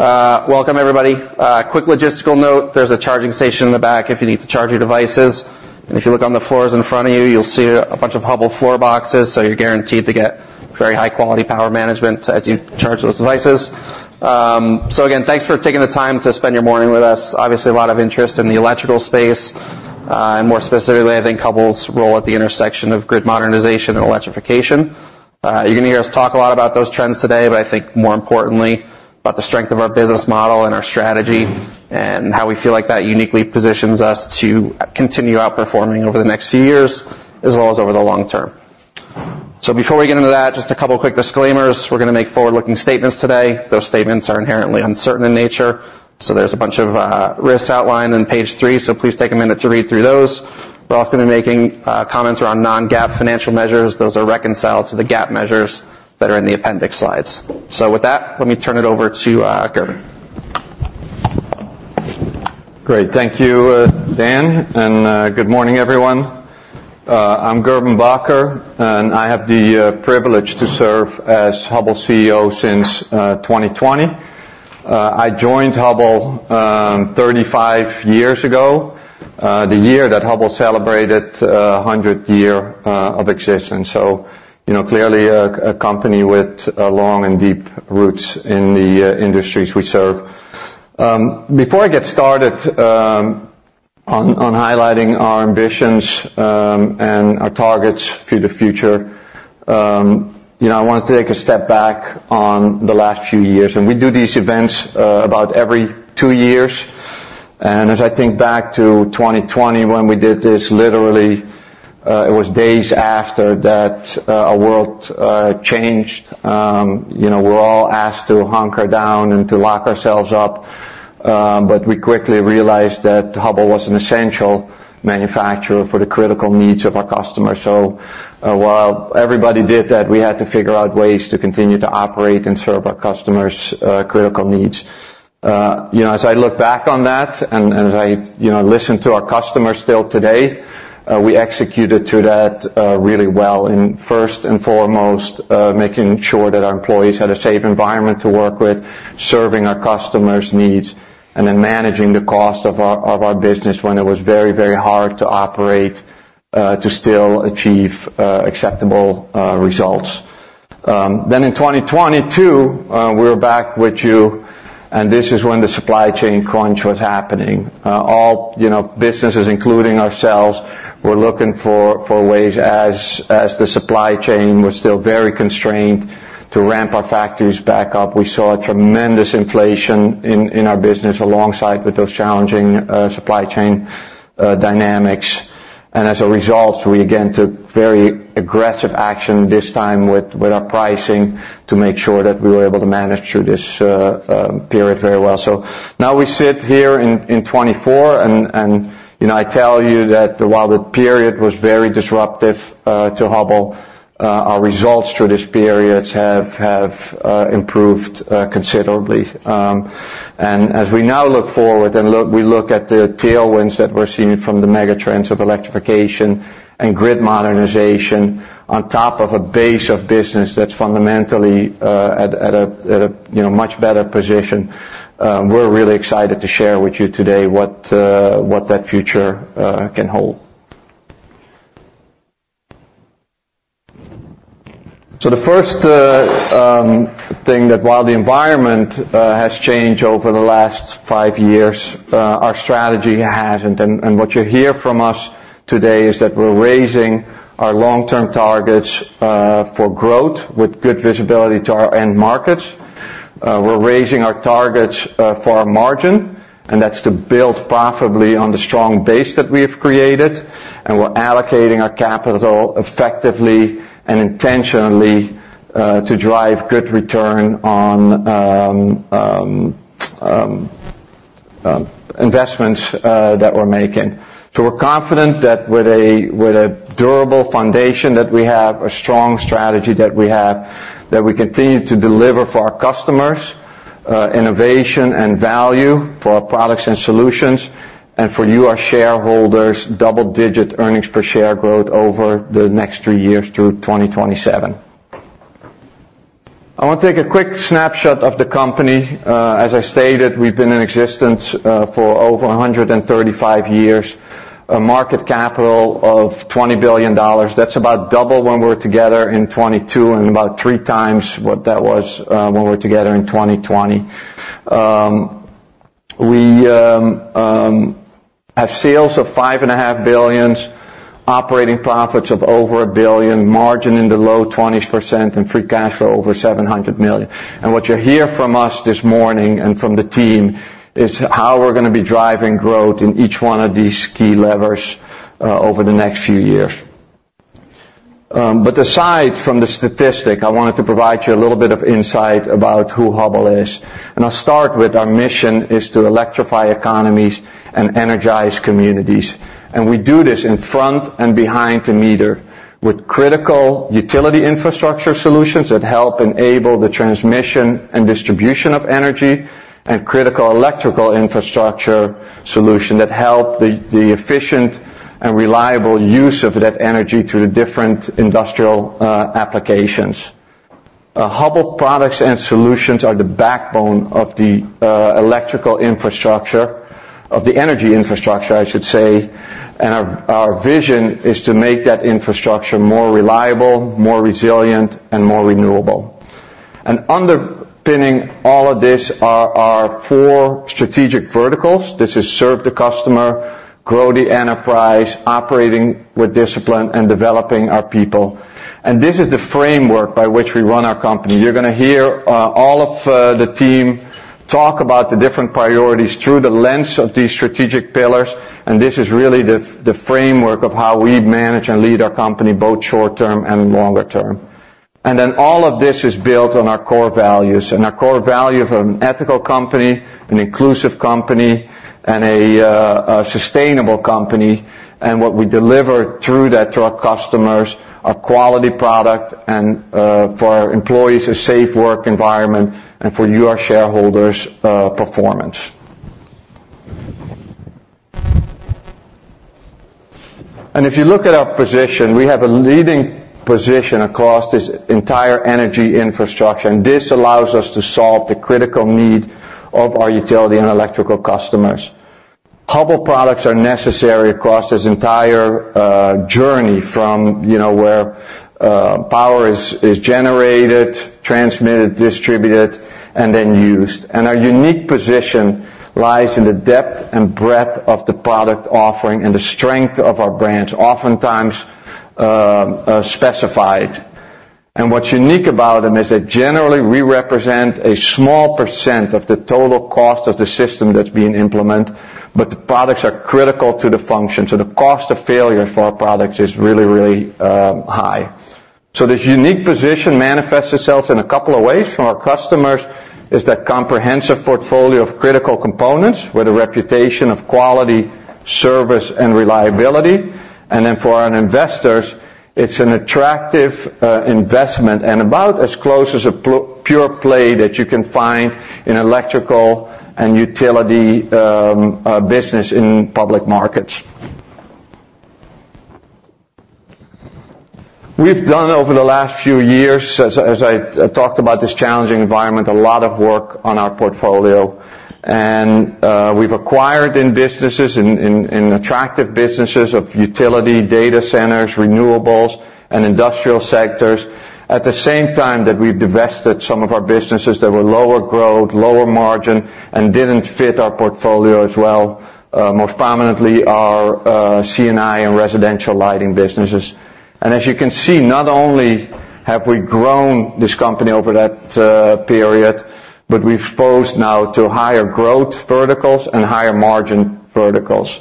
Welcome, everybody. Quick logistical note, there's a charging station in the back if you need to charge your devices. If you look on the floors in front of you, you'll see a bunch of Hubbell floor boxes, so you're guaranteed to get very high-quality power management as you charge those devices. So again, thanks for taking the time to spend your morning with us. Obviously, a lot of interest in the electrical space, and more specifically, I think, Hubbell's role at the intersection of grid modernization and electrification. You're gonna hear us talk a lot about those trends today, but I think more importantly, about the strength of our business model and our strategy, and how we feel like that uniquely positions us to continue outperforming over the next few years, as well as over the long term. So before we get into that, just a couple of quick disclaimers. We're gonna make forward-looking statements today. Those statements are inherently uncertain in nature, so there's a bunch of risks outlined on page 3, so please take a minute to read through those. We're also gonna be making comments around non-GAAP financial measures. Those are reconciled to the GAAP measures that are in the appendix slides. So with that, let me turn it over to Gerben. Great. Thank you, Dan, and good morning, everyone. I'm Gerben Bakker, and I have the privilege to serve as Hubbell's CEO since 2020. I joined Hubbell 35 years ago, the year that Hubbell celebrated a 100-year of existence. So, you know, clearly a company with long and deep roots in the industries we serve. Before I get started on highlighting our ambitions and our targets for the future, you know, I want to take a step back on the last few years. And we do these events about every two years. And as I think back to 2020, when we did this, literally, it was days after that our world changed. You know, we're all asked to hunker down and to lock ourselves up, but we quickly realized that Hubbell was an essential manufacturer for the critical needs of our customers. So while everybody did that, we had to figure out ways to continue to operate and serve our customers' critical needs. You know, as I look back on that and I, you know, listen to our customers still today, we executed to that really well in first and foremost making sure that our employees had a safe environment to work with, serving our customers' needs, and then managing the cost of our business when it was very, very hard to operate to still achieve acceptable results. Then in 2022, we're back with you, and this is when the supply chain crunch was happening. All, you know, businesses, including ourselves, were looking for ways as the supply chain was still very constrained to ramp our factories back up. We saw a tremendous inflation in our business alongside with those challenging supply chain dynamics. And as a result, we again took very aggressive action, this time with our pricing, to make sure that we were able to manage through this period very well. So now we sit here in 2024 and, you know, I tell you that while the period was very disruptive to Hubbell, our results through these periods have improved considerably. And as we now look forward, we look at the tailwinds that we're seeing from the mega trends of electrification and grid modernization on top of a base of business that's fundamentally at a you know much better position, we're really excited to share with you today what that future can hold. So the first thing is that while the environment has changed over the last five years, our strategy hasn't. And what you hear from us today is that we're raising our long-term targets for growth with good visibility to our end markets. We're raising our targets for our margin, and that's to build profitably on the strong base that we have created, and we're allocating our capital effectively and intentionally to drive good return on investments that we're making. So we're confident that with a durable foundation that we have, a strong strategy that we have, that we continue to deliver for our customers innovation and value for our products and solutions, and for you, our shareholders, double-digit earnings per share growth over the next three years through 2027. I want to take a quick snapshot of the company. As I stated, we've been in existence for over 135 years, a market capital of $20 billion. That's about double when we were together in 2022, and about three times what that was when we were together in 2020. We have sales of $5.5 billion, operating profits of over $1 billion, margin in the low 20%, and free cash flow over $700 million. What you hear from us this morning and from the team is how we're gonna be driving growth in each one of these key levers over the next few years. But aside from the statistic, I wanted to provide you a little bit of insight about who Hubbell is, and I'll start with our mission is to electrify economies and energize communities. We do this in front and behind the meter with critical utility infrastructure solutions that help enable the transmission and distribution of energy. and critical electrical infrastructure solution that help the efficient and reliable use of that energy to the different industrial applications. Our Hubbell products and solutions are the backbone of the electrical infrastructure, of the energy infrastructure, I should say, and our vision is to make that infrastructure more reliable, more resilient, and more renewable. And underpinning all of this are our four strategic verticals. This is: serve the customer, grow the enterprise, operating with discipline, and developing our people. And this is the framework by which we run our company. You're going to hear all of the team talk about the different priorities through the lens of these strategic pillars, and this is really the framework of how we manage and lead our company, both short term and longer term. And then all of this is built on our core values, and our core value of an ethical company, an inclusive company, and a sustainable company. And what we deliver through that to our customers, a quality product, and for our employees, a safe work environment, and for you, our shareholders, performance. And if you look at our position, we have a leading position across this entire energy infrastructure, and this allows us to solve the critical need of our utility and electrical customers. Hubbell products are necessary across this entire journey from, you know, where power is generated, transmitted, distributed, and then used. And our unique position lies in the depth and breadth of the product offering and the strength of our brands, oftentimes specified. What's unique about them is that generally, we represent a small percent of the total cost of the system that's being implemented, but the products are critical to the function, so the cost of failure for our products is really, really high. So this unique position manifests itself in a couple of ways. For our customers, is that comprehensive portfolio of critical components with a reputation of quality, service, and reliability. And then for our investors, it's an attractive investment and about as close as a pure play that you can find in electrical and utility business in public markets. We've done over the last few years, as I talked about this challenging environment, a lot of work on our portfolio, and we've acquired businesses in attractive businesses of utility, data centers, renewables, and industrial sectors. At the same time, that we've divested some of our businesses that were lower growth, lower margin, and didn't fit our portfolio as well, most prominently, our C&I and residential lighting businesses. As you can see, not only have we grown this company over that period, but we've posed now to higher growth verticals and higher margin verticals.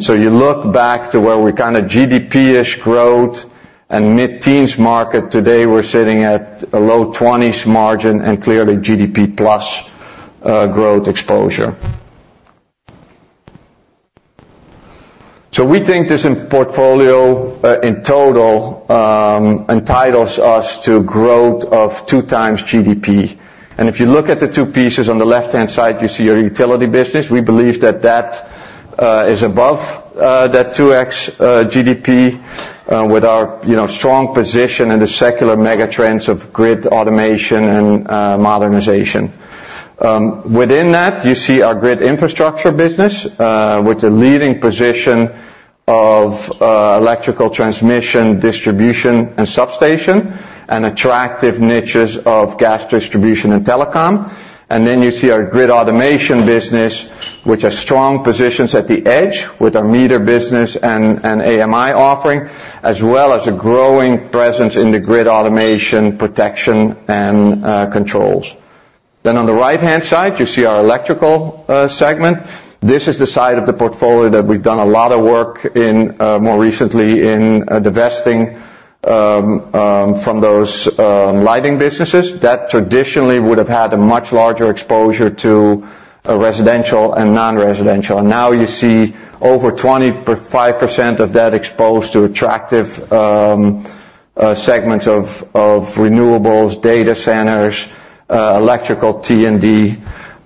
So you look back to where we kind of GDP-ish growth and mid-teens margin, today, we're sitting at a low twenties margin and clearly GDP plus growth exposure. So we think this in portfolio in total entitles us to growth of 2 times GDP. And if you look at the two pieces, on the left-hand side, you see our utility business. We believe that that is above that 2x GDP with our, you know, strong position in the secular mega trends of grid automation and modernization. Within that, you see our grid infrastructure business with a leading position of electrical transmission, distribution, and substation, and attractive niches of gas distribution and telecom. And then you see our grid automation business, which are strong positions at the edge with our meter business and AMI offering, as well as a growing presence in the grid automation, protection, and controls. Then on the right-hand side, you see our Electrical segment. This is the side of the portfolio that we've done a lot of work in more recently in divesting from those lighting businesses that traditionally would have had a much larger exposure to a residential and non-residential. Now, you see over 25% of that exposed to attractive segments of renewables, data centers, electrical T&D,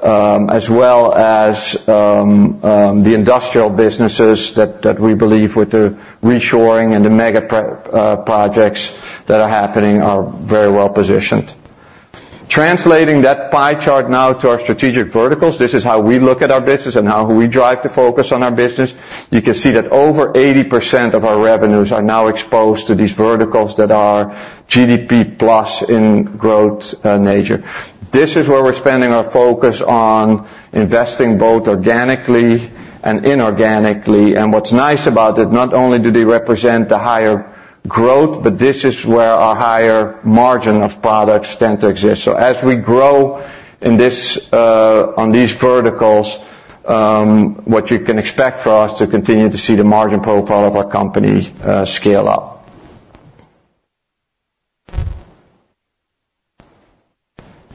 as well as the industrial businesses that we believe with the reshoring and the mega pre- projects that are happening, are very well positioned. Translating that pie chart now to our strategic verticals, this is how we look at our business and how we drive the focus on our business. You can see that over 80% of our revenues are now exposed to these verticals that are GDP plus in growth nature. This is where we're spending our focus on investing, both organically and inorganically. And what's nice about it, not only do they represent the higher growth, but this is where our higher margin of products tend to exist. So as we grow in this, on these verticals, what you can expect for us to continue to see the margin profile of our company, scale up...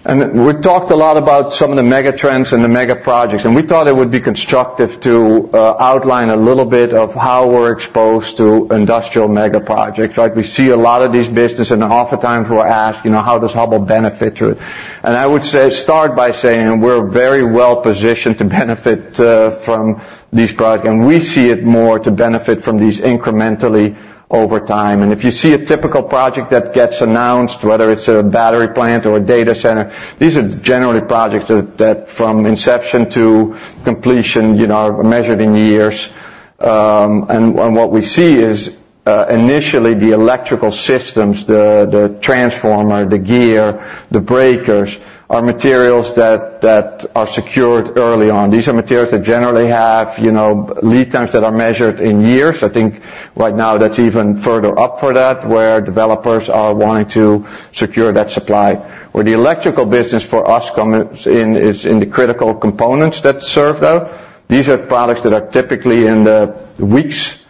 And we talked a lot about some of the mega trends and the mega projects, and we thought it would be constructive to outline a little bit of how we're exposed to industrial mega projects, right? We see a lot of these business, and oftentimes we're asked, you know, how does Hubbell benefit through it? And I would say, start by saying we're very well positioned to benefit from these products, and we see it more to benefit from these incrementally over time. And if you see a typical project that gets announced, whether it's a battery plant or a data center, these are generally projects that from inception to completion, you know, are measured in years. And what we see is initially the electrical systems, the transformer, the gear, the breakers, are materials that are secured early on. These are materials that generally have, you know, lead times that are measured in years. I think right now, that's even further up for that, where developers are wanting to secure that supply. Where the electrical business for us comes in, is in the critical components that serve them. These are products that are typically in the weeks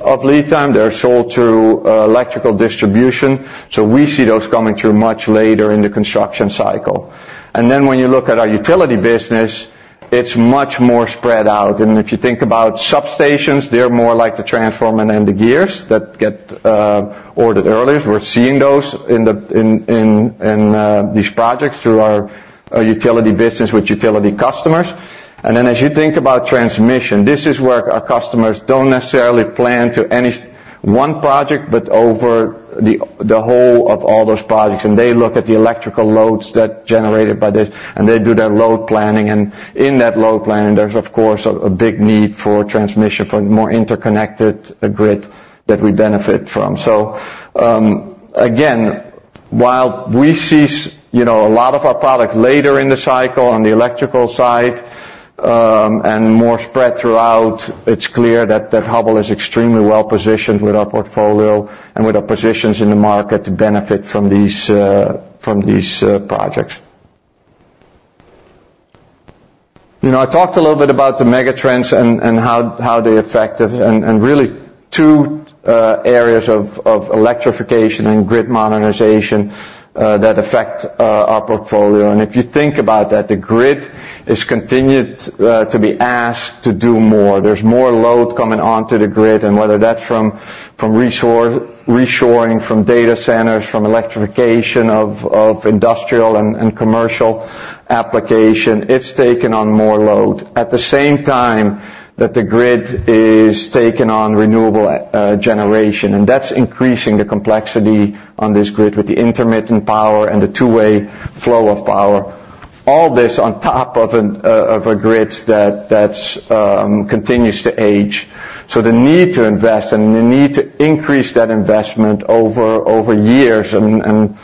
of lead time. They're sold through electrical distribution, so we see those coming through much later in the construction cycle. And then when you look at our utility business, it's much more spread out. And if you think about substations, they're more like the transformer and the gears that get ordered early. We're seeing those in these projects through our utility business with utility customers. And then, as you think about transmission, this is where our customers don't necessarily plan to any one project, but over the whole of all those projects. And they look at the electrical loads that generated by this, and they do their load planning. And in that load planning, there's, of course, a big need for transmission, for more interconnected grid that we benefit from. So, again, while we see, you know, a lot of our product later in the cycle on the electrical side, and more spread throughout, it's clear that Hubbell is extremely well positioned with our portfolio and with our positions in the market to benefit from these projects. You know, I talked a little bit about the mega trends and how they affect us, and really two areas of electrification and grid modernization that affect our portfolio. And if you think about that, the grid is continued to be asked to do more. There's more load coming onto the grid, and whether that's from reshoring, from data centers, from electrification of industrial and commercial application, it's taken on more load. At the same time that the grid is taking on renewable generation, and that's increasing the complexity on this grid with the intermittent power and the two-way flow of power. All this on top of a grid that continues to age. So the need to invest and the need to increase that investment over years and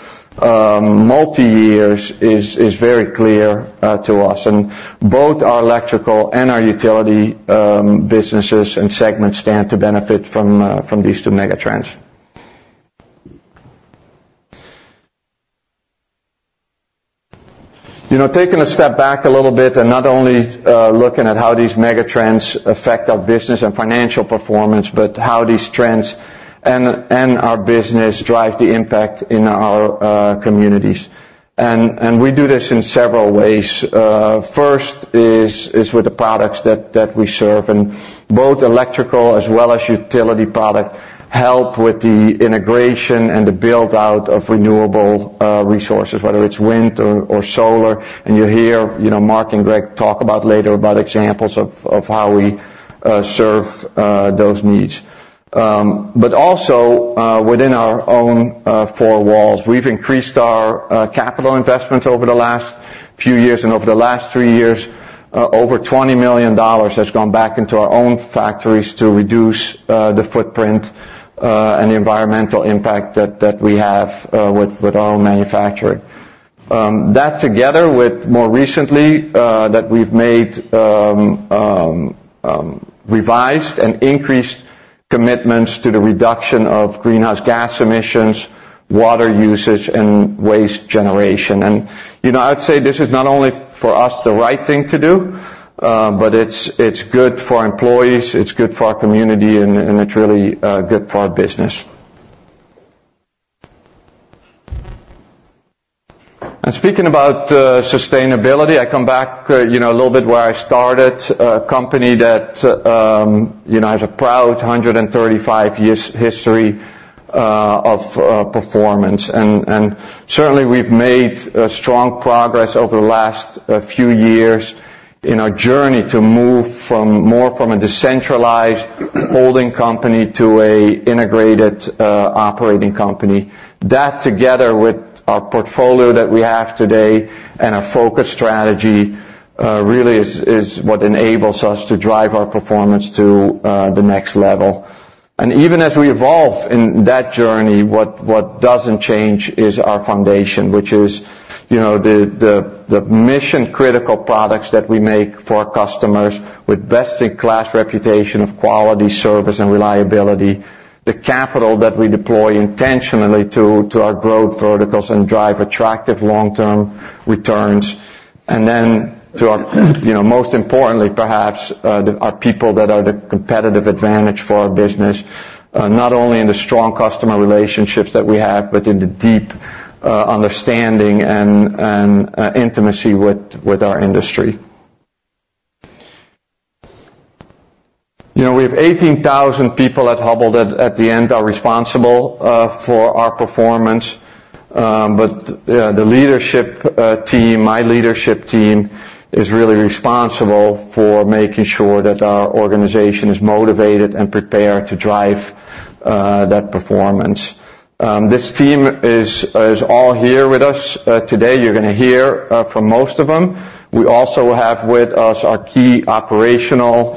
multi-years is very clear to us. Both our electrical and our utility businesses and segments stand to benefit from these two mega trends. You know, taking a step back a little bit and not only looking at how these mega trends affect our business and financial performance, but how these trends and our business drive the impact in our communities. We do this in several ways. First is with the products that we serve, and both electrical as well as utility product help with the integration and the build-out of renewable resources, whether it's wind or solar. And you'll hear, you know, Mark and Greg talk about later examples of how we serve those needs. But also, within our own four walls, we've increased our capital investments over the last few years, and over the last 3 years, over $20 million has gone back into our own factories to reduce the footprint and the environmental impact that we have with our own manufacturing. That together with more recently that we've made revised and increased commitments to the reduction of greenhouse gas emissions, water usage and waste generation. And, you know, I'd say this is not only for us, the right thing to do, but it's good for our employees, it's good for our community, and it's really good for our business. Speaking about sustainability, I come back, you know, a little bit where I started, a company that, you know, has a proud 135 years history of performance. Certainly we've made strong progress over the last few years in our journey to move from more from a decentralized holding company to a integrated operating company. That, together with our portfolio that we have today and our focus strategy, really is what enables us to drive our performance to the next level. Even as we evolve in that journey, what doesn't change is our foundation, which is, you know, the mission-critical products that we make for our customers with best-in-class reputation of quality, service, and reliability. The capital that we deploy intentionally to our growth verticals and drive attractive long-term returns. And then to our, you know, most importantly, perhaps, the, our people that are the competitive advantage for our business, not only in the strong customer relationships that we have, but in the deep, understanding and intimacy with our industry. You know, we have 18,000 people at Hubbell that, at the end, are responsible for our performance. But, yeah, the leadership team, my leadership team, is really responsible for making sure that our organization is motivated and prepared to drive that performance. This team is all here with us. Today, you're going to hear from most of them. We also have with us our key operational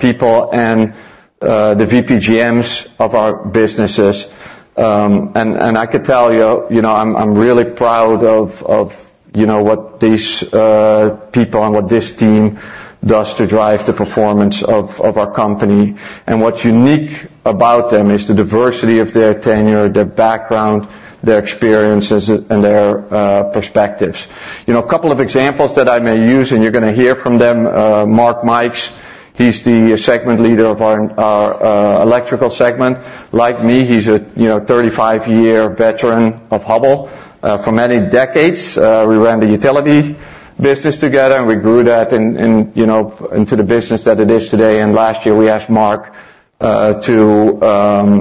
people and the VPGMs of our businesses. I could tell you, you know, I'm really proud of, you know, what these people and what this team does to drive the performance of our company. And what's unique about them is the diversity of their tenure, their background, their experiences, and their perspectives. You know, a couple of examples that I may use, and you're going to hear from them, Mark Mikes. He's the segment leader of our electrical segment. Like me, he's a, you know, 35-year veteran of Hubbell. For many decades, we ran the utility business together, and we grew that, you know, into the business that it is today. And last year, we asked Mark to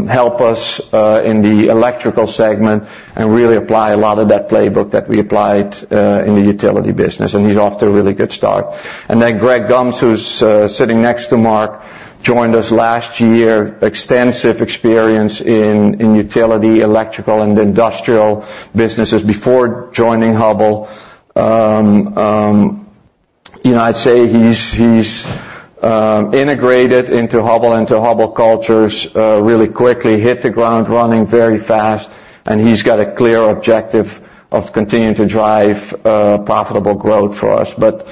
help us in the electrical segment and really apply a lot of that playbook that we applied in the utility business, and he's off to a really good start. And then Greg Gumbs, who's sitting next to Mark, joined us last year. Extensive experience in utility, electrical, and industrial businesses before joining Hubbell. You know, I'd say he's integrated into Hubbell, into Hubbell cultures really quickly, hit the ground running very fast, and he's got a clear objective of continuing to drive profitable growth for us. But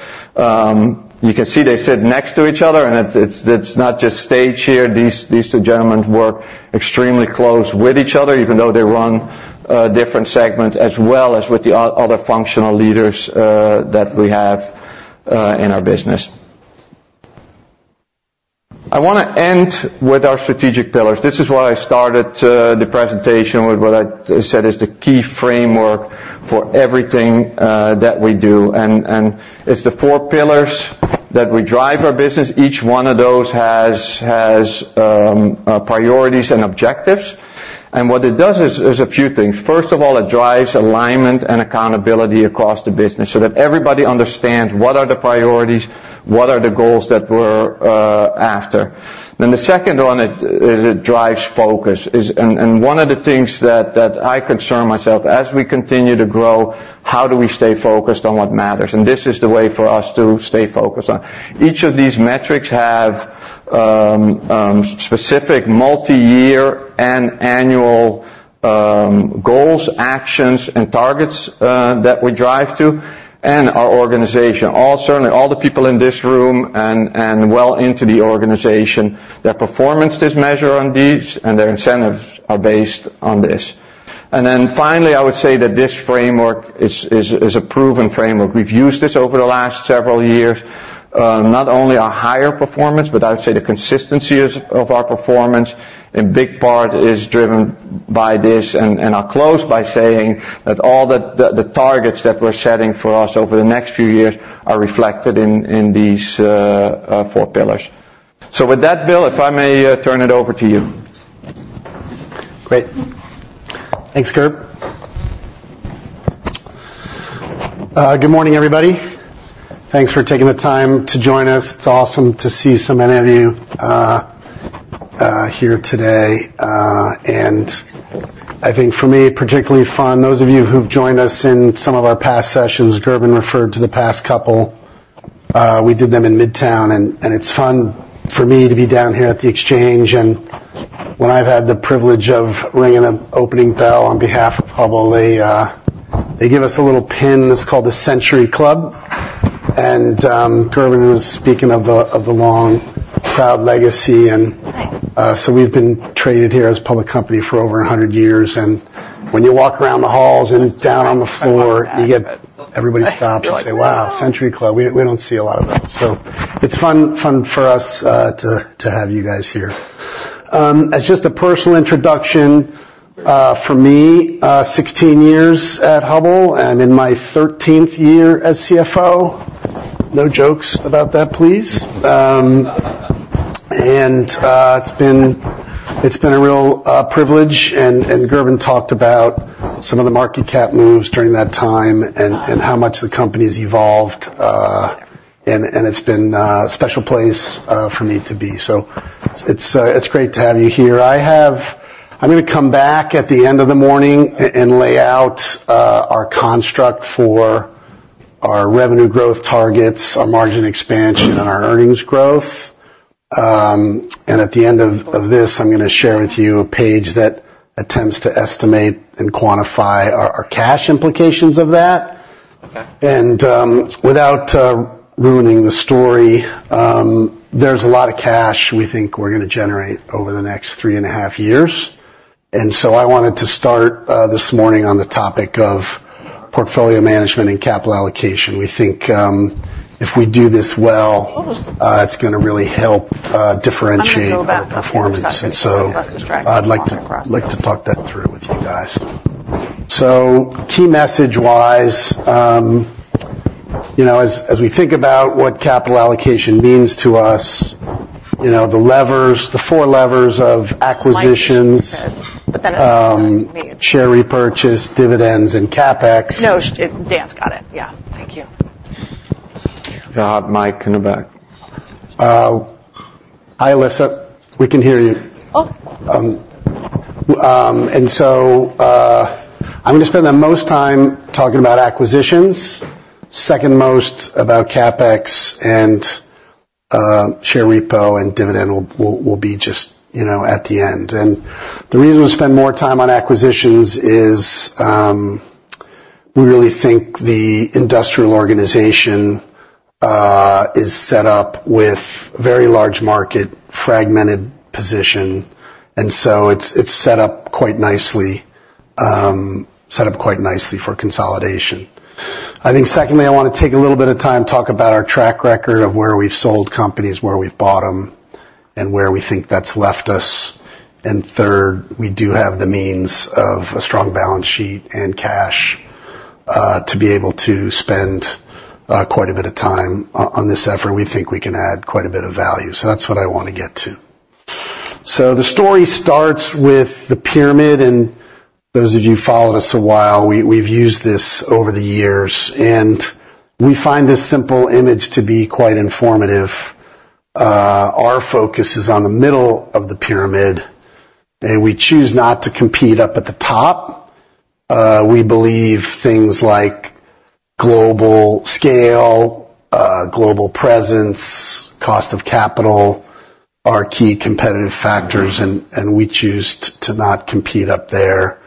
you can see they sit next to each other, and it's not just staged here. These two gentlemen work extremely close with each other, even though they run different segments, as well as with the other functional leaders that we have in our business. I want to end with our strategic pillars. This is why I started the presentation with what I said is the key framework for everything that we do. And it's the four pillars that we drive our business. Each one of those has priorities and objectives. And what it does is a few things. First of all, it drives alignment and accountability across the business so that everybody understands what are the priorities, what are the goals that we're after. Then the second one, it drives focus. It's one of the things that I concern myself with, as we continue to grow, how do we stay focused on what matters? This is the way for us to stay focused on. Each of these metrics have specific multiyear and annual goals, actions, and targets that we drive to. Our organization, certainly all the people in this room and well into the organization, their performance is measured on these, and their incentives are based on this. Then finally, I would say that this framework is a proven framework. We've used this over the last several years, not only our higher performance, but I would say the consistency of our performance, a big part is driven by this. I'll close by saying that all the targets that we're setting for us over the next few years are reflected in these four pillars. So with that, Bill, if I may, turn it over to you. Great. Thanks, Gerben. Good morning, everybody. Thanks for taking the time to join us. It's awesome to see so many of you here today. And I think for me, particularly fun, those of you who've joined us in some of our past sessions, Gerben referred to the past couple, we did them in Midtown, and it's fun for me to be down here at the Exchange. And when I've had the privilege of ringing an opening bell on behalf of Hubbell, they give us a little pin that's called the Century Club. And Gerben was speaking of the long, proud legacy, so we've been traded here as a public company for over 100 years. When you walk around the halls and down on the floor, everybody stops and say, "Wow, Century Club, we, we don't see a lot of them." So it's fun, fun for us to have you guys here. As just a personal introduction for me, 16 years at Hubbell, and in my 13th year as CFO. No jokes about that, please. And it's been a real privilege, and Gerben talked about some of the market cap moves during that time and how much the company's evolved. And it's been a special place for me to be. So it's great to have you here. I'm going to come back at the end of the morning and lay out our construct for our revenue growth targets, our margin expansion, and our earnings growth. And at the end of this, I'm going to share with you a page that attempts to estimate and quantify our cash implications of that. And without ruining the story, there's a lot of cash we think we're going to generate over the next 3.5 years... And so I wanted to start this morning on the topic of portfolio management and capital allocation. We think if we do this well, it's gonna really help differentiate our performance. And so I'd like to talk that through with you guys. So key message-wise, you know, as we think about what capital allocation means to us, you know, the levers, the four levers of acquisitions, share repurchase, dividends, and CapEx. No, Dan's got it. Yeah. Thank you. Yeah, mic in the back. Oh. Hi, Alyssa. We can hear you. Oh. And so, I'm gonna spend the most time talking about acquisitions, second most about CapEx, and, share repo and dividend will, will be just, you know, at the end. And the reason we spend more time on acquisitions is, we really think the industrial organization is set up with very large market, fragmented position, and so it's, it's set up quite nicely, set up quite nicely for consolidation. I think secondly, I wanna take a little bit of time to talk about our track record of where we've sold companies, where we've bought them, and where we think that's left us. And third, we do have the means of a strong balance sheet and cash to be able to spend quite a bit of time on this effort. We think we can add quite a bit of value, so that's what I wanna get to. So the story starts with the pyramid, and those of you who followed us a while, we've used this over the years, and we find this simple image to be quite informative. Our focus is on the middle of the pyramid, and we choose not to compete up at the top. We believe things like global scale, global presence, cost of capital are key competitive factors, and we choose to not compete up there.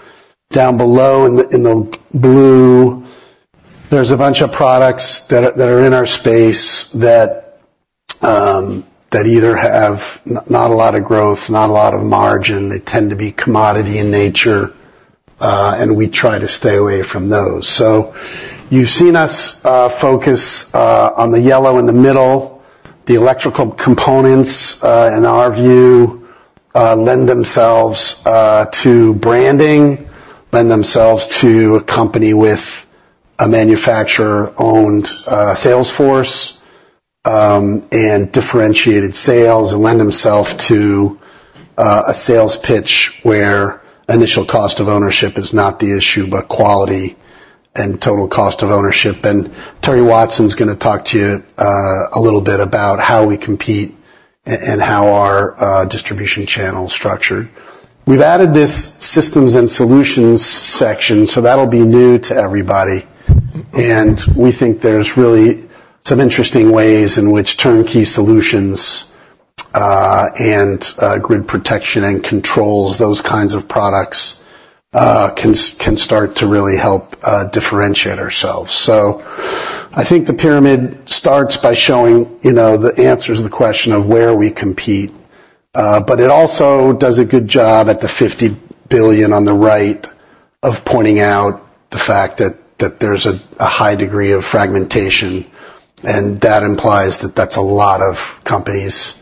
Down below in the blue, there's a bunch of products that are in our space that either have not a lot of growth, not a lot of margin. They tend to be commodity in nature, and we try to stay away from those. So you've seen us focus on the yellow in the middle. The electrical components in our view lend themselves to branding, lend themselves to a company with a manufacturer-owned sales force and differentiated sales, and lend themself to a sales pitch where initial cost of ownership is not the issue, but quality and total cost of ownership. And Terry Watson's gonna talk to you a little bit about how we compete and how our distribution channel is structured. We've added this systems and solutions section, so that'll be new to everybody. And we think there's really some interesting ways in which turnkey solutions and grid protection and controls, those kinds of products, can start to really help differentiate ourselves. So I think the pyramid starts by showing, you know, the answers to the question of where we compete, but it also does a good job at the $50 billion on the right of pointing out the fact that there's a high degree of fragmentation, and that implies that that's a lot of companies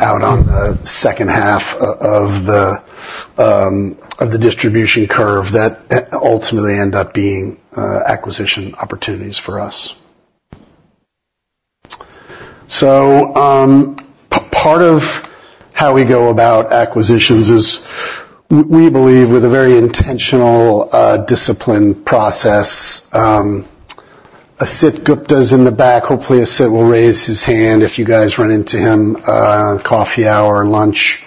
out on the second half of the distribution curve that ultimately end up being acquisition opportunities for us. So, part of how we go about acquisitions is we believe with a very intentional, disciplined process. Asit Gupta is in the back. Hopefully, Asit will raise his hand if you guys run into him, coffee hour or lunch.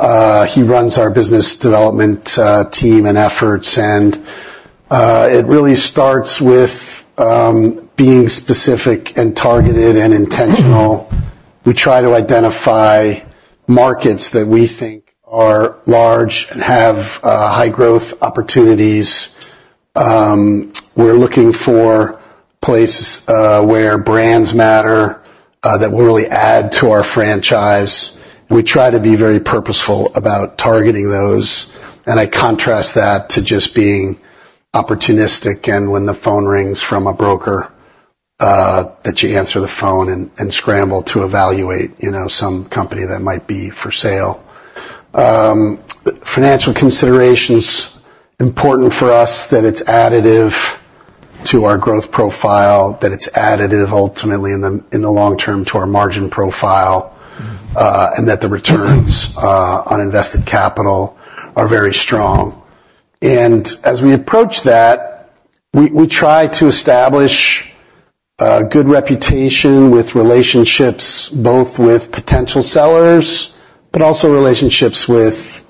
He runs our business development team and efforts, and it really starts with being specific and targeted and intentional. We try to identify markets that we think are large and have high growth opportunities. We're looking for places where brands matter that will really add to our franchise. We try to be very purposeful about targeting those, and I contrast that to just being opportunistic, and when the phone rings from a broker that you answer the phone and scramble to evaluate, you know, some company that might be for sale. Financial consideration's important for us, that it's additive to our growth profile, that it's additive ultimately in the long term to our margin profile, and that the returns on invested capital are very strong. As we approach that, we try to establish a good reputation with relationships, both with potential sellers, but also relationships with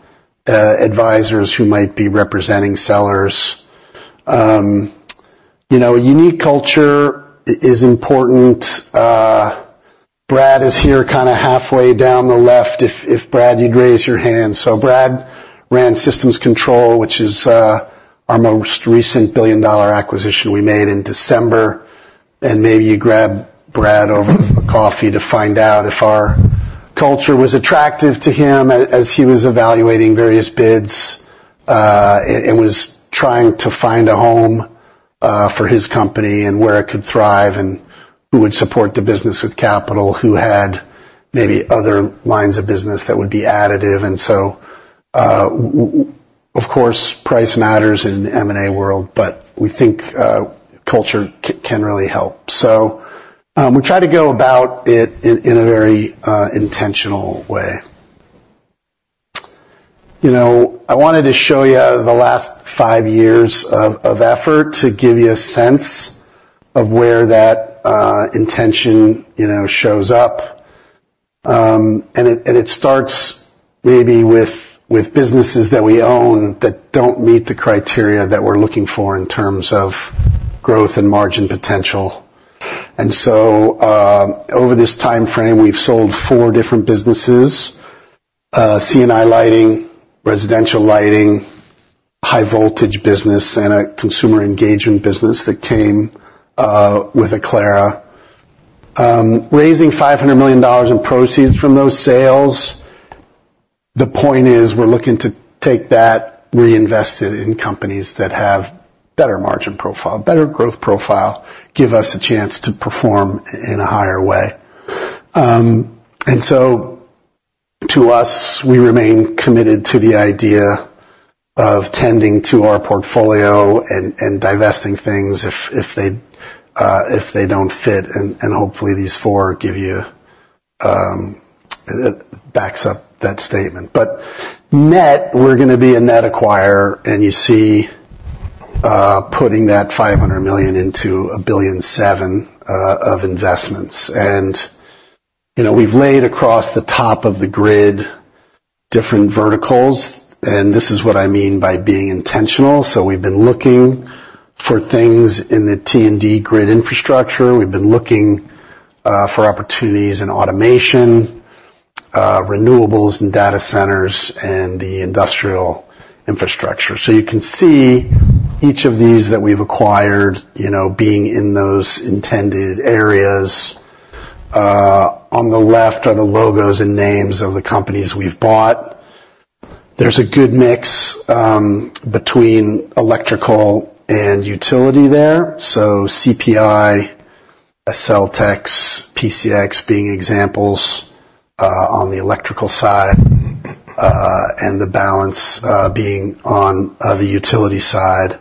advisors who might be representing sellers. You know, unique culture is important. Brad is here kinda halfway down the left. If Brad, you'd raise your hand. So Brad ran Systems Control, which is our most recent billion-dollar acquisition we made in December. And maybe you grab Brad over a coffee to find out if our culture was attractive to him as he was evaluating various bids and was trying to find a home for his company and where it could thrive, and who would support the business with capital, who had maybe other lines of business that would be additive. And so, of course, price matters in the M&A world, but we think culture can really help. So we try to go about it in a very intentional way. You know, I wanted to show you the last five years of effort to give you a sense of where that intention, you know, shows up. It starts maybe with businesses that we own that don't meet the criteria that we're looking for in terms of growth and margin potential. So, over this timeframe, we've sold four different businesses: C&I Lighting, Residential Lighting, High Voltage business, and a consumer engagement business that came with Aclara, raising $500 million in proceeds from those sales. The point is, we're looking to take that, reinvest it in companies that have better margin profile, better growth profile, give us a chance to perform in a higher way. And so to us, we remain committed to the idea of tending to our portfolio and divesting things if they don't fit, and hopefully, these 4 give you back up that statement. But net, we're gonna be a net acquirer, and you see putting that $500 million into $1.7 billion of investments. And, you know, we've laid across the top of the grid, different verticals, and this is what I mean by being intentional. So we've been looking for things in the T&D grid infrastructure. We've been looking for opportunities in automation, renewables and data centers and the industrial infrastructure. So you can see each of these that we've acquired, you know, being in those intended areas. On the left are the logos and names of the companies we've bought. There's a good mix between electrical and utility there. So CPI, AccelTex, PCX, being examples on the electrical side, and the balance being on the utility side.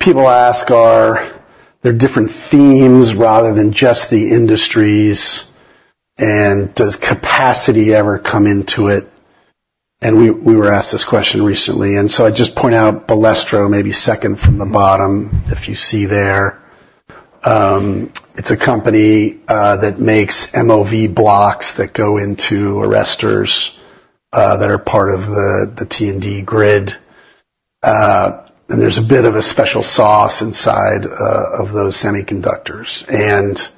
People ask, are there different themes rather than just the industries, and does capacity ever come into it? And we were asked this question recently, and so I just point out Balestro, maybe second from the bottom, if you see there. It's a company that makes MOV blocks that go into arresters that are part of the T&D grid. And there's a bit of a special sauce inside of those semiconductors.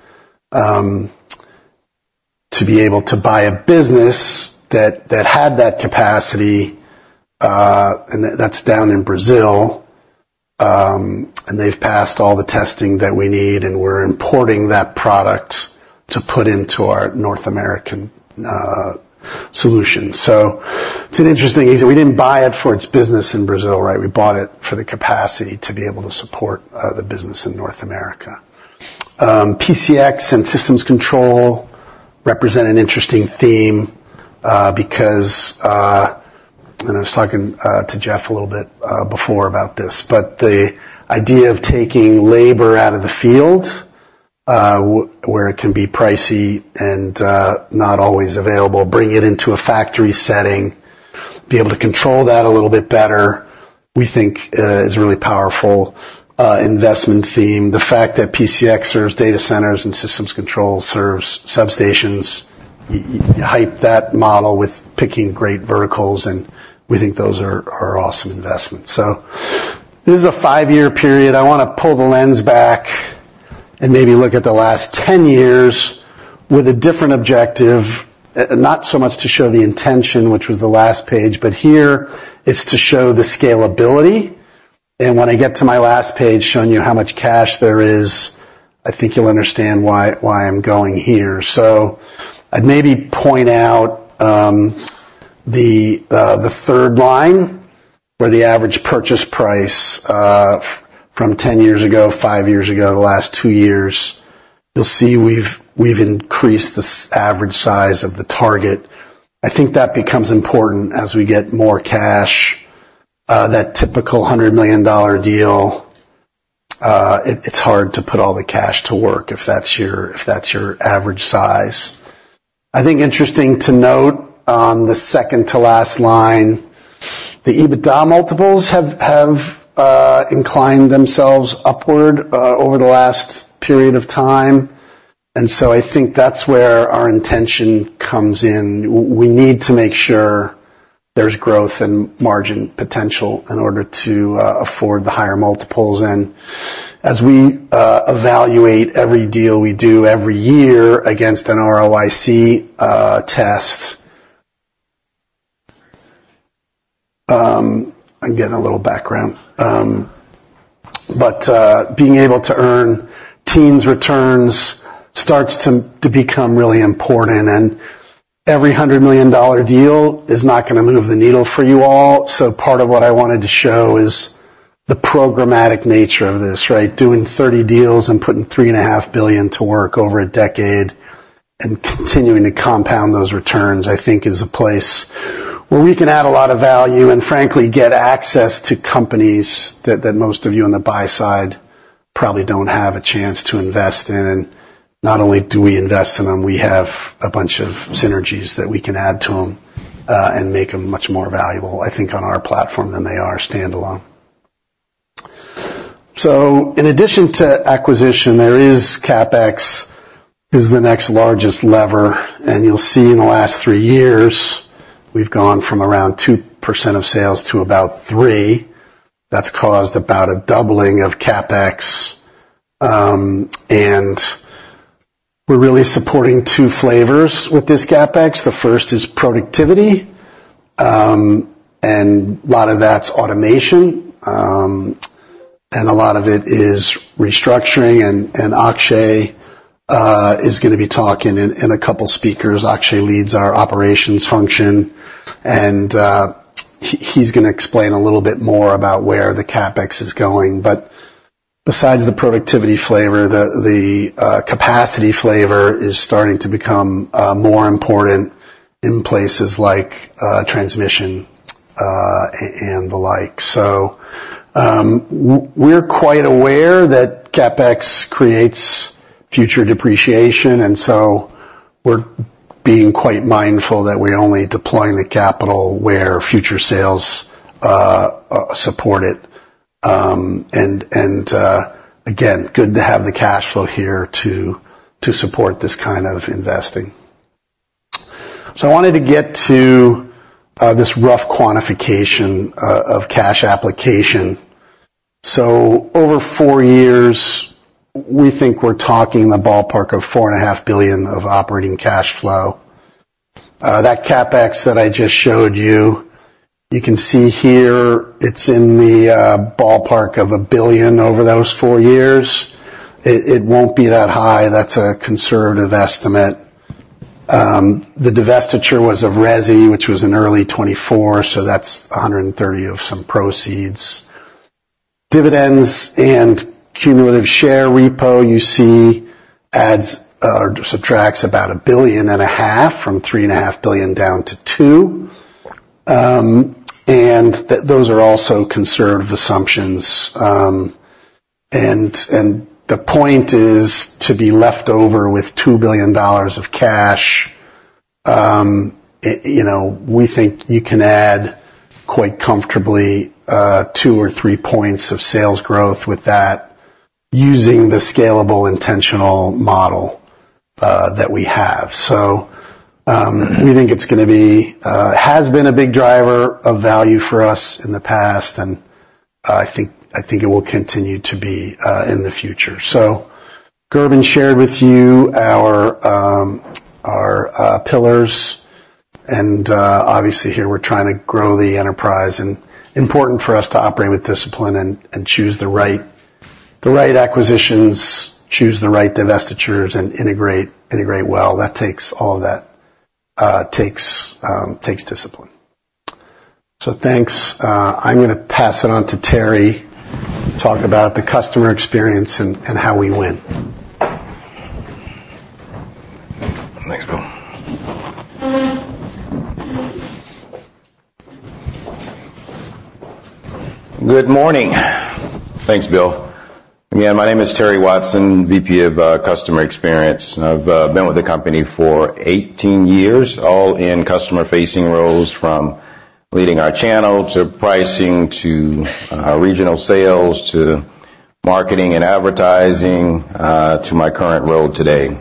To be able to buy a business that had that capacity, and that's down in Brazil, and they've passed all the testing that we need, and we're importing that product to put into our North American solution. So it's an interesting piece. We didn't buy it for its business in Brazil, right? We bought it for the capacity to be able to support the business in North America. PCX and Systems Control represent an interesting theme, because... And I was talking to Jeff a little bit before about this, but the idea of taking labor out of the field, where it can be pricey and not always available, bring it into a factory setting, be able to control that a little bit better, we think, is a really powerful investment theme. The fact that PCX serves data centers and Systems Control serves substations, you hype that model with picking great verticals, and we think those are awesome investments. So this is a 5-year period. I wanna pull the lens back and maybe look at the last 10 years with a different objective, not so much to show the intention, which was the last page, but here, it's to show the scalability. And when I get to my last page, showing you how much cash there is, I think you'll understand why I'm going here. So I'd maybe point out the third line, where the average purchase price from 10 years ago, 5 years ago, the last 2 years. You'll see we've increased the average size of the target. I think that becomes important as we get more cash, that typical $100 million deal, it, it's hard to put all the cash to work if that's your, if that's your average size. I think interesting to note, on the second to last line, the EBITDA multiples have, have, inclined themselves upward, over the last period of time, and so I think that's where our intention comes in. We need to make sure there's growth and margin potential in order to, afford the higher multiples. And as we, evaluate every deal we do every year against an ROIC, test. I'm getting a little background. But, being able to earn teens' returns starts to, to become really important, and every $100 million deal is not gonna move the needle for you all. So part of what I wanted to show is the programmatic nature of this, right? Doing 30 deals and putting $3.5 billion to work over a decade, and continuing to compound those returns, I think, is a place where we can add a lot of value and frankly, get access to companies that, that most of you on the buy side probably don't have a chance to invest in. Not only do we invest in them, we have a bunch of synergies that we can add to them, and make them much more valuable, I think, on our platform than they are standalone. So in addition to acquisition, there is CapEx is the next largest lever, and you'll see in the last three years, we've gone from around 2% of sales to about 3%. That's caused about a doubling of CapEx. And we're really supporting two flavors with this CapEx. The first is productivity, and a lot of that's automation. And a lot of it is restructuring, and Akshay is gonna be talking, and a couple speakers. Akshay leads our operations function, and he's gonna explain a little bit more about where the CapEx is going. But besides the productivity flavor, the capacity flavor is starting to become more important in places like transmission and the like. So, we're quite aware that CapEx creates future depreciation, and so we're being quite mindful that we're only deploying the capital where future sales support it. And again, good to have the cash flow here to support this kind of investing. So I wanted to get to this rough quantification of cash application. So over four years, we think we're talking in the ballpark of $4.5 billion of operating cash flow. That CapEx that I just showed you, you can see here, it's in the ballpark of $1 billion over those four years. It won't be that high. That's a conservative estimate. The divestiture was of Resi, which was in early 2024, so that's $130 million of some proceeds. Dividends and cumulative share repo, you see, adds or subtracts about $1.5 billion from $3.5 billion down to $2 billion. And those are also conservative assumptions. And, and the point is to be left over with $2 billion of cash, you know, we think you can add quite comfortably, 2 or 3 points of sales growth with that, using the scalable, intentional model, that we have. So, we think it's gonna be, has been a big driver of value for us in the past, and I think, I think it will continue to be, in the future. So Gerben shared with you our, our, pillars, and, obviously here we're trying to grow the enterprise, and important for us to operate with discipline and, and choose the right, the right acquisitions, choose the right divestitures, and integrate, integrate well. That takes all that takes discipline. So thanks. I'm gonna pass it on to Terry to talk about the customer experience and how we win. Thanks, Bill. Good morning. Thanks, Bill. Again, my name is Terry Watson, VP of Customer Experience. I've been with the company for 18 years, all in customer-facing roles, from leading our channel, to pricing, to regional sales, to marketing and advertising to my current role today.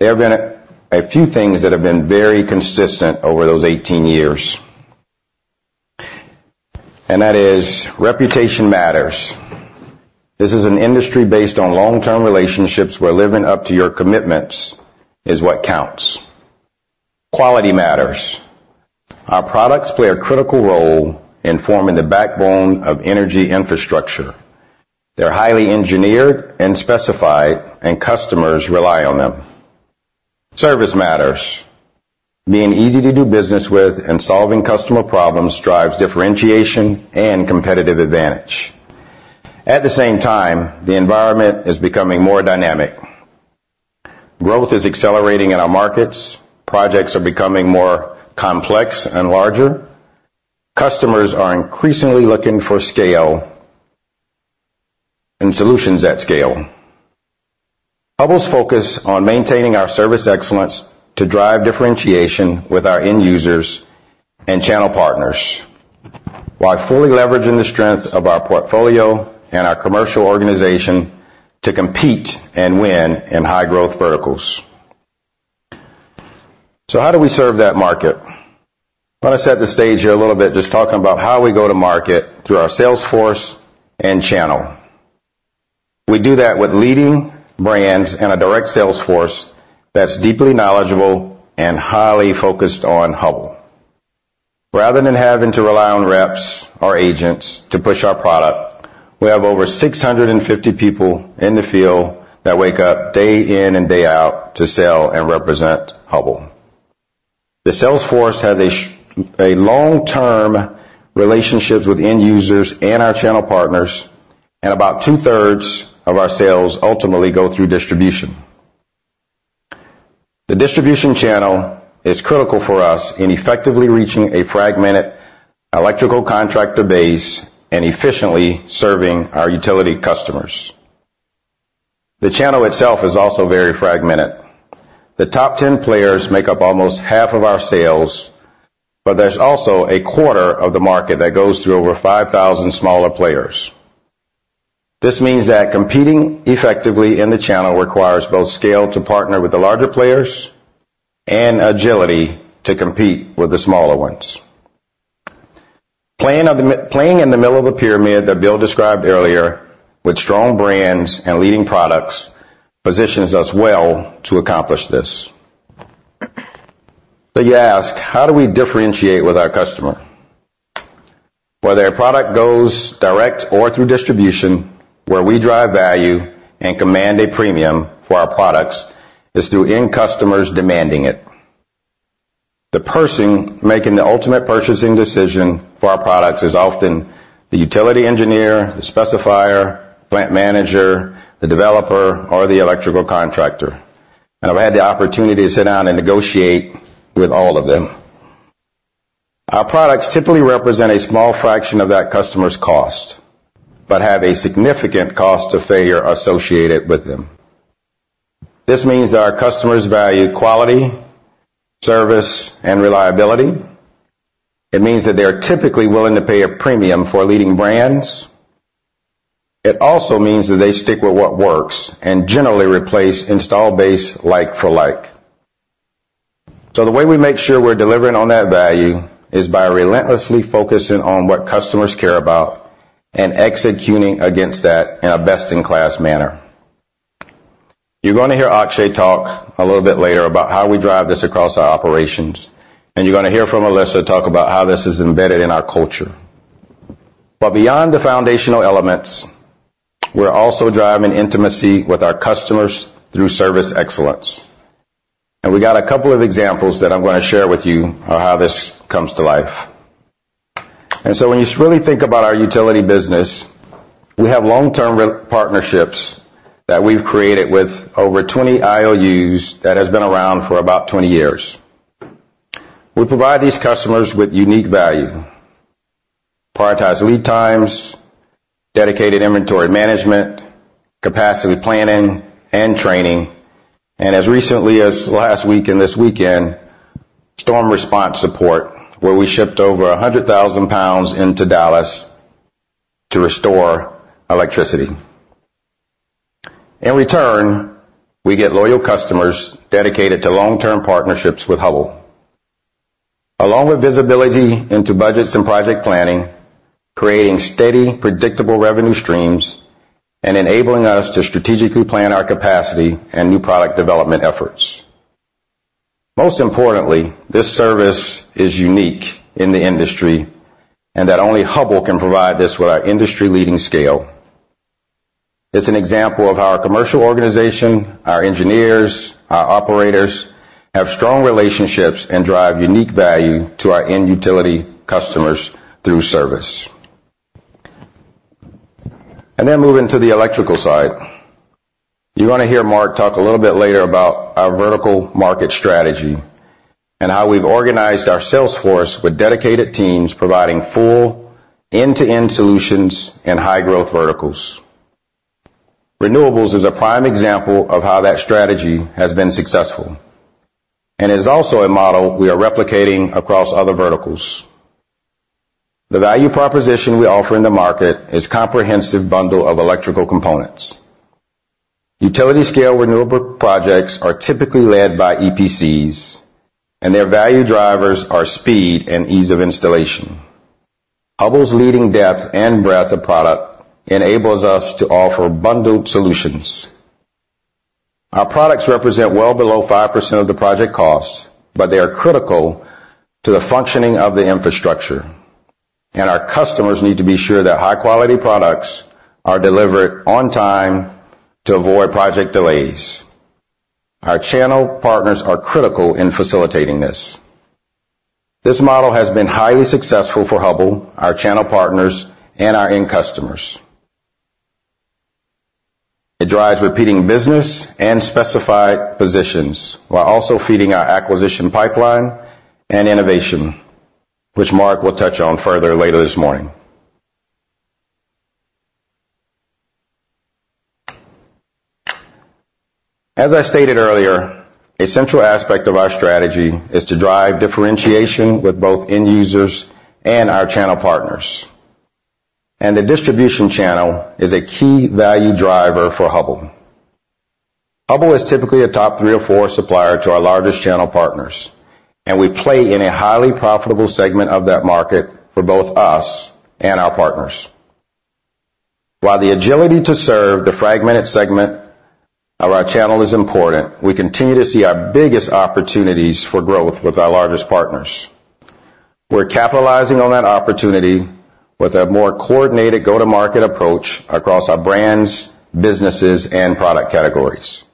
There have been a few things that have been very consistent over those 18 years, and that is reputation matters. This is an industry based on long-term relationships, where living up to your commitments is what counts. Quality matters. Our products play a critical role in forming the backbone of energy infrastructure. They're highly engineered and specified, and customers rely on them. Service matters. Being easy to do business with and solving customer problems drives differentiation and competitive advantage. At the same time, the environment is becoming more dynamic. Growth is accelerating in our markets. Projects are becoming more complex and larger. Customers are increasingly looking for scale and solutions at scale. Hubbell's focus on maintaining our service excellence to drive differentiation with our end users and channel partners, while fully leveraging the strength of our portfolio and our commercial organization to compete and win in high growth verticals. So how do we serve that market? Let us set the stage here a little bit, just talking about how we go to market through our sales force and channel.... We do that with leading brands and a direct sales force that's deeply knowledgeable and highly focused on Hubbell. Rather than having to rely on reps or agents to push our product, we have over 650 people in the field that wake up day in and day out to sell and represent Hubbell. The sales force has a long-term relationships with end users and our channel partners, and about two-thirds of our sales ultimately go through distribution. The distribution channel is critical for us in effectively reaching a fragmented electrical contractor base and efficiently serving our utility customers. The channel itself is also very fragmented. The top 10 players make up almost half of our sales, but there's also a quarter of the market that goes through over 5,000 smaller players. This means that competing effectively in the channel requires both scale to partner with the larger players and agility to compete with the smaller ones. Playing in the middle of the pyramid, that Bill described earlier, with strong brands and leading products, positions us well to accomplish this. But you ask, how do we differentiate with our customer? Whether a product goes direct or through distribution, where we drive value and command a premium for our products, is through end customers demanding it. The person making the ultimate purchasing decision for our products is often the utility engineer, the specifier, plant manager, the developer, or the electrical contractor, and I've had the opportunity to sit down and negotiate with all of them. Our products typically represent a small fraction of that customer's cost, but have a significant cost of failure associated with them. This means that our customers value quality, service, and reliability. It means that they are typically willing to pay a premium for leading brands. It also means that they stick with what works and generally replace installed base like for like. So the way we make sure we're delivering on that value is by relentlessly focusing on what customers care about and executing against that in a best-in-class manner. You're going to hear Akshay talk a little bit later about how we drive this across our operations, and you're gonna hear from Alyssa talk about how this is embedded in our culture. But beyond the foundational elements, we're also driving intimacy with our customers through service excellence. We got a couple of examples that I'm gonna share with you on how this comes to life. So when you really think about our utility business, we have long-term partnerships that we've created with over 20 IOUs that has been around for about 20 years. We provide these customers with unique value, prioritize lead times, dedicated inventory management, capacity planning, and training, and as recently as last week and this weekend, storm response support, where we shipped over 100,000 pounds into Dallas to restore electricity. In return, we get loyal customers dedicated to long-term partnerships with Hubbell. Along with visibility into budgets and project planning, creating steady, predictable revenue streams and enabling us to strategically plan our capacity and new product development efforts. Most importantly, this service is unique in the industry, and that only Hubbell can provide this with our industry-leading scale. It's an example of how our commercial organization, our engineers, our operators, have strong relationships and drive unique value to our end utility customers through service. Then moving to the electrical side. You're gonna hear Mark talk a little bit later about our vertical market strategy and how we've organized our sales force with dedicated teams providing full end-to-end solutions in high-growth verticals. Renewables is a prime example of how that strategy has been successful, and is also a model we are replicating across other verticals. The value proposition we offer in the market is comprehensive bundle of electrical components. Utility-scale renewable projects are typically led by EPCs, and their value drivers are speed and ease of installation. Hubbell's leading depth and breadth of product enables us to offer bundled solutions. Our products represent well below 5% of the project cost, but they are critical to the functioning of the infrastructure, and our customers need to be sure that high-quality products are delivered on time to avoid project delays. Our channel partners are critical in facilitating this. This model has been highly successful for Hubbell, our channel partners, and our end customers. It drives repeating business and specified positions, while also feeding our acquisition pipeline and innovation, which Mark will touch on further later this morning. As I stated earlier, a central aspect of our strategy is to drive differentiation with both end users and our channel partners, and the distribution channel is a key value driver for Hubbell. Hubbell is typically a top three or four supplier to our largest channel partners, and we play in a highly profitable segment of that market for both us and our partners. While the agility to serve the fragmented segment of our channel is important, we continue to see our biggest opportunities for growth with our largest partners. We're capitalizing on that opportunity with a more coordinated go-to-market approach across our brands, businesses, and product categories.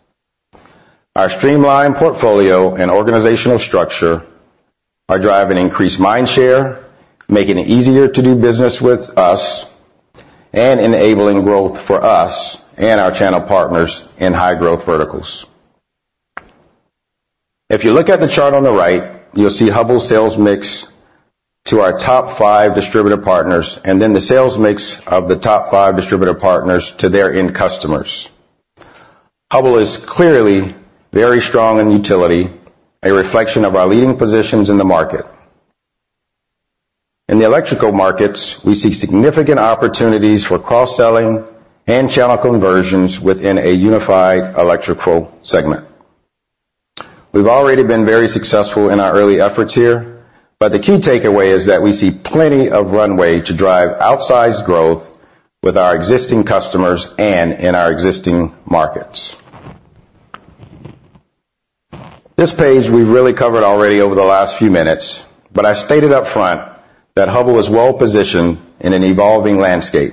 Our streamlined portfolio and organizational structure are driving increased mind share, making it easier to do business with us, and enabling growth for us and our channel partners in high-growth verticals. If you look at the chart on the right, you'll see Hubbell sales mix to our top five distributor partners, and then the sales mix of the top five distributor partners to their end customers. Hubbell is clearly very strong in utility, a reflection of our leading positions in the market. In the electrical markets, we see significant opportunities for cross-selling and channel conversions within a unified electrical segment. We've already been very successful in our early efforts here, but the key takeaway is that we see plenty of runway to drive outsized growth with our existing customers and in our existing markets. This page, we've really covered already over the last few minutes, but I stated upfront that Hubbell is well-positioned in an evolving landscape.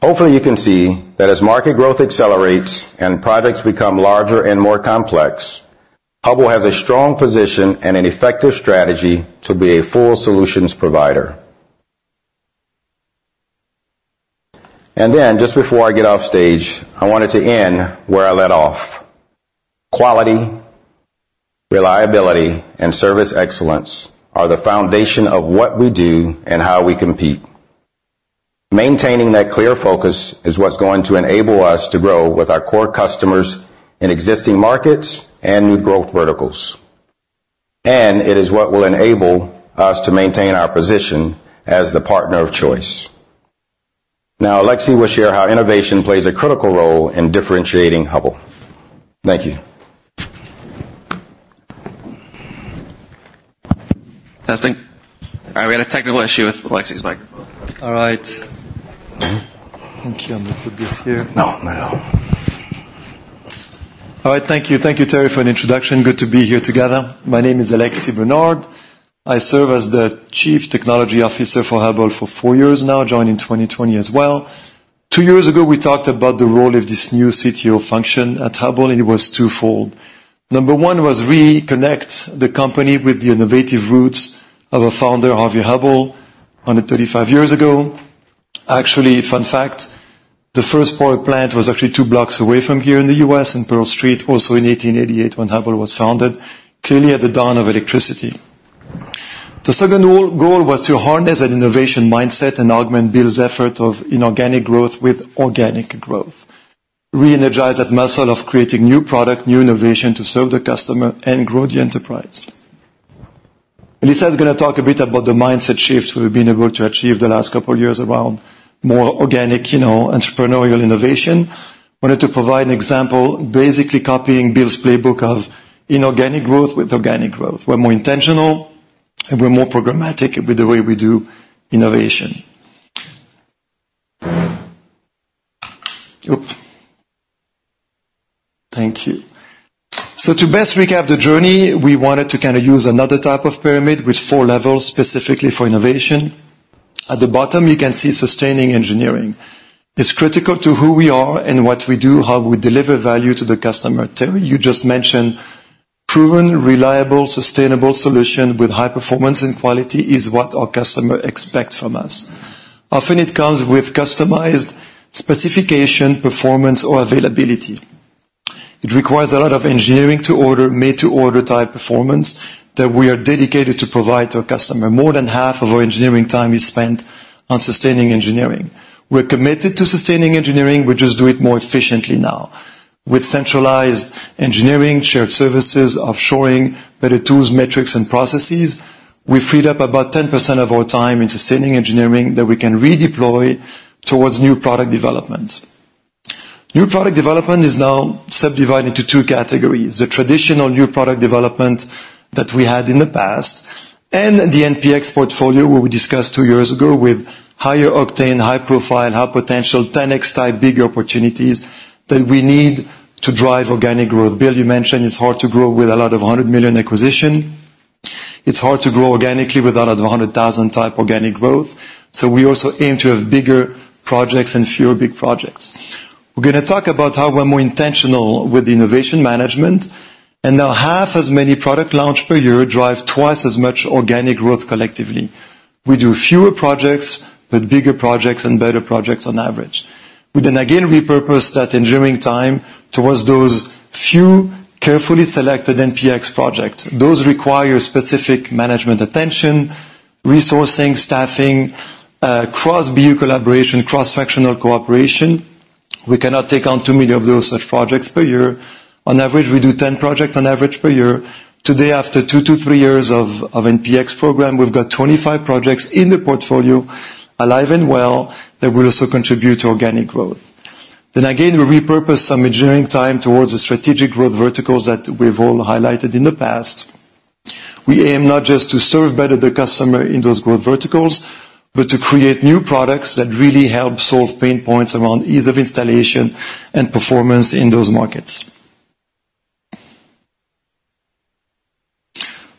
Hopefully, you can see that as market growth accelerates and projects become larger and more complex, Hubbell has a strong position and an effective strategy to be a full solutions provider. And then, just before I get off stage, I wanted to end where I left off. Quality, reliability, and service excellence are the foundation of what we do and how we compete. Maintaining that clear focus is what's going to enable us to grow with our core customers in existing markets and new growth verticals, and it is what will enable us to maintain our position as the partner of choice. Now, Alexis will share how innovation plays a critical role in differentiating Hubbell. Thank you. Testing. All right, we had a technical issue with Alexis' microphone. All right. Thank you. I'm gonna put this here. No, not at all. All right. Thank you. Thank you, Terry, for an introduction. Good to be here together. My name is Alexis Bernard. I serve as the Chief Technology Officer for Hubbell for 4 years now, joined in 2020 as well. 2 years ago, we talked about the role of this new CTO function at Hubbell, and it was twofold. Number one was reconnect the company with the innovative roots of our founder, Harvey Hubbell, 135 years ago. Actually, fun fact, the first product plant was actually 2 blocks away from here in the U.S., in Pearl Street, also in 1888, when Hubbell was founded, clearly at the dawn of electricity. The second goal, goal was to harness an innovation mindset and augment Bill's effort of inorganic growth with organic growth, reenergize that muscle of creating new product, new innovation to serve the customer and grow the enterprise. Alyssa is gonna talk a bit about the mindset shift we've been able to achieve the last couple of years around more organic, you know, entrepreneurial innovation. I wanted to provide an example, basically copying Bill's playbook of inorganic growth with organic growth. We're more intentional, and we're more programmatic with the way we do innovation. Oop! Thank you. So to best recap the journey, we wanted to kinda use another type of pyramid with four levels, specifically for innovation. At the bottom, you can see sustaining engineering. It's critical to who we are and what we do, how we deliver value to the customer. Terry, you just mentioned proven, reliable, sustainable solution with high performance and quality is what our customer expects from us. Often it comes with customized specification, performance, or availability. It requires a lot of engineering to order, made-to-order type performance, that we are dedicated to provide to our customer. More than half of our engineering time is spent on sustaining engineering. We're committed to sustaining engineering; we just do it more efficiently now. With centralized engineering, shared services, offshoring, better tools, metrics, and processes, we freed up about 10% of our time in sustaining engineering that we can redeploy towards new product development. New product development is now subdivided into two categories: the traditional new product development that we had in the past, and the NPX portfolio, where we discussed two years ago with higher octane, high profile, high potential, 10X type, bigger opportunities that we need to drive organic growth. Bill, you mentioned it's hard to grow with a lot of $100 million acquisitions. It's hard to grow organically with a lot of 100,000-type organic growth, so we also aim to have bigger projects and fewer big projects. We're gonna talk about how we're more intentional with the innovation management, and now half as many product launch per year drive twice as much organic growth collectively. We do fewer projects, but bigger projects and better projects on average. We then again, repurpose that engineering time towards those few carefully selected NPX projects. Those require specific management attention, resourcing, staffing, cross-BU collaboration, cross-functional cooperation. We cannot take on too many of those such projects per year. On average, we do 10 projects on average per year. Today, after 2-3 years of NPX program, we've got 25 projects in the portfolio, alive and well, that will also contribute to organic growth. Then again, we repurpose some engineering time towards the strategic growth verticals that we've all highlighted in the past. We aim not just to serve better the customer in those growth verticals, but to create new products that really help solve pain points around ease of installation and performance in those markets.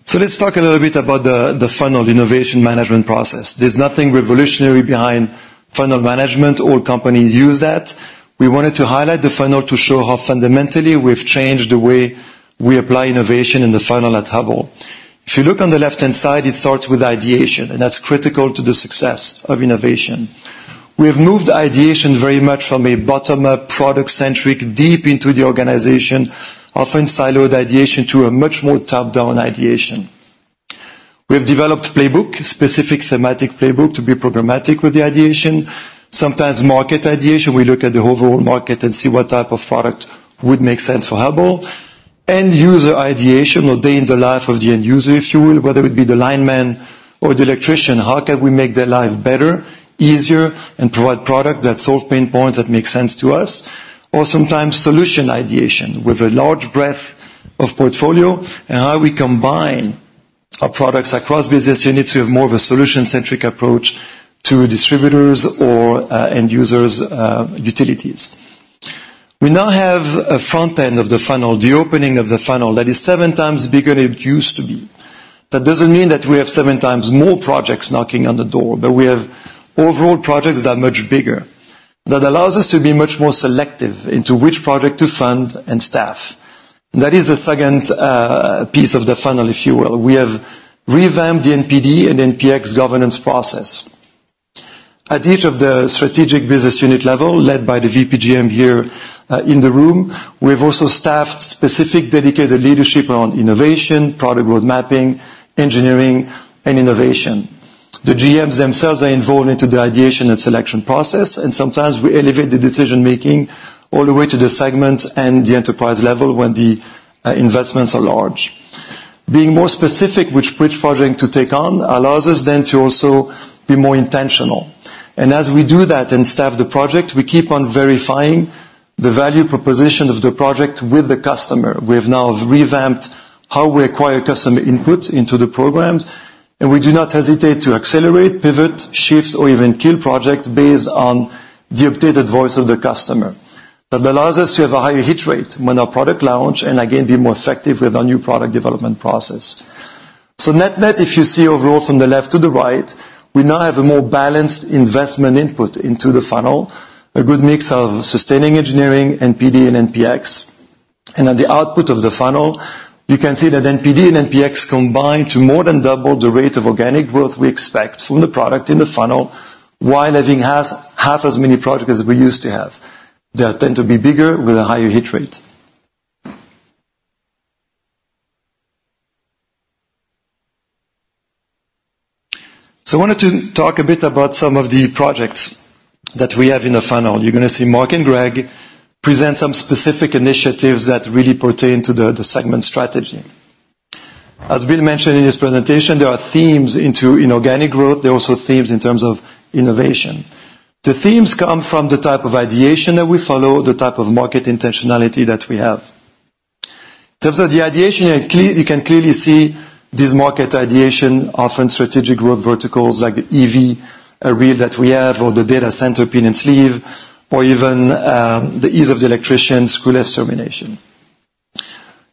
So let's talk a little bit about the funnel innovation management process. There's nothing revolutionary behind funnel management. All companies use that. We wanted to highlight the funnel to show how fundamentally we've changed the way we apply innovation in the funnel at Hubbell. If you look on the left-hand side, it starts with ideation, and that's critical to the success of innovation. We have moved ideation very much from a bottom-up, product-centric, deep into the organization, often siloed ideation, to a much more top-down ideation. We have developed playbook, specific thematic playbook, to be programmatic with the ideation. Sometimes market ideation, we look at the overall market and see what type of product would make sense for Hubbell. End-user ideation, or day in the life of the end user, if you will, whether it be the lineman or the electrician, how can we make their life better, easier, and provide product that solve pain points that make sense to us? Or sometimes solution ideation with a large breadth of portfolio, and how we combine our products across business units to have more of a solution-centric approach to distributors or, end users, utilities. We now have a front end of the funnel, the opening of the funnel, that is seven times bigger than it used to be. That doesn't mean that we have 7 times more projects knocking on the door, but we have overall projects that are much bigger. That allows us to be much more selective into which project to fund and staff. That is the second piece of the funnel, if you will. We have revamped the NPD and NPX governance process. At each of the strategic business unit level, led by the VP GM here in the room, we've also staffed specific dedicated leadership around innovation, product road mapping, engineering, and innovation. The GMs themselves are involved into the ideation and selection process, and sometimes we elevate the decision-making all the way to the segment and the enterprise level when the investments are large. Being more specific which bridge project to take on, allows us then to also be more intentional. As we do that and staff the project, we keep on verifying the value proposition of the project with the customer. We have now revamped how we acquire customer input into the programs, and we do not hesitate to accelerate, pivot, shift, or even kill projects based on the updated voice of the customer. That allows us to have a higher hit rate when our product launch, and again, be more effective with our new product development process. So net-net, if you see overall from the left to the right, we now have a more balanced investment input into the funnel, a good mix of sustaining engineering, NPD and NPX. At the output of the funnel, you can see that NPD and NPX combine to more than double the rate of organic growth we expect from the product in the funnel, while having half, half as many projects as we used to have. They tend to be bigger with a higher hit rate. So I wanted to talk a bit about some of the projects that we have in the funnel. You're gonna see Mark and Greg present some specific initiatives that really pertain to the segment strategy. As Bill mentioned in his presentation, there are themes into inorganic growth. There are also themes in terms of innovation. The themes come from the type of ideation that we follow, the type of market intentionality that we have. In terms of the ideation, you can clearly see this market ideation, often strategic growth verticals like the EV array that we have or the data center pin and sleeve, or even the ease of the electrician, screwless termination.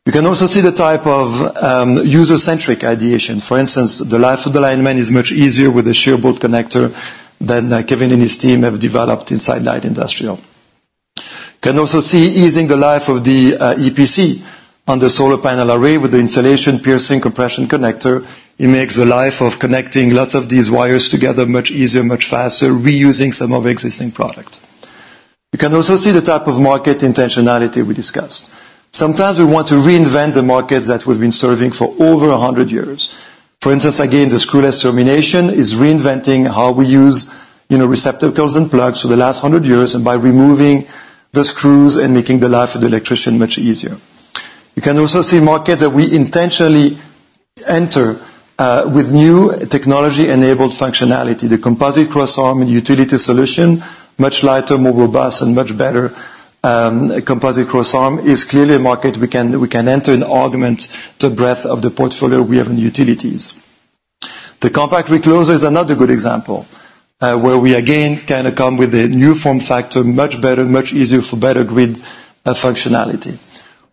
You can also see the type of user-centric ideation. For instance, the life of the lineman is much easier with a shear bolt connector that Kevin and his team have developed inside light industrial. You can also see easing the life of the EPC on the solar panel array with the insulation piercing compression connector. It makes the life of connecting lots of these wires together much easier, much faster, reusing some of existing product. You can also see the type of market intentionality we discussed. Sometimes we want to reinvent the markets that we've been serving for over a hundred years. For instance, again, the screwless termination is reinventing how we use, you know, receptacles and plugs for the last 100 years, and by removing the screws and making the life of the electrician much easier. You can also see markets that we intentionally enter with new technology-enabled functionality. The composite cross arm and utility solution, much lighter, more robust, and much better. Composite cross arm is clearly a market we can enter and augment the breadth of the portfolio we have in utilities. The compact recloser is another good example, where we again kinda come with a new form factor, much better, much easier for better grid functionality.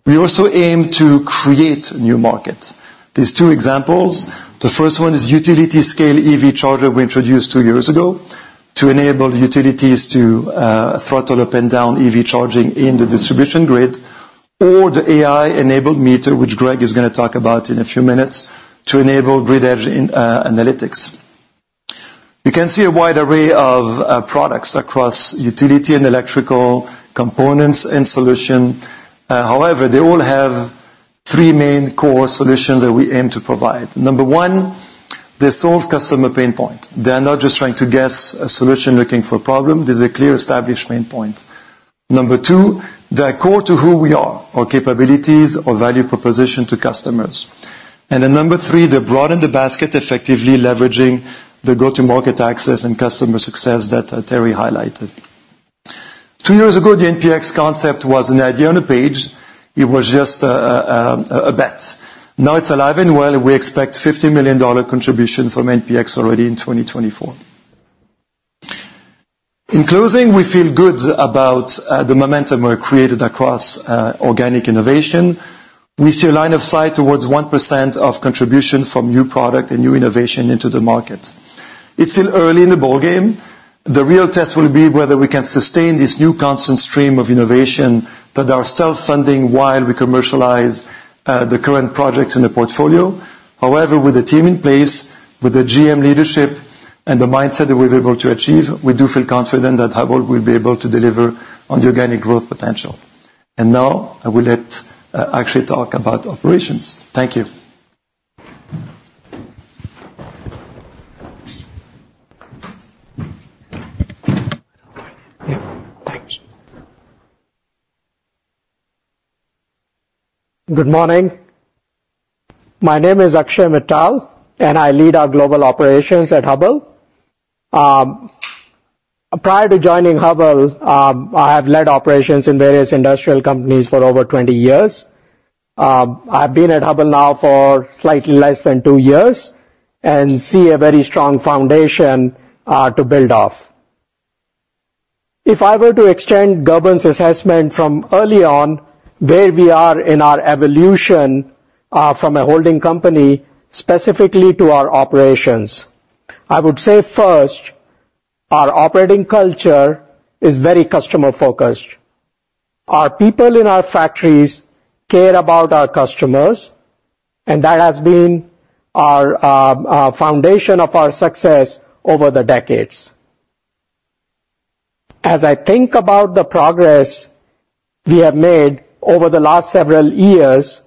We also aim to create new markets. There's 2 examples. The first one is utility scale EV charger we introduced 2 years ago to enable utilities to throttle up and down EV charging in the distribution grid, or the AI-enabled meter, which Greg is gonna talk about in a few minutes, to enable grid edge in analytics. You can see a wide array of products across utility and electrical components and solution. However, they all have 3 main core solutions that we aim to provide. Number 1, they solve customer pain point. They are not just trying to guess a solution looking for a problem. There's a clear established pain point. Number 2, they are core to who we are, our capabilities, our value proposition to customers. And then Number 3, they broaden the basket, effectively leveraging the go-to-market access and customer success that Terry highlighted. Two years ago, the NPX concept was an idea on a page. It was just a bet. Now it's alive and well, and we expect $50 million contribution from NPX already in 2024. In closing, we feel good about the momentum we've created across organic innovation. We see a line of sight towards 1% contribution from new product and new innovation into the market. It's still early in the ballgame. The real test will be whether we can sustain this new constant stream of innovation that are self-funding while we commercialize the current projects in the portfolio. However, with the team in place, with the GM leadership and the mindset that we're able to achieve, we do feel confident that Hubbell will be able to deliver on the organic growth potential. Now I will let Akshay talk about operations. Thank you. Yeah, thanks. Good morning. My name is Akshay Mittal, and I lead our global operations at Hubbell. Prior to joining Hubbell, I have led operations in various industrial companies for over 20 years. I've been at Hubbell now for slightly less than 2 years and see a very strong foundation to build off. If I were to extend Gerben's assessment from early on, where we are in our evolution from a holding company, specifically to our operations, I would say, first, our operating culture is very customer-focused. Our people in our factories care about our customers, and that has been our foundation of our success over the decades. As I think about the progress we have made over the last several years,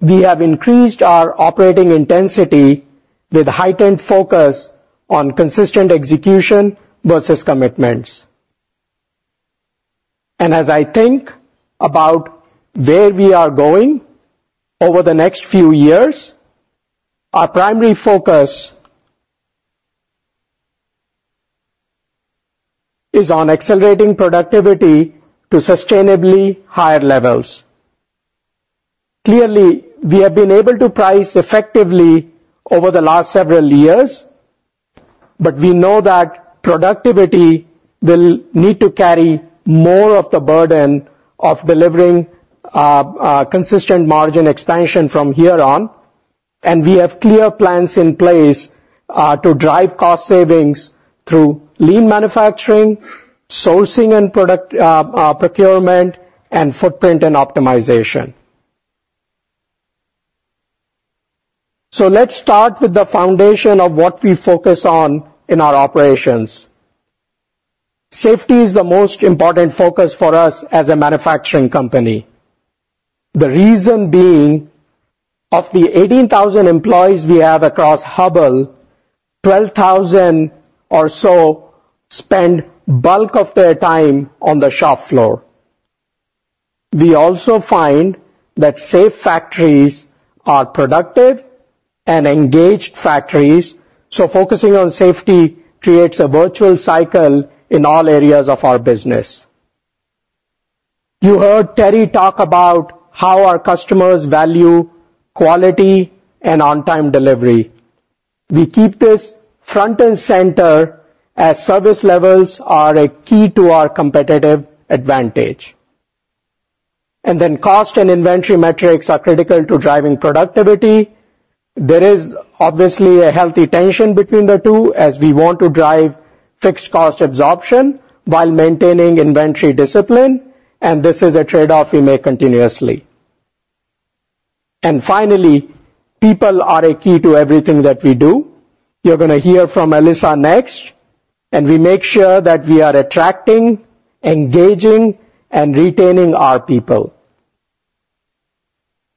we have increased our operating intensity with heightened focus on consistent execution versus commitments. As I think about where we are going over the next few years, our primary focus is on accelerating productivity to sustainably higher levels. Clearly, we have been able to price effectively over the last several years, but we know that productivity will need to carry more of the burden of delivering consistent margin expansion from here on, and we have clear plans in place to drive cost savings through lean manufacturing, sourcing and product procurement, and footprint and optimization. Let's start with the foundation of what we focus on in our operations. Safety is the most important focus for us as a manufacturing company. The reason being, of the 18,000 employees we have across Hubbell, 12,000 or so spend bulk of their time on the shop floor. We also find that safe factories are productive and engaged factories, so focusing on safety creates a virtuous cycle in all areas of our business. You heard Terry talk about how our customers value quality and on-time delivery. We keep this front and center as service levels are a key to our competitive advantage. And then cost and inventory metrics are critical to driving productivity. There is obviously a healthy tension between the two, as we want to drive fixed cost absorption while maintaining inventory discipline, and this is a trade-off we make continuously. And finally, people are a key to everything that we do. You're gonna hear from Alyssa next, and we make sure that we are attracting, engaging, and retaining our people.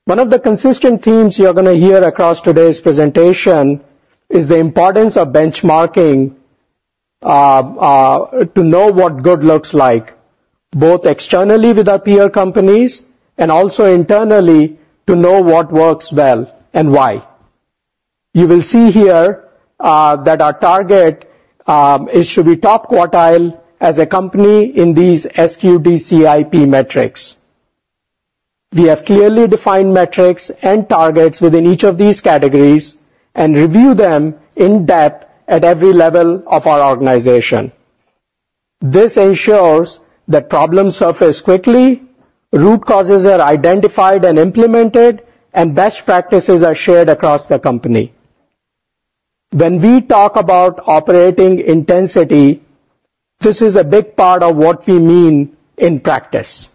One of the consistent themes you're gonna hear across today's presentation is the importance of benchmarking, to know what good looks like, both externally with our peer companies and also internally to know what works well and why. You will see here, that our target, it should be top quartile as a company in these SQDCIP metrics. We have clearly defined metrics and targets within each of these categories and review them in depth at every level of our organization. This ensures that problems surface quickly, root causes are identified and implemented, and best practices are shared across the company. When we talk about operating intensity, this is a big part of what we mean in practice.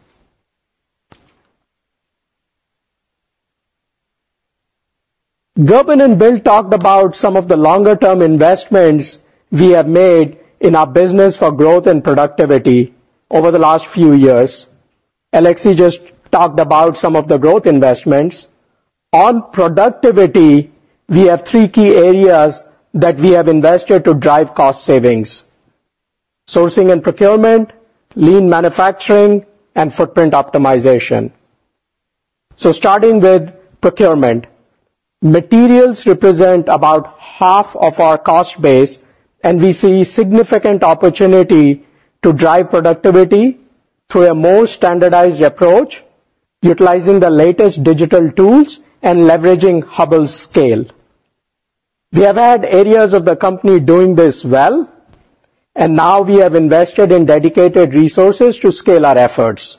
Gerben and Bill talked about some of the longer-term investments we have made in our business for growth and productivity over the last few years. Alexis just talked about some of the growth investments. On productivity, we have three key areas that we have invested to drive cost savings: sourcing and procurement, lean manufacturing, and footprint optimization. So starting with procurement, materials represent about half of our cost base, and we see significant opportunity to drive productivity through a more standardized approach, utilizing the latest digital tools and leveraging Hubbell's scale. We have had areas of the company doing this well, and now we have invested in dedicated resources to scale our efforts.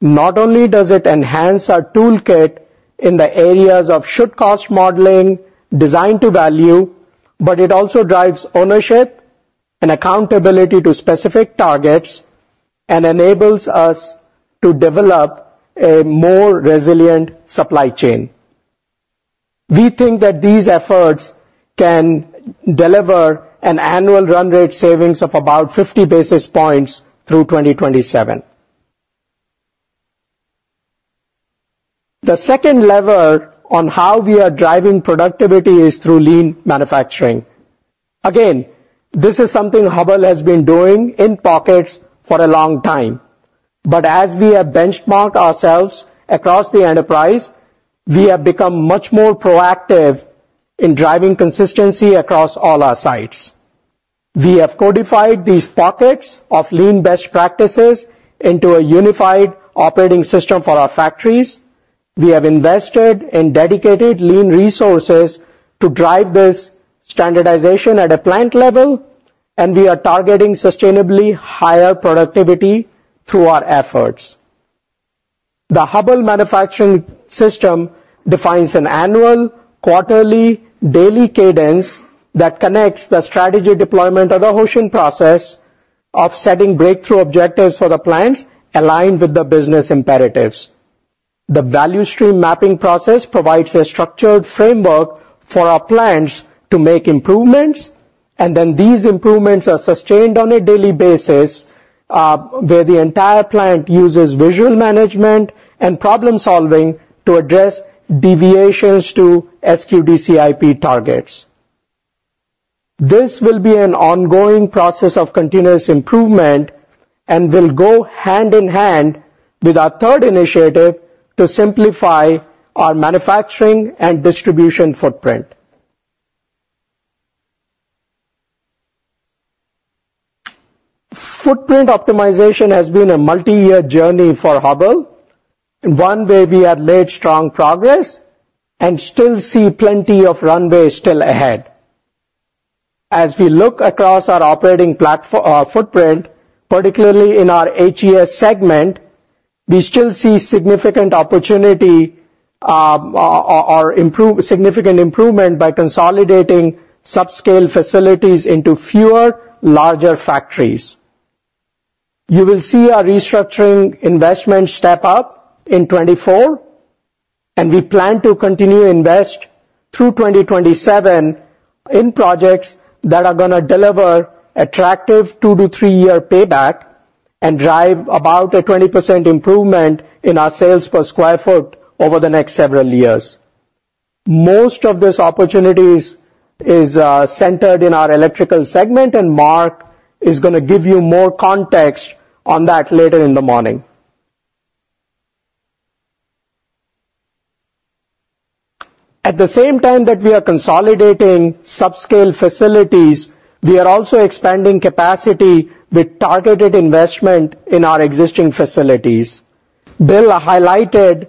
Not only does it enhance our toolkit in the areas of should-cost modeling, design to value, but it also drives ownership and accountability to specific targets and enables us to develop a more resilient supply chain. We think that these efforts can deliver an annual run rate savings of about 50 basis points through 2027. The second lever on how we are driving productivity is through lean manufacturing. Again, this is something Hubbell has been doing in pockets for a long time, but as we have benchmarked ourselves across the enterprise, we have become much more proactive in driving consistency across all our sites. We have codified these pockets of lean best practices into a unified operating system for our factories. We have invested in dedicated lean resources to drive this standardization at a plant level, and we are targeting sustainably higher productivity through our efforts. The Hubbell Manufacturing System defines an annual, quarterly, daily cadence that connects the strategy deployment of the Hoshin process of setting breakthrough objectives for the plants aligned with the business imperatives. The value stream mapping process provides a structured framework for our plants to make improvements, and then these improvements are sustained on a daily basis, where the entire plant uses visual management and problem-solving to address deviations to SQDCIP targets. This will be an ongoing process of continuous improvement and will go hand in hand with our third initiative to simplify our manufacturing and distribution footprint. Footprint optimization has been a multi-year journey for Hubbell, one where we have made strong progress and still see plenty of runway still ahead. As we look across our operating footprint, particularly in our HES segment, we still see significant opportunity, significant improvement by consolidating subscale facilities into fewer, larger factories. You will see our restructuring investment step up in 2024, and we plan to continue to invest through 2027 in projects that are going to deliver attractive 2-3-year payback and drive about a 20% improvement in our sales per square foot over the next several years. Most of these opportunities is centered in our electrical segment, and Mark is going to give you more context on that later in the morning. At the same time that we are consolidating subscale facilities, we are also expanding capacity with targeted investment in our existing facilities. Bill highlighted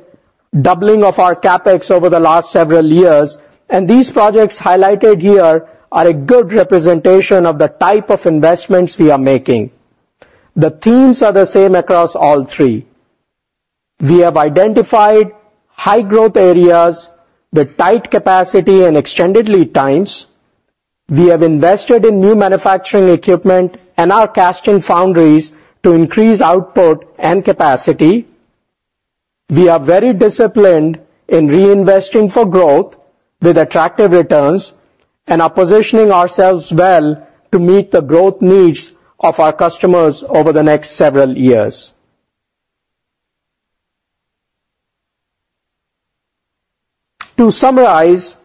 doubling of our CapEx over the last several years, and these projects highlighted here are a good representation of the type of investments we are making. The themes are the same across all three. We have identified high growth areas with tight capacity and extended lead times. We have invested in new manufacturing equipment and our casting foundries to increase output and capacity. We are very disciplined in reinvesting for growth with attractive returns and are positioning ourselves well to meet the growth needs of our customers over the next several years. To summarize,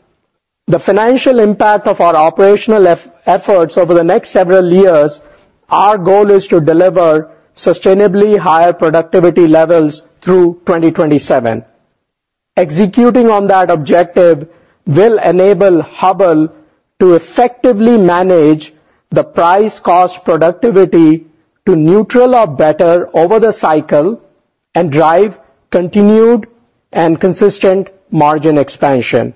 the financial impact of our operational efforts over the next several years. Our goal is to deliver sustainably higher productivity levels through 2027. Executing on that objective will enable Hubbell to effectively manage the price-cost productivity to neutral or better over the cycle and drive continued and consistent margin expansion.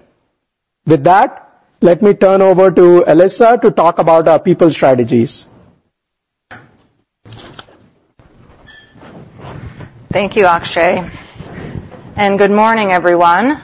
With that, let me turn over to Alyssa to talk about our people strategies. Thank you, Akshay, and good morning, everyone.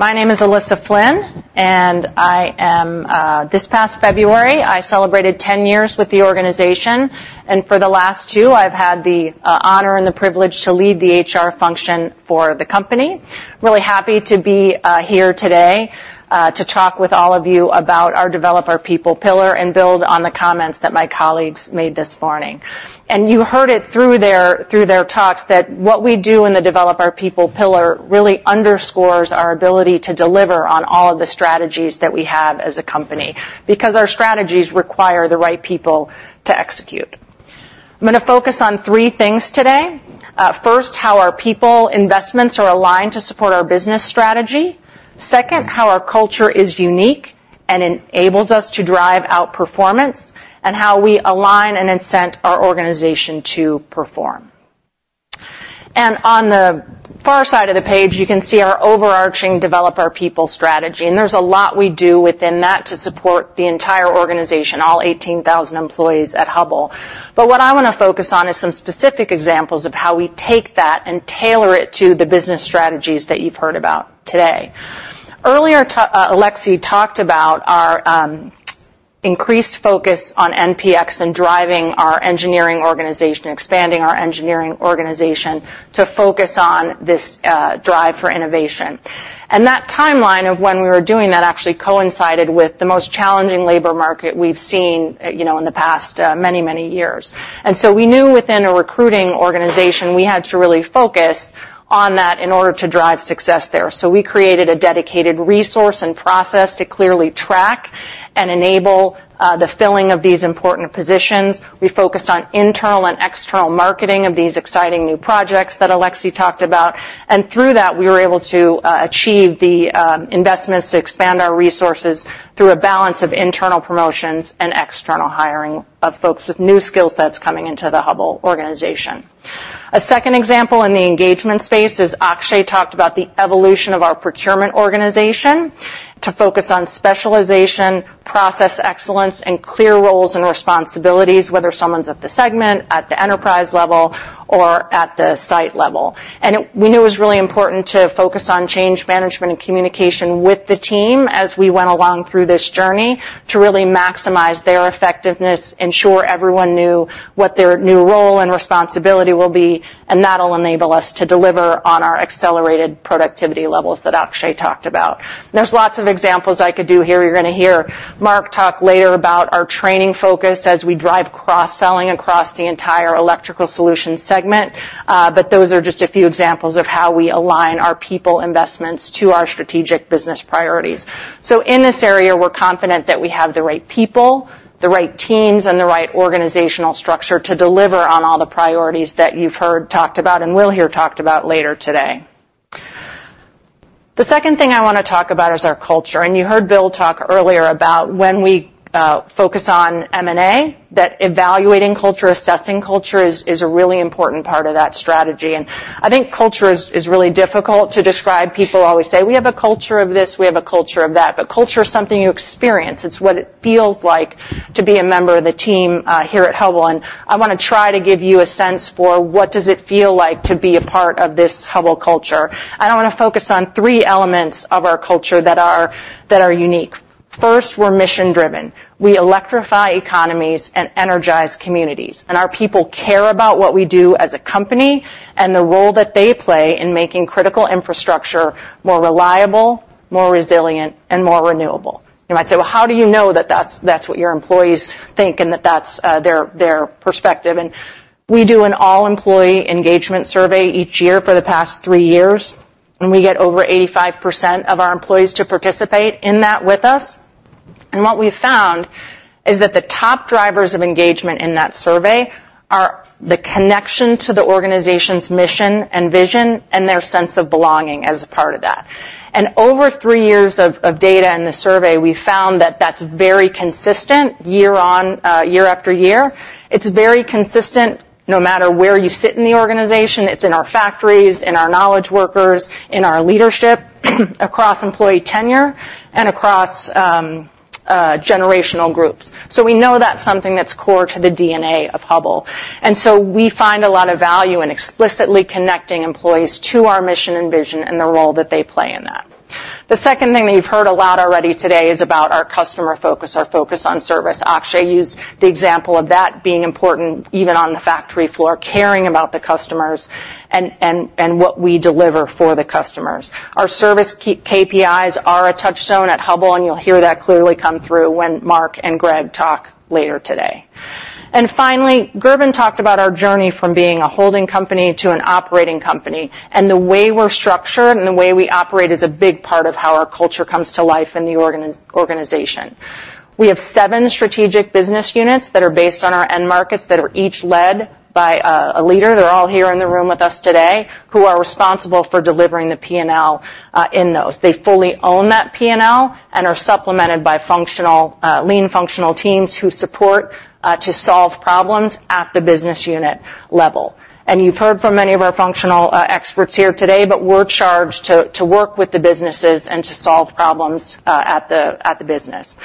My name is Alyssa Flynn, and I am-- this past February, I celebrated 10 years with the organization, and for the last 2, I've had the honor and the privilege to lead the HR function for the company. Really happy to be here today to talk with all of you about our Develop Our People pillar and build on the comments that my colleagues made this morning. You heard it through their talks, that what we do in the Develop Our People pillar really underscores our ability to deliver on all of the strategies that we have as a company, because our strategies require the right people to execute.... I'm gonna focus on 3 things today. First, how our people investments are aligned to support our business strategy. Second, how our culture is unique and enables us to drive out performance, and how we align and incent our organization to perform. On the far side of the page, you can see our overarching Develop Our People strategy, and there's a lot we do within that to support the entire organization, all 18,000 employees at Hubbell. But what I wanna focus on is some specific examples of how we take that and tailor it to the business strategies that you've heard about today. Earlier, Alexis talked about our increased focus on NPX and driving our engineering organization, expanding our engineering organization, to focus on this drive for innovation. That timeline of when we were doing that actually coincided with the most challenging labor market we've seen, you know, in the past many, many years. So we knew within a recruiting organization, we had to really focus on that in order to drive success there. So we created a dedicated resource and process to clearly track and enable the filling of these important positions. We focused on internal and external marketing of these exciting new projects that Alexis talked about. And through that, we were able to achieve the investments to expand our resources through a balance of internal promotions and external hiring of folks with new skill sets coming into the Hubbell organization. A second example in the engagement space is, Akshay talked about the evolution of our procurement organization to focus on specialization, process excellence, and clear roles and responsibilities, whether someone's at the segment, at the enterprise level, or at the site level. We knew it was really important to focus on change management and communication with the team as we went along through this journey, to really maximize their effectiveness, ensure everyone knew what their new role and responsibility will be, and that'll enable us to deliver on our accelerated productivity levels that Akshay talked about. There's lots of examples I could do here. You're gonna hear Mark talk later about our training focus as we drive cross-selling across the entire Electrical Solutions segment. But those are just a few examples of how we align our people investments to our strategic business priorities. So in this area, we're confident that we have the right people, the right teams, and the right organizational structure to deliver on all the priorities that you've heard talked about and will hear talked about later today. The second thing I wanna talk about is our culture. And you heard Bill talk earlier about when we focus on M&A, that evaluating culture, assessing culture is, is a really important part of that strategy. And I think culture is, is really difficult to describe. People always say, "We have a culture of this, we have a culture of that." But culture is something you experience. It's what it feels like to be a member of the team here at Hubbell, and I wanna try to give you a sense for what does it feel like to be a part of this Hubbell culture. And I wanna focus on three elements of our culture that are, that are unique. First, we're mission-driven. We electrify economies and energize communities, and our people care about what we do as a company and the role that they play in making critical infrastructure more reliable, more resilient, and more renewable. You might say, "Well, how do you know that that's what your employees think and that that's their perspective?" We do an all-employee engagement survey each year for the past three years, and we get over 85% of our employees to participate in that with us. What we found is that the top drivers of engagement in that survey are the connection to the organization's mission and vision, and their sense of belonging as a part of that. Over three years of data in the survey, we found that that's very consistent year on year after year. It's very consistent, no matter where you sit in the organization. It's in our factories, in our knowledge workers, in our leadership, across employee tenure, and across generational groups. So we know that's something that's core to the DNA of Hubbell. And so we find a lot of value in explicitly connecting employees to our mission and vision and the role that they play in that. The second thing that you've heard a lot already today is about our customer focus, our focus on service. Akshay used the example of that being important, even on the factory floor, caring about the customers and what we deliver for the customers. Our service KPIs are a touchstone at Hubbell, and you'll hear that clearly come through when Mark and Greg talk later today. Finally, Gerben talked about our journey from being a holding company to an operating company, and the way we're structured and the way we operate is a big part of how our culture comes to life in the organization. We have seven strategic business units that are based on our end markets that are each led by a leader, they're all here in the room with us today, who are responsible for delivering the P&L in those. They fully own that P&L and are supplemented by functional, lean functional teams who support to solve problems at the business unit level. You've heard from many of our functional experts here today, but we're charged to work with the businesses and to solve problems at the business.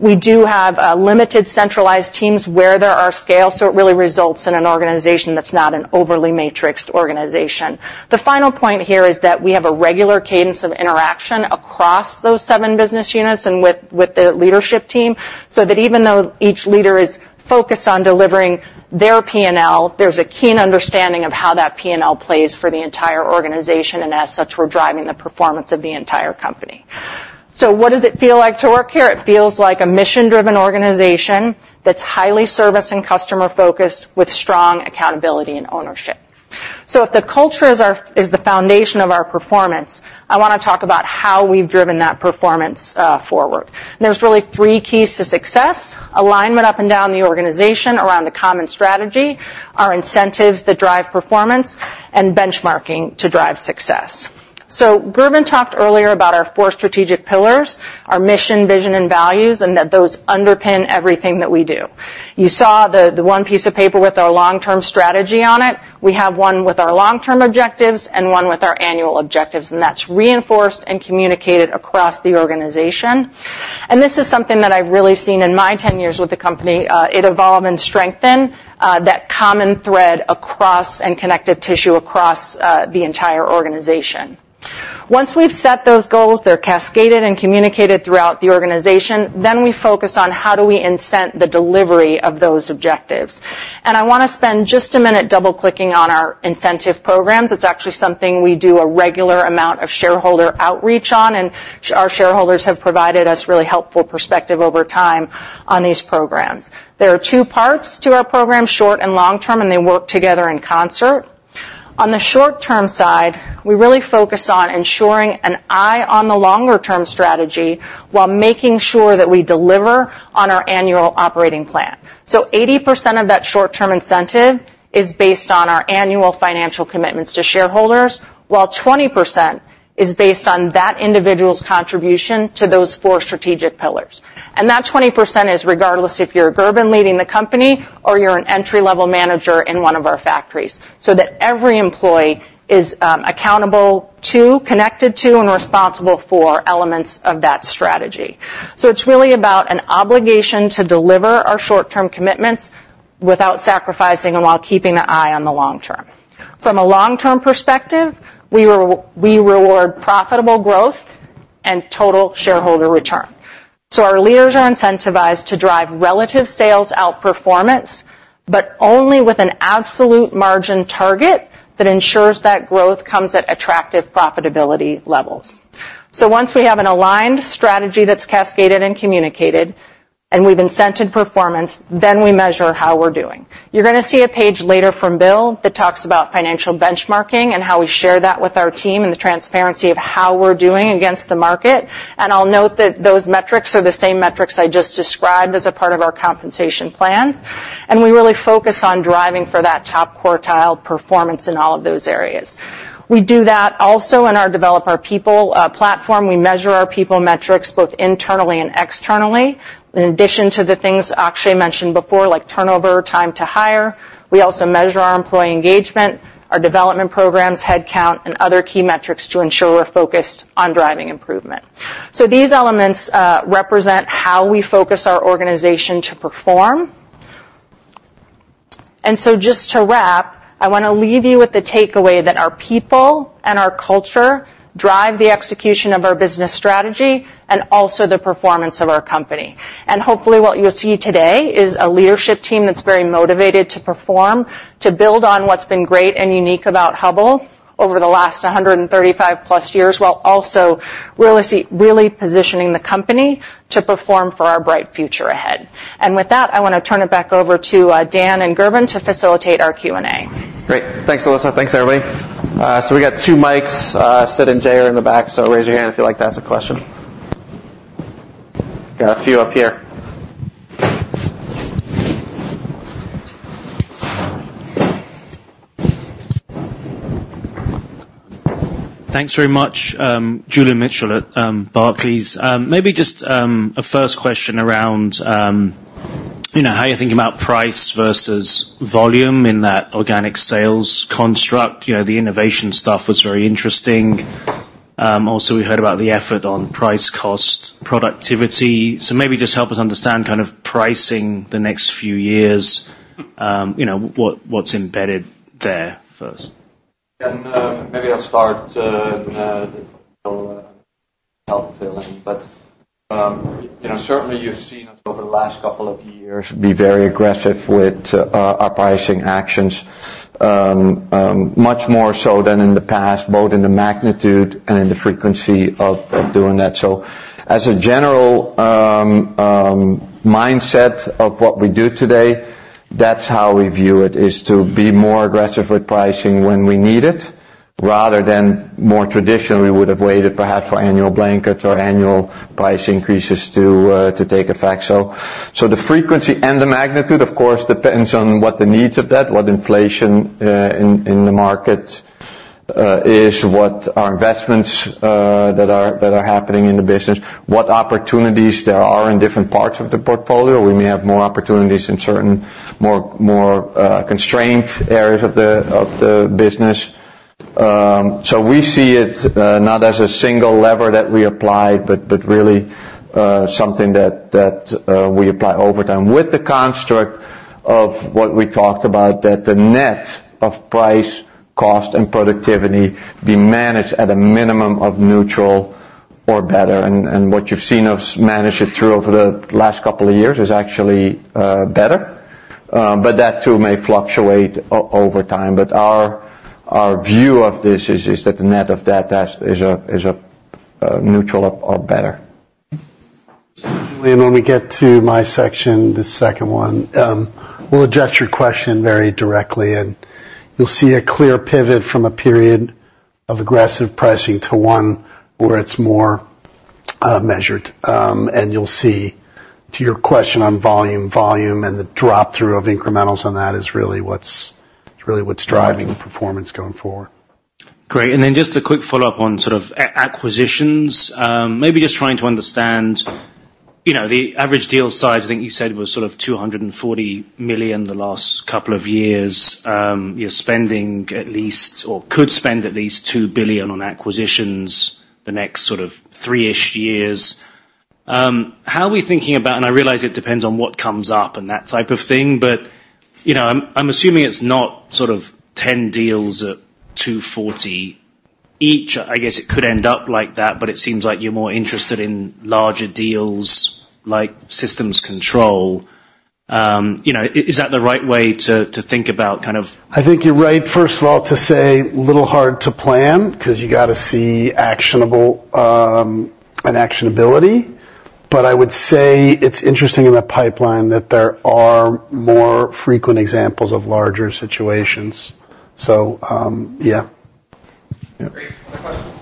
We do have limited centralized teams where there are scale, so it really results in an organization that's not an overly matrixed organization. The final point here is that we have a regular cadence of interaction across those seven business units and with, with the leadership team, so that even though each leader is focused on delivering their P&L, there's a keen understanding of how that P&L plays for the entire organization, and as such, we're driving the performance of the entire company. So what does it feel like to work here? It feels like a mission-driven organization that's highly service and customer-focused, with strong accountability and ownership.... So if the culture is our, is the foundation of our performance, I want to talk about how we've driven that performance forward. There's really three keys to success: alignment up and down the organization around a common strategy, our incentives that drive performance, and benchmarking to drive success. Gerben talked earlier about our four strategic pillars, our mission, vision, and values, and that those underpin everything that we do. You saw the one piece of paper with our long-term strategy on it. We have one with our long-term objectives and one with our annual objectives, and that's reinforced and communicated across the organization. This is something that I've really seen in my 10 years with the company, it evolve and strengthen that common thread across and connective tissue across the entire organization. Once we've set those goals, they're cascaded and communicated throughout the organization, then we focus on how do we incent the delivery of those objectives. I want to spend just a minute double-clicking on our incentive programs. It's actually something we do a regular amount of shareholder outreach on, and our shareholders have provided us really helpful perspective over time on these programs. There are two parts to our program, short and long term, and they work together in concert. On the short-term side, we really focus on ensuring an eye on the longer-term strategy while making sure that we deliver on our annual operating plan. So 80% of that short-term incentive is based on our annual financial commitments to shareholders, while 20% is based on that individual's contribution to those four strategic pillars. That 20% is regardless if you're Gerben leading the company or you're an entry-level manager in one of our factories, so that every employee is accountable to, connected to, and responsible for elements of that strategy. So it's really about an obligation to deliver our short-term commitments without sacrificing and while keeping an eye on the long term. From a long-term perspective, we reward profitable growth and total shareholder return. So our leaders are incentivized to drive relative sales outperformance, but only with an absolute margin target that ensures that growth comes at attractive profitability levels. So once we have an aligned strategy that's cascaded and communicated, and we've incented performance, then we measure how we're doing. You're going to see a page later from Bill that talks about financial benchmarking and how we share that with our team and the transparency of how we're doing against the market. I'll note that those metrics are the same metrics I just described as a part of our compensation plans, and we really focus on driving for that top quartile performance in all of those areas. We do that also in our Develop Our People platform. We measure our people metrics, both internally and externally. In addition to the things Akshay mentioned before, like turnover, time to hire, we also measure our employee engagement, our development programs, headcount, and other key metrics to ensure we're focused on driving improvement. So these elements represent how we focus our organization to perform. And so just to wrap, I want to leave you with the takeaway that our people and our culture drive the execution of our business strategy and also the performance of our company. And hopefully, what you'll see today is a leadership team that's very motivated to perform, to build on what's been great and unique about Hubbell over the last 135+ years, while also really positioning the company to perform for our bright future ahead. And with that, I want to turn it back over to Dan and Gerben to facilitate our Q&A. Great. Thanks, Alyssa. Thanks, everybody. We got two mics set and they are in the back, so raise your hand if you'd like to ask a question. Got a few up here. Thanks very much, Julian Mitchell at Barclays. Maybe just a first question around, you know, how you think about price versus volume in that organic sales construct. You know, the innovation stuff was very interesting. Also, we heard about the effort on price, cost, productivity. So maybe just help us understand kind of pricing the next few years, you know, what, what's embedded there first? Maybe I'll start and help fill in. But you know, certainly, you've seen us over the last couple of years be very aggressive with our pricing actions, much more so than in the past, both in the magnitude and in the frequency of doing that. So as a general mindset of what we do today, that's how we view it, is to be more aggressive with pricing when we need it, rather than more traditionally, we would have waited perhaps for annual blankets or annual price increases to take effect. So the frequency and the magnitude, of course, depends on what the needs of that, what inflation in the market is, what are investments that are happening in the business, what opportunities there are in different parts of the portfolio. We may have more opportunities in certain more constrained areas of the business. So we see it not as a single lever that we apply, but really something that we apply over time with the construct of what we talked about, that the net of price, cost, and productivity be managed at a minimum of neutral or better. What you've seen us manage it through over the last couple of years is actually better, but that, too, may fluctuate over time. But our view of this is that the net of that is a neutral or better.... Certainly, and when we get to my section, the second one, we'll address your question very directly, and you'll see a clear pivot from a period of aggressive pricing to one where it's more measured. And you'll see, to your question on volume, volume and the drop through of incrementals on that is really what's driving the performance going forward. Great. And then just a quick follow-up on sort of acquisitions. Maybe just trying to understand, you know, the average deal size, I think you said it was sort of $240 million the last couple of years. You're spending at least, or could spend at least $2 billion on acquisitions the next sort of three-ish years. How are we thinking about, and I realize it depends on what comes up and that type of thing, but, you know, I'm assuming it's not sort of 10 deals at $240 million each. I guess it could end up like that, but it seems like you're more interested in larger deals, like Systems Control. You know, is that the right way to think about kind? I think you're right, first of all, to say a little hard to plan because you got to see actionable, and actionability. But I would say it's interesting in the pipeline that there are more frequent examples of larger situations. So, yeah. Great. More questions?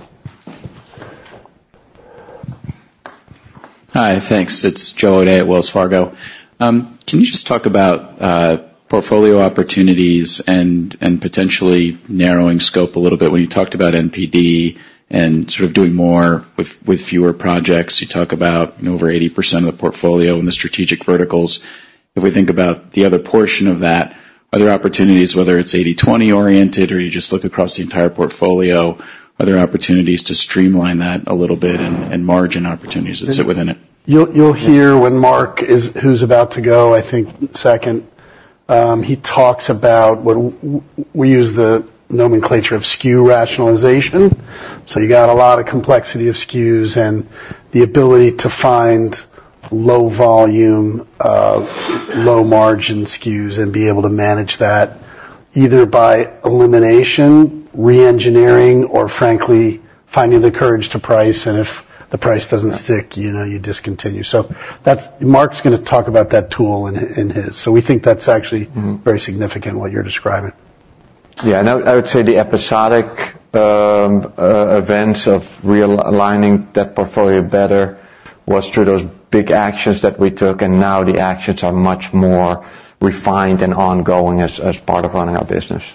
Hi, thanks. It's Joseph O'Dea at Wells Fargo. Can you just talk about portfolio opportunities and potentially narrowing scope a little bit? When you talked about NPX and sort of doing more with fewer projects, you talk about over 80% of the portfolio in the strategic verticals. If we think about the other portion of that, are there opportunities, whether it's 80/20 oriented or you just look across the entire portfolio, are there opportunities to streamline that a little bit and margin opportunities that sit within it? You'll hear when Mark—who's about to go, I think, second—he talks about when we use the nomenclature of SKU rationalization. So you got a lot of complexity of SKUs and the ability to find low volume, low margin SKUs and be able to manage that, either by elimination, reengineering, or frankly, finding the courage to price, and if the price doesn't stick, you know, you discontinue. So that's—Mark's gonna talk about that tool in his. So we think that's actually- Mm-hmm. Very significant, what you're describing. Yeah, and I would say the episodic events of realigning that portfolio better was through those big actions that we took, and now the actions are much more refined and ongoing as part of running our business.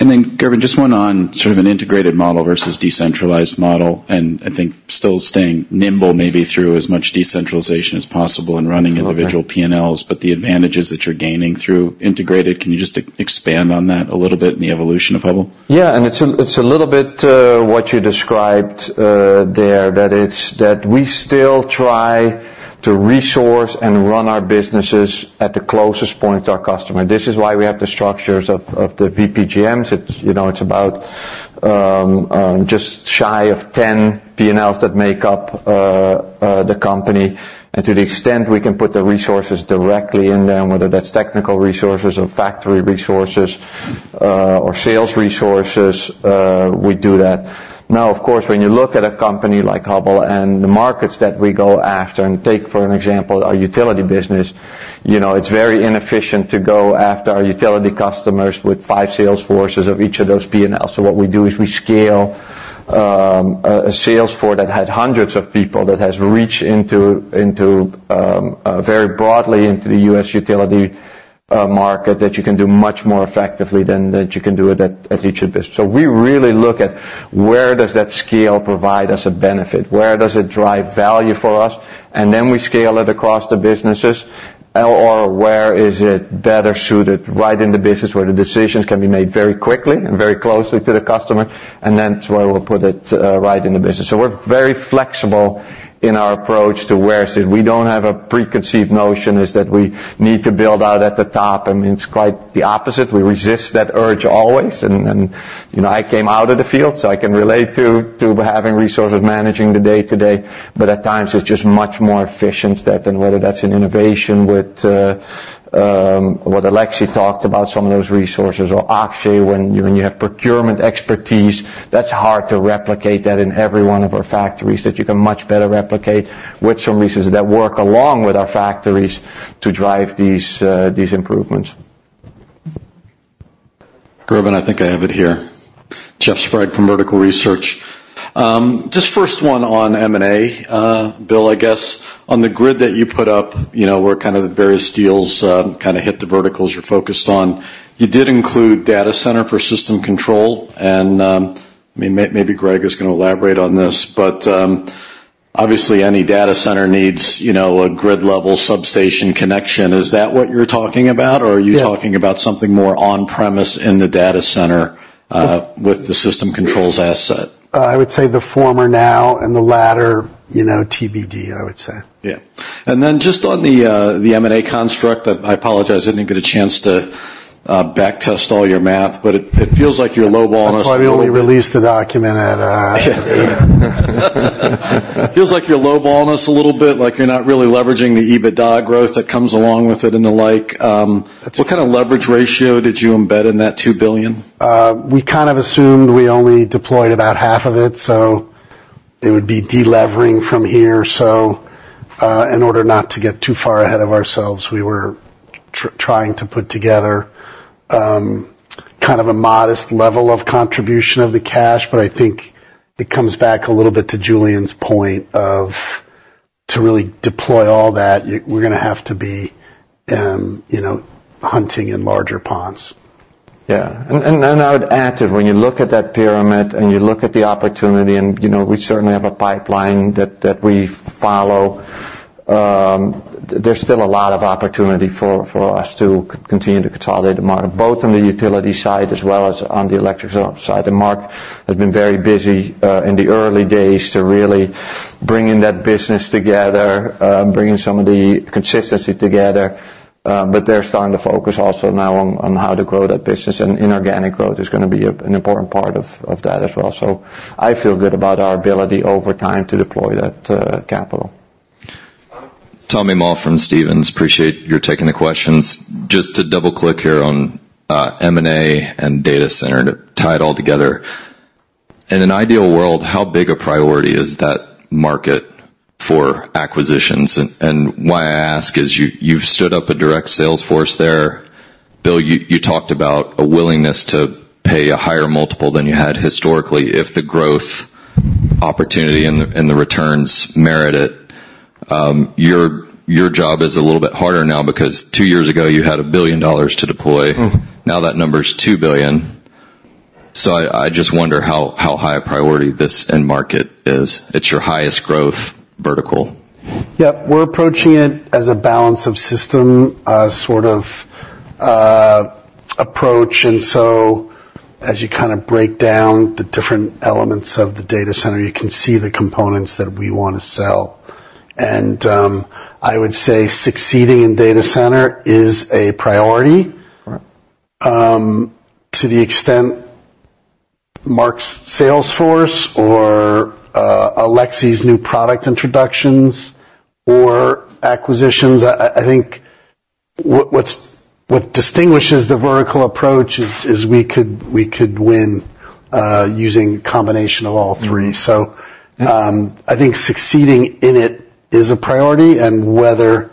And then, Gerben, just one on sort of an integrated model versus decentralized model, and I think still staying nimble, maybe through as much decentralization as possible and running individual PNLs, but the advantages that you're gaining through integrated. Can you just expand on that a little bit in the evolution of Hubbell? Yeah, and it's a little bit what you described there, that it's that we still try to resource and run our businesses at the closest point to our customer. This is why we have the structures of the VPGMs. It's, you know, it's about just shy of 10 PNLs that make up the company. And to the extent we can put the resources directly in them, whether that's technical resources or factory resources or sales resources, we do that. Now, of course, when you look at a company like Hubbell and the markets that we go after, and take, for an example, our utility business, you know, it's very inefficient to go after our utility customers with 5 sales forces of each of those PNLs. So what we do is we scale a sales force that had hundreds of people, that has reached very broadly into the U.S. utility market, that you can do much more effectively than you can do it at each of business. So we really look at where does that scale provide us a benefit? Where does it drive value for us? And then we scale it across the businesses, or where is it better suited right in the business, where the decisions can be made very quickly and very closely to the customer, and then that's where we'll put it right in the business. So we're very flexible in our approach to where it is. We don't have a preconceived notion, is that we need to build out at the top. I mean, it's quite the opposite. We resist that urge always. You know, I came out of the field, so I can relate to having resources, managing the day-to-day, but at times it's just much more efficient than whether that's in innovation with what Alexis talked about, some of those resources, or Akshay, when you have procurement expertise, that's hard to replicate in every one of our factories, that you can much better replicate with some resources that work along with our factories to drive these improvements. Gerben, I think I have it here. Jeff Sprague from Vertical Research. Just first one on M&A. Bill, I guess on the grid that you put up, you know, where kind of the various deals, kind of hit the verticals you're focused on. You did include data center for Systems Control, and, maybe Greg is gonna elaborate on this, but, obviously, any data center needs, you know, a grid-level substation connection. Is that what you're talking about? Yes. Or are you talking about something more on premise in the data center, with the Systems Control asset? I would say the former now and the latter, you know, TBD, I would say. Yeah. And then just on the, the M&A construct, I, I apologize, I didn't get a chance to, back test all your math, but it, it feels like you're lowballing us- That's why we only released the document at... Feels like you're lowballing us a little bit, like you're not really leveraging the EBITDA growth that comes along with it and the like. What kind of leverage ratio did you embed in that $2 billion? We kind of assumed we only deployed about half of it, so it would be delevering from here. So, in order not to get too far ahead of ourselves, we were trying to put together kind of a modest level of contribution of the cash, but I think it comes back a little bit to Julian's point of, to really deploy all that, we're gonna have to be, you know, hunting in larger ponds. Yeah. And then I would add to it, when you look at that pyramid and you look at the opportunity, and, you know, we certainly have a pipeline that we follow, there's still a lot of opportunity for us to continue to consolidate the model, both on the utility side as well as on the electrical side. And Mark has been very busy in the early days to really bring in that business together, bringing some of the consistency together. But they're starting to focus also now on how to grow that business, and inorganic growth is gonna be an important part of that as well. So I feel good about our ability over time to deploy that capital. Tommy Moll from Stephens. Appreciate you taking the questions. Just to double click here on M&A and data center, to tie it all together. In an ideal world, how big a priority is that market for acquisitions? And why I ask is you've stood up a direct sales force there. Bill, you talked about a willingness to pay a higher multiple than you had historically, if the growth opportunity and the returns merit it. Your job is a little bit harder now, because two years ago, you had $1 billion to deploy. Mm. Now that number is $2 billion. So I just wonder how high a priority this end market is. It's your highest growth vertical. Yep, we're approaching it as a balance of system, sort of, approach. And so as you kinda break down the different elements of the data center, you can see the components that we wanna sell. And, I would say succeeding in data center is a priority. Right. To the extent Mark's sales force or Alexis's new product introductions or acquisitions, I think what distinguishes the vertical approach is we could win using a combination of all three. Mm-hmm. I think succeeding in it is a priority, and whether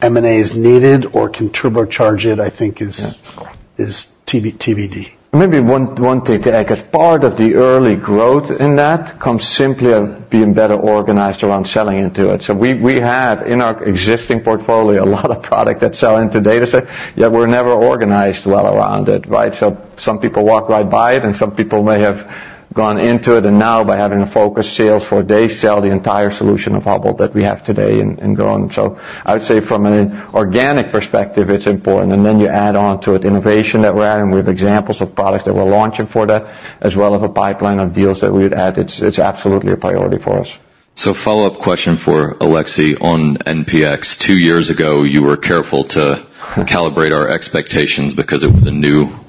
M&A is needed or can turbocharge it, I think is- Yeah... is TBD, TBD. Maybe one, one thing to add. As part of the early growth in that comes simply of being better organized around selling into it. So we, we have, in our existing portfolio, a lot of product that sell into data center, yet we're never organized well around it, right? So some people walk right by it, and some people may have gone into it, and now by having a focused sales force, they sell the entire solution of Hubbell that we have today and, and growing. So I would say from an organic perspective, it's important, and then you add on to it innovation that we're adding, with examples of products that we're launching for that, as well as a pipeline of deals that we would add, it's, it's absolutely a priority for us. So follow-up question for Alexis on NPX. Two years ago, you were careful to calibrate our expectations because it was a new initiative,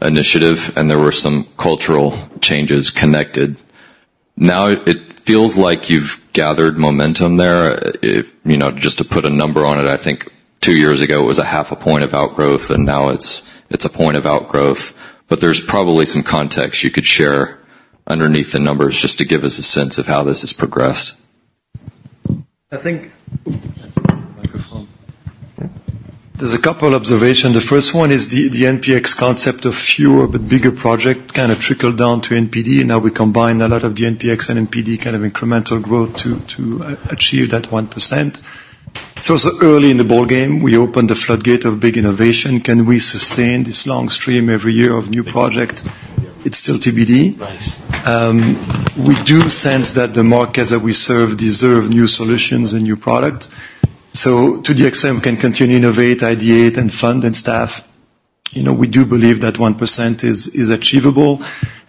and there were some cultural changes connected. Now it feels like you've gathered momentum there. If, you know, just to put a number on it, I think two years ago, it was 0.5 point of outgrowth, and now it's a 1 point of outgrowth, but there's probably some context you could share underneath the numbers, just to give us a sense of how this has progressed. I think... Microphone. There's a couple observations. The first one is the NPX concept of fewer but bigger projects kind of trickled down to NPD, and now we combine a lot of the NPX and NPD kind of incremental growth to achieve that 1%. It's also early in the ballgame. We opened the floodgate of big innovation. Can we sustain this long stream every year of new projects? It's still TBD. Nice. We do sense that the markets that we serve deserve new solutions and new products. So to the extent we can continue to innovate, ideate, and fund and staff, you know, we do believe that 1% is achievable.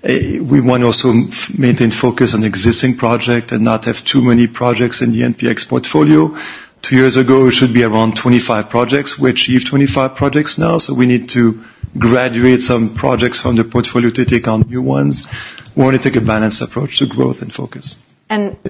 We want to also maintain focus on existing project and not have too many projects in the NPX portfolio. Two years ago, it should be around 25 projects. We achieved 25 projects now, so we need to graduate some projects from the portfolio to take on new ones. We want to take a balanced approach to growth and focus.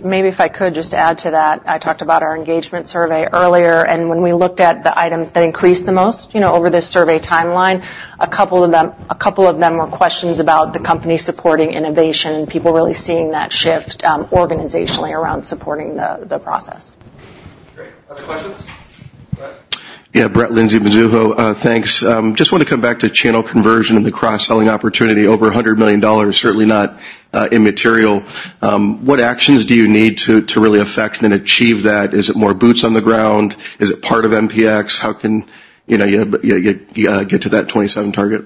Maybe if I could just add to that, I talked about our engagement survey earlier, and when we looked at the items that increased the most, you know, over this survey timeline, a couple of them, a couple of them were questions about the company supporting innovation, and people really seeing that shift, organizationally around supporting the process. Great. Other questions? Brett. Yeah, Brett Linzey, Mizuho. Thanks. Just want to come back to channel conversion and the cross-selling opportunity, over $100 million, certainly not immaterial. What actions do you need to, to really affect and achieve that? Is it more boots on the ground? Is it part of NPX? How can, you know, you, you get to that 27 target?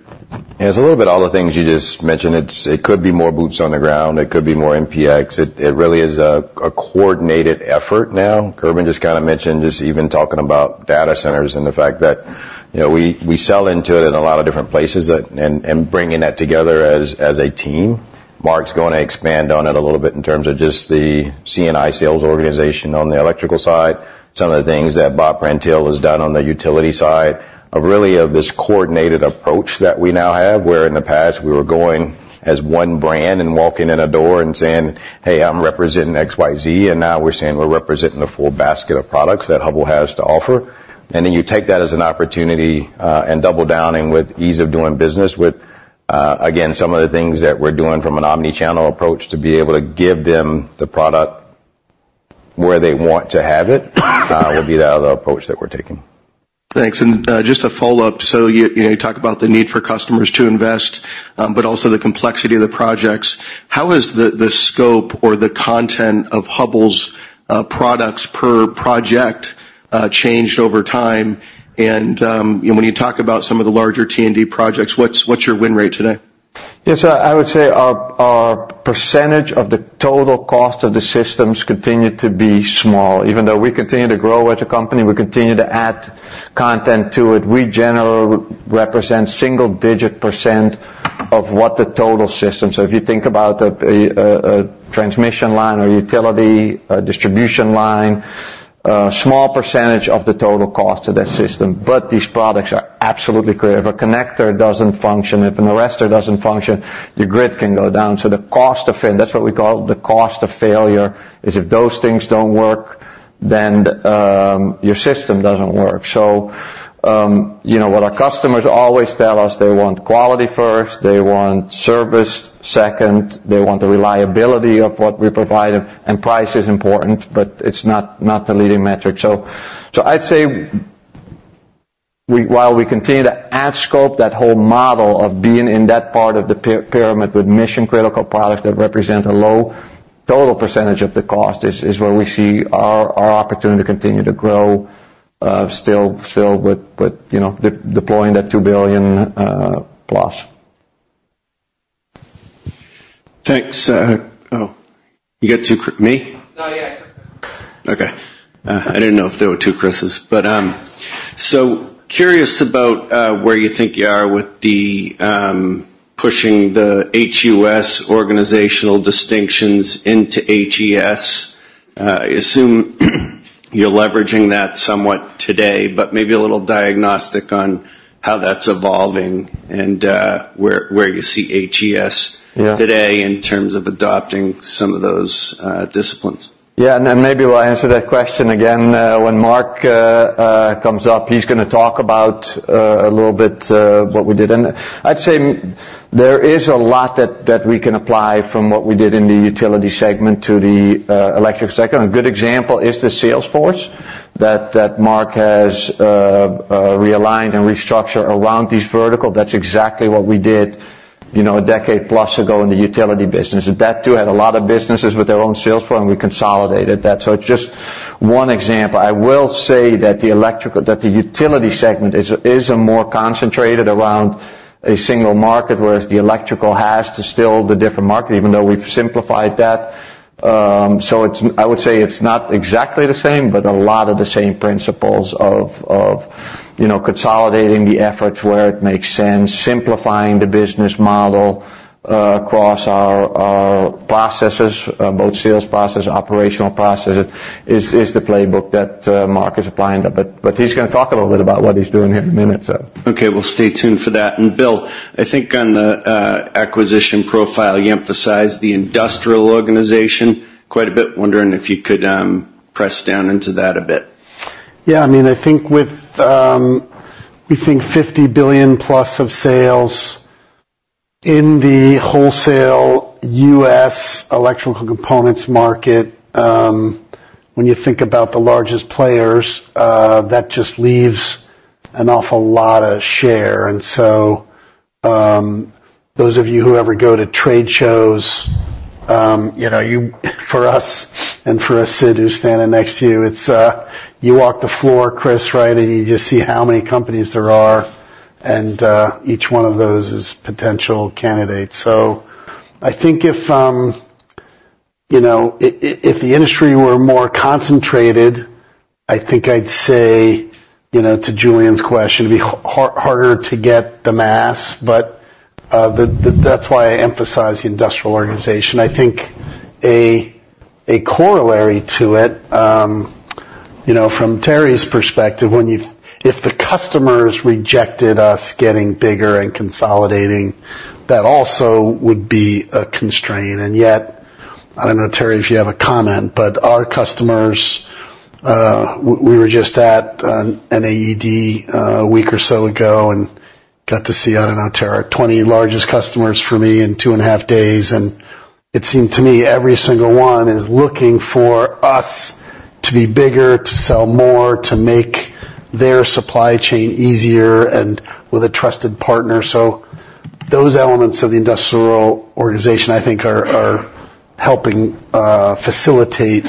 It's a little bit all the things you just mentioned. It could be more boots on the ground, it could be more NPX. It really is a coordinated effort now. Gerbenbin just kinda mentioned just even talking about data centers and the fact that, you know, we sell into it in a lot of different places, and bringing that together as a team. Mark's going to expand on it a little bit in terms of just the C&I sales organization on the electrical side, some of the things that Bob Prantl has done on the utility side, of really of this coordinated approach that we now have, where in the past, we were going as one brand and walking in a door and saying, "Hey, I'm representing XYZ," and now we're saying we're representing the full basket of products that Hubbell has to offer. And then you take that as an opportunity, and double down, and with ease of doing business, with, again, some of the things that we're doing from an omni-channel approach to be able to give them the product- ... where they want to have it would be the approach that we're taking. Thanks. And, just a follow-up. So you know, you talk about the need for customers to invest, but also the complexity of the projects. How has the scope or the content of Hubbell's products per project changed over time? And, you know, when you talk about some of the larger T&D projects, what's your win rate today? Yes, I would say our percentage of the total cost of the systems continues to be small. Even though we continue to grow as a company, we continue to add content to it, we generally represent single-digit % of what the total system... So if you think about a transmission line or utility, a distribution line, a small percentage of the total cost of that system, but these products are absolutely clear. If a connector doesn't function, if an arrester doesn't function, your grid can go down. So the cost of fail- that's what we call the cost of failure, is if those things don't work, then your system doesn't work. So, you know, what our customers always tell us, they want quality first, they want service second, they want the reliability of what we provide, and price is important, but it's not the leading metric. So, I'd say while we continue to add scope, that whole model of being in that part of the pyramid with mission-critical products that represent a low total percentage of the cost, is where we see our opportunity to continue to grow, still with, you know, deploying that $2 billion plus. Thanks. Oh, you get to me? Not yet. Okay. I didn't know if there were two Chrises. But, so curious about where you think you are with the pushing the HUS organizational distinctions into HES. I assume you're leveraging that somewhat today, but maybe a little diagnostic on how that's evolving and where, where you see HES- Yeah Today in terms of adopting some of those disciplines. Yeah, and then maybe we'll answer that question again when Mark comes up. He's going to talk about a little bit what we did in there. I'd say there is a lot that we can apply from what we did in the utility segment to the electric segment. A good example is the sales force that Mark has realigned and restructured around this vertical. That's exactly what we did, you know, a decade plus ago in the utility business. That too had a lot of businesses with their own sales force, and we consolidated that. So it's just one example. I will say that the utility segment is more concentrated around a single market, whereas the electrical has to still the different market, even though we've simplified that. So, I would say it's not exactly the same, but a lot of the same principles of, you know, consolidating the efforts where it makes sense, simplifying the business model across our processes, both sales process, operational processes, is the playbook that Mark is applying to. But he's going to talk a little bit about what he's doing here in a minute, so. Okay, we'll stay tuned for that. And, Bill, I think on the acquisition profile, you emphasized the industrial organization quite a bit. Wondering if you could press down into that a bit. Yeah, I mean, I think with, we think $50 billion+ of sales in the wholesale U.S. electrical components market, when you think about the largest players, that just leaves an awful lot of share. And so, those of you who ever go to trade shows, you know, you for us and for us, Sid, who's standing next to you, it's, you walk the floor, Chris, right? And you just see how many companies there are, and, each one of those is potential candidates. So I think if, you know, if the industry were more concentrated, I think I'd say, you know, to Julian's question, be harder to get the mass, but, that's why I emphasize the industrial organization. I think a corollary to it, you know, from Terry's perspective, when if the customers rejected us getting bigger and consolidating, that also would be a constraint. And yet, I don't know, Terry, if you have a comment, but our customers, we were just at an AED a week or so ago, and got to see, I don't know, Terry, 20 largest customers for me in two and a half days, and it seemed to me every single one is looking for us to be bigger, to sell more, to make their supply chain easier and with a trusted partner. So those elements of the industrial organization, I think, are helping facilitate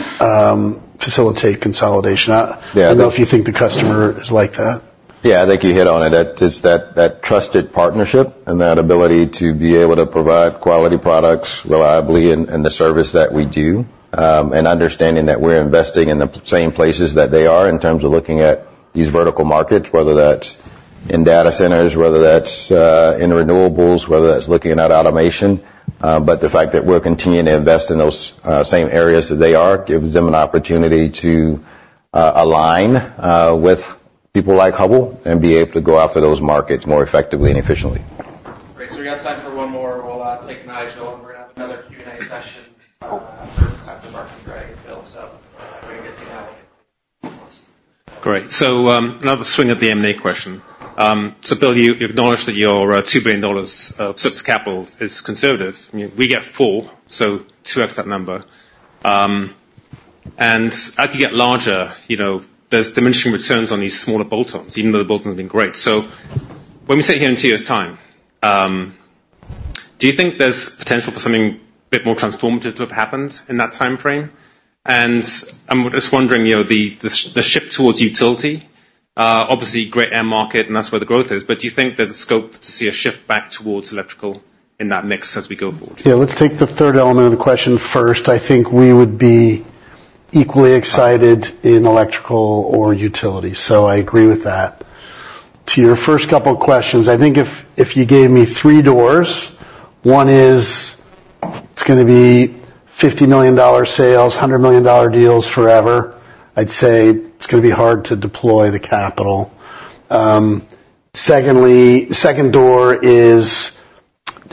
consolidation. Yeah. I don't know if you think the customer is like that. Yeah, I think you hit on it. It's that, that trusted partnership and that ability to be able to provide quality products reliably and, and the service that we do, and understanding that we're investing in the same places that they are in terms of looking at these vertical markets, whether that's in data centers, whether that's, in renewables, whether that's looking at automation. But the fact that we're continuing to invest in those, same areas that they are, gives them an opportunity to, align, with people like Hubbell and be able to go after those markets more effectively and efficiently. Great. So we have time for one more. We'll take Nigel, and we're going to have another Q&A session after Mark and Greg and Bill. So,... Great. So, another swing at the M&A question. So Bill, you, you acknowledged that your $2 billion of surplus capital is conservative. I mean, we get $4 billion, so 2x that number. And as you get larger, you know, there's diminishing returns on these smaller bolt-ons, even though the bolt-ons have been great. So when we sit here in two years' time, do you think there's potential for something a bit more transformative to have happened in that timeframe? And I'm just wondering, you know, the, the, the shift towards utility, obviously, great end market, and that's where the growth is, but do you think there's a scope to see a shift back towards electrical in that mix as we go forward? Yeah, let's take the third element of the question first. I think we would be equally excited in electrical or utility, so I agree with that. To your first couple of questions, I think if, if you gave me three doors, one is, it's gonna be $50 million sales, $100 million deals forever. I'd say it's gonna be hard to deploy the capital. Secondly, second door is,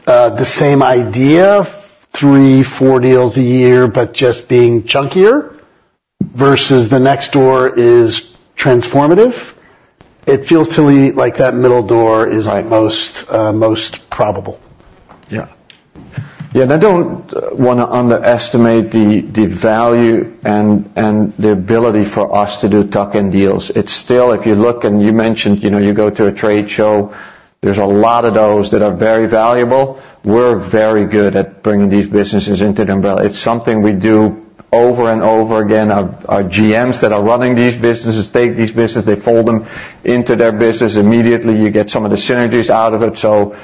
the same idea, 3-4 deals a year, but just being chunkier, versus the next door is transformative. It feels to me like that middle door- Right -is the most, most probable. Yeah. Yeah, and I don't wanna underestimate the value and the ability for us to do tuck-in deals. It's still, if you look and you mentioned, you know, you go to a trade show, there's a lot of those that are very valuable. We're very good at bringing these businesses into the fold. It's something we do over and over again. Our GMs that are running these businesses take these businesses, they fold them into their business. Immediately, you get some of the synergies out of it. So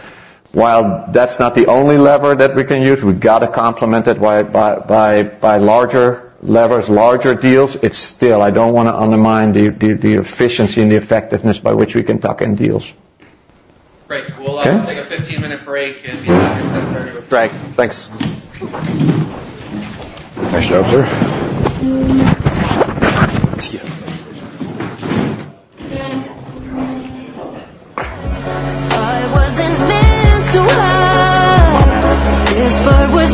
while that's not the only lever that we can use, we've got to complement it by larger levers, larger deals. It's still... I don't wanna undermine the efficiency and the effectiveness by which we can tuck-in deals. Great. Yeah. We'll take a 15-minute break and be back at 10:30 A.M. Great. Thanks. Nice job, sir. Excuse me. Sorry. Sorry. No worries. But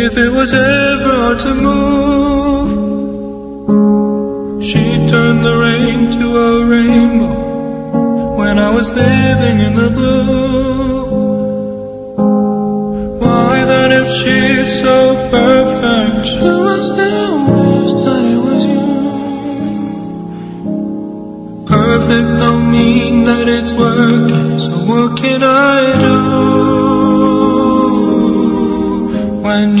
you're busy playing nothing to be listening to me. What I say, I wish that you would stay in-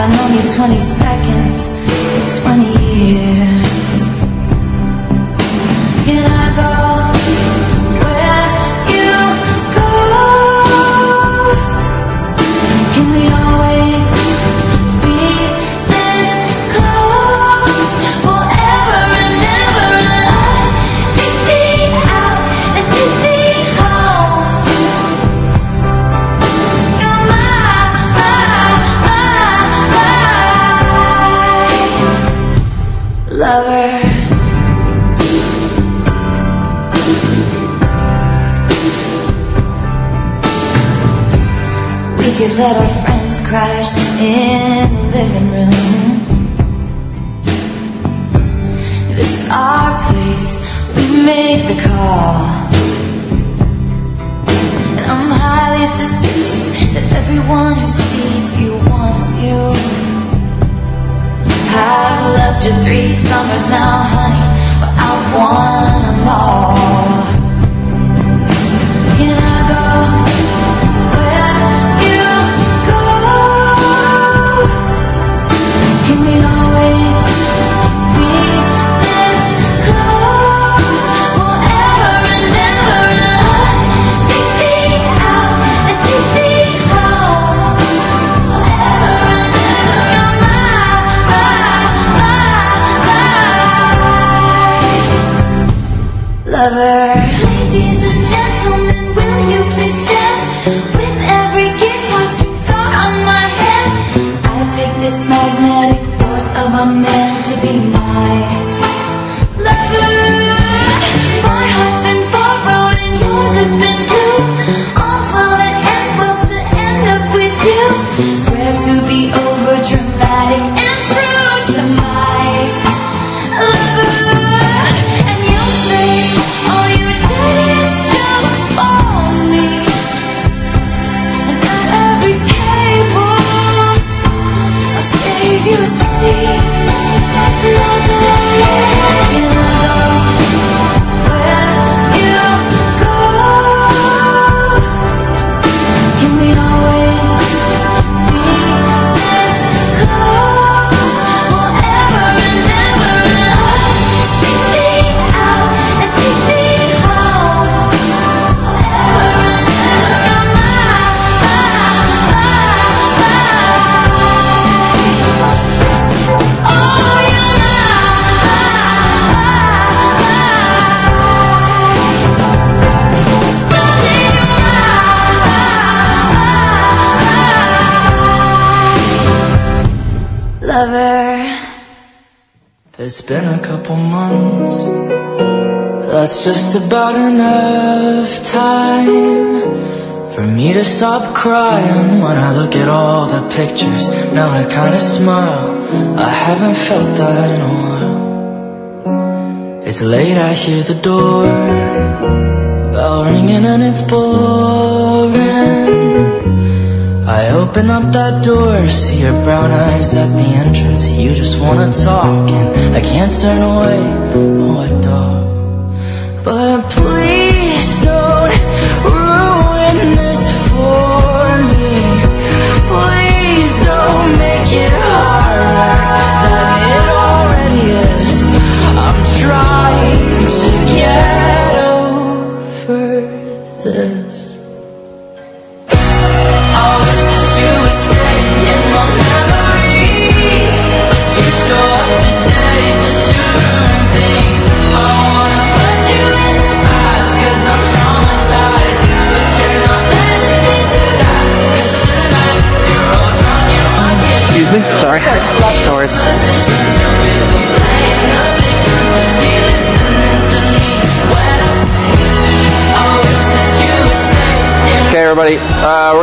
Okay, everybody,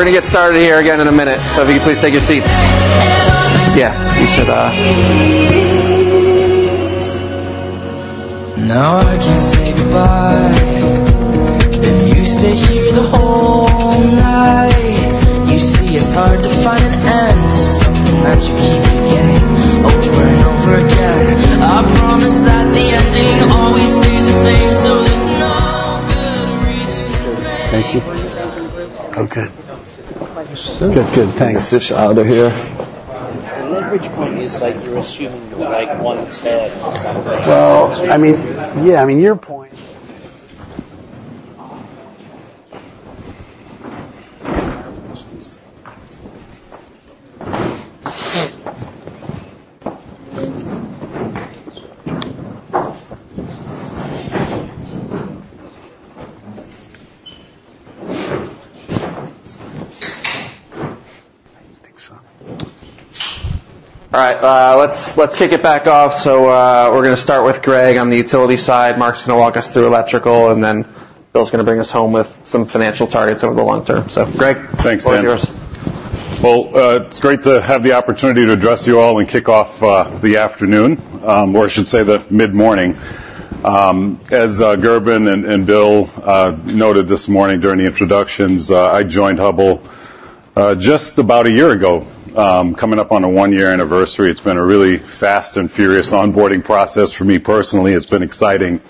we're gonna get started here again in a minute, so if you could please take your seats. Yeah, you should, Thank you. Okay. Good, good. Thanks. Get you out of here. The leverage point is, like, you're assuming, like, one T&D or something. Well, I mean, yeah, I mean, your point... All right, let's kick it back off. So, we're gonna start with Greg on the utility side. Mark's gonna walk us through electrical, and then Bill's gonna bring us home with some financial targets over the long term. So, Greg- Thanks, Dan The floor is yours. Well, it's great to have the opportunity to address you all and kick off the afternoon, or I should say, the mid-morning. As Gerben and Bill noted this morning during the introductions, I joined Hubbell just about a year ago, coming up on a one-year anniversary. It's been a really fast and furious onboarding process for me personally. It's been exciting.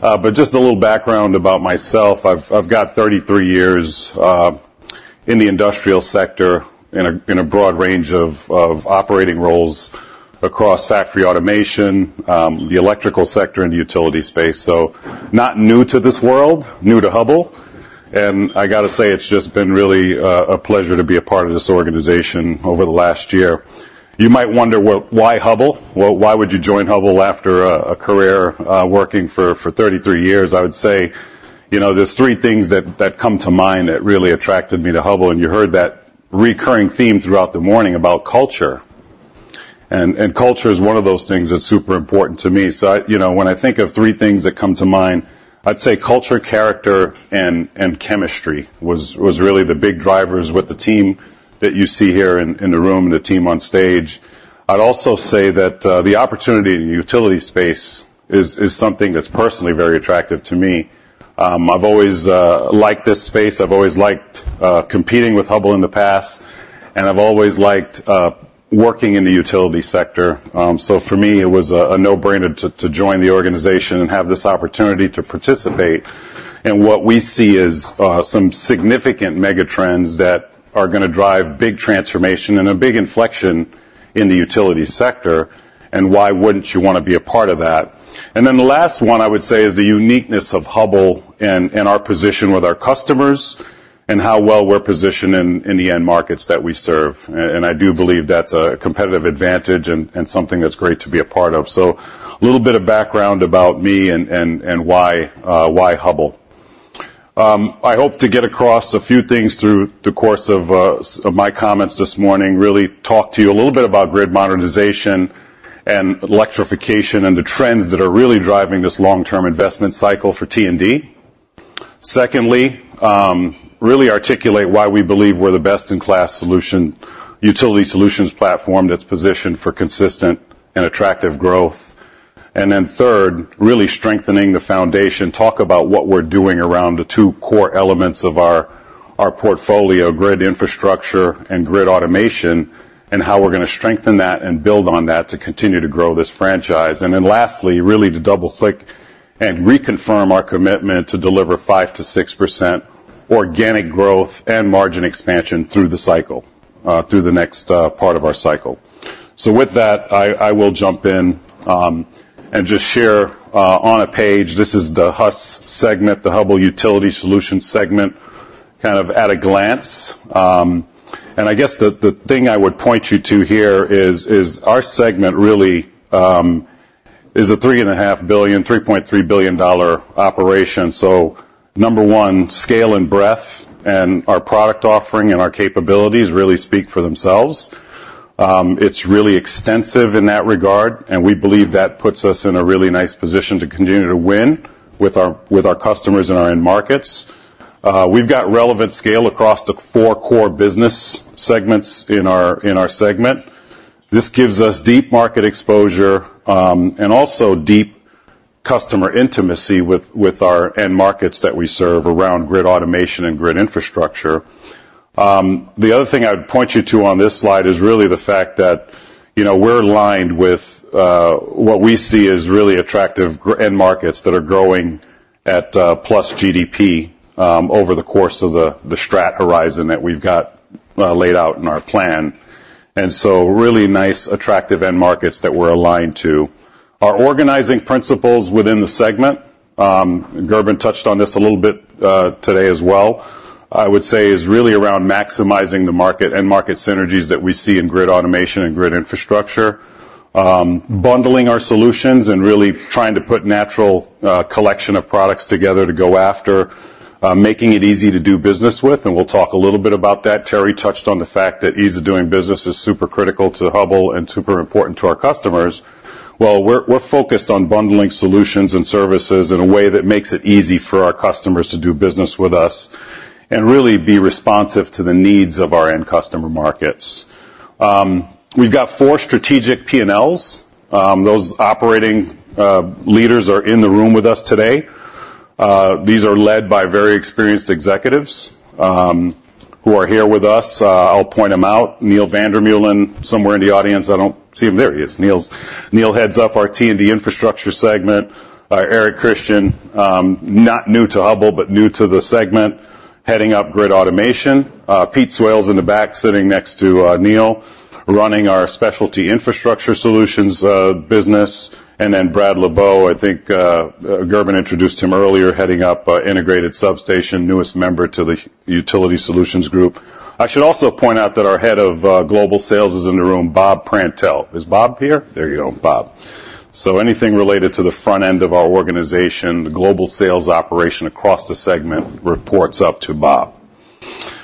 But just a little background about myself. I've got 33 years in the industrial sector in a broad range of operating roles across factory automation, the electrical sector, and the utility space. So not new to this world, new to Hubbell, and I gotta say, it's just been really a pleasure to be a part of this organization over the last year. You might wonder, well, why Hubbell? Well, why would you join Hubbell after a career working for 33 years? I would say, you know, there's three things that come to mind that really attracted me to Hubbell, and you heard that recurring theme throughout the morning about culture. And culture is one of those things that's super important to me. So I... You know, when I think of three things that come to mind, I'd say culture, character, and chemistry was really the big drivers with the team that you see here in the room, the team on stage. I'd also say that the opportunity in the utility space is something that's personally very attractive to me. I've always liked this space. I've always liked competing with Hubbell in the past, and I've always liked working in the utility sector. So for me, it was a no-brainer to join the organization and have this opportunity to participate in what we see as some significant mega trends that are gonna drive big transformation and a big inflection in the utility sector, and why wouldn't you wanna be a part of that? And then the last one I would say is the uniqueness of Hubbell and our position with our customers, and how well we're positioned in the end markets that we serve. And I do believe that's a competitive advantage and something that's great to be a part of. So a little bit of background about me and why Hubbell. I hope to get across a few things through the course of, of my comments this morning, really talk to you a little bit about grid modernization and electrification, and the trends that are really driving this long-term investment cycle for T&D. Secondly, really articulate why we believe we're the best-in-class solution, utility solutions platform that's positioned for consistent and attractive growth. And then third, really strengthening the foundation. Talk about what we're doing around the two core elements of our, our portfolio, grid infrastructure and grid automation, and how we're gonna strengthen that and build on that to continue to grow this franchise. And then lastly, really to double-click and reconfirm our commitment to deliver 5%-6% organic growth and margin expansion through the cycle, through the next, part of our cycle. So with that, I will jump in and just share on a page. This is the HUS segment, the Hubbell Utility Solutions segment, kind of at a glance. And I guess the thing I would point you to here is our segment really is a $3.5 billion, $3.3 billion dollar operation. So number one, scale and breadth, and our product offering and our capabilities really speak for themselves. It's really extensive in that regard, and we believe that puts us in a really nice position to continue to win with our customers and our end markets. We've got relevant scale across the four core business segments in our segment. This gives us deep market exposure, and also deep customer intimacy with our end markets that we serve around grid automation and grid infrastructure. The other thing I'd point you to on this slide is really the fact that, you know, we're aligned with what we see as really attractive end markets that are growing at plus GDP over the course of the strat horizon that we've got laid out in our plan. And so really nice, attractive end markets that we're aligned to. Our organizing principles within the segment, Gerben touched on this a little bit today as well, I would say is really around maximizing the market and market synergies that we see in grid automation and grid infrastructure. Bundling our solutions and really trying to put natural collection of products together to go after making it easy to do business with, and we'll talk a little bit about that. Terry touched on the fact that ease of doing business is super critical to Hubbell and super important to our customers. Well, we're, we're focused on bundling solutions and services in a way that makes it easy for our customers to do business with us, and really be responsive to the needs of our end customer markets. We've got four strategic P&Ls. Those operating leaders are in the room with us today. These are led by very experienced executives who are here with us. I'll point them out. Neil Vander Meulen, somewhere in the audience. I don't see him. There he is. Neil's- Neil heads up our T&D Infrastructure segment. Erik Christian, not new to Hubbell, but new to the segment, heading up Grid Automation. Pete Swales in the back, sitting next to Neil, running our Specialty Infrastructure Solutions business. And then Brad LeBoeuf, I think, Gerben introduced him earlier, heading up Integrated Substation, newest member to the Utility Solutions Group. I should also point out that our head of global sales is in the room, Bob Prantl. Is Bob here? There you go, Bob. So anything related to the front end of our organization, the global sales operation across the segment reports up to Bob.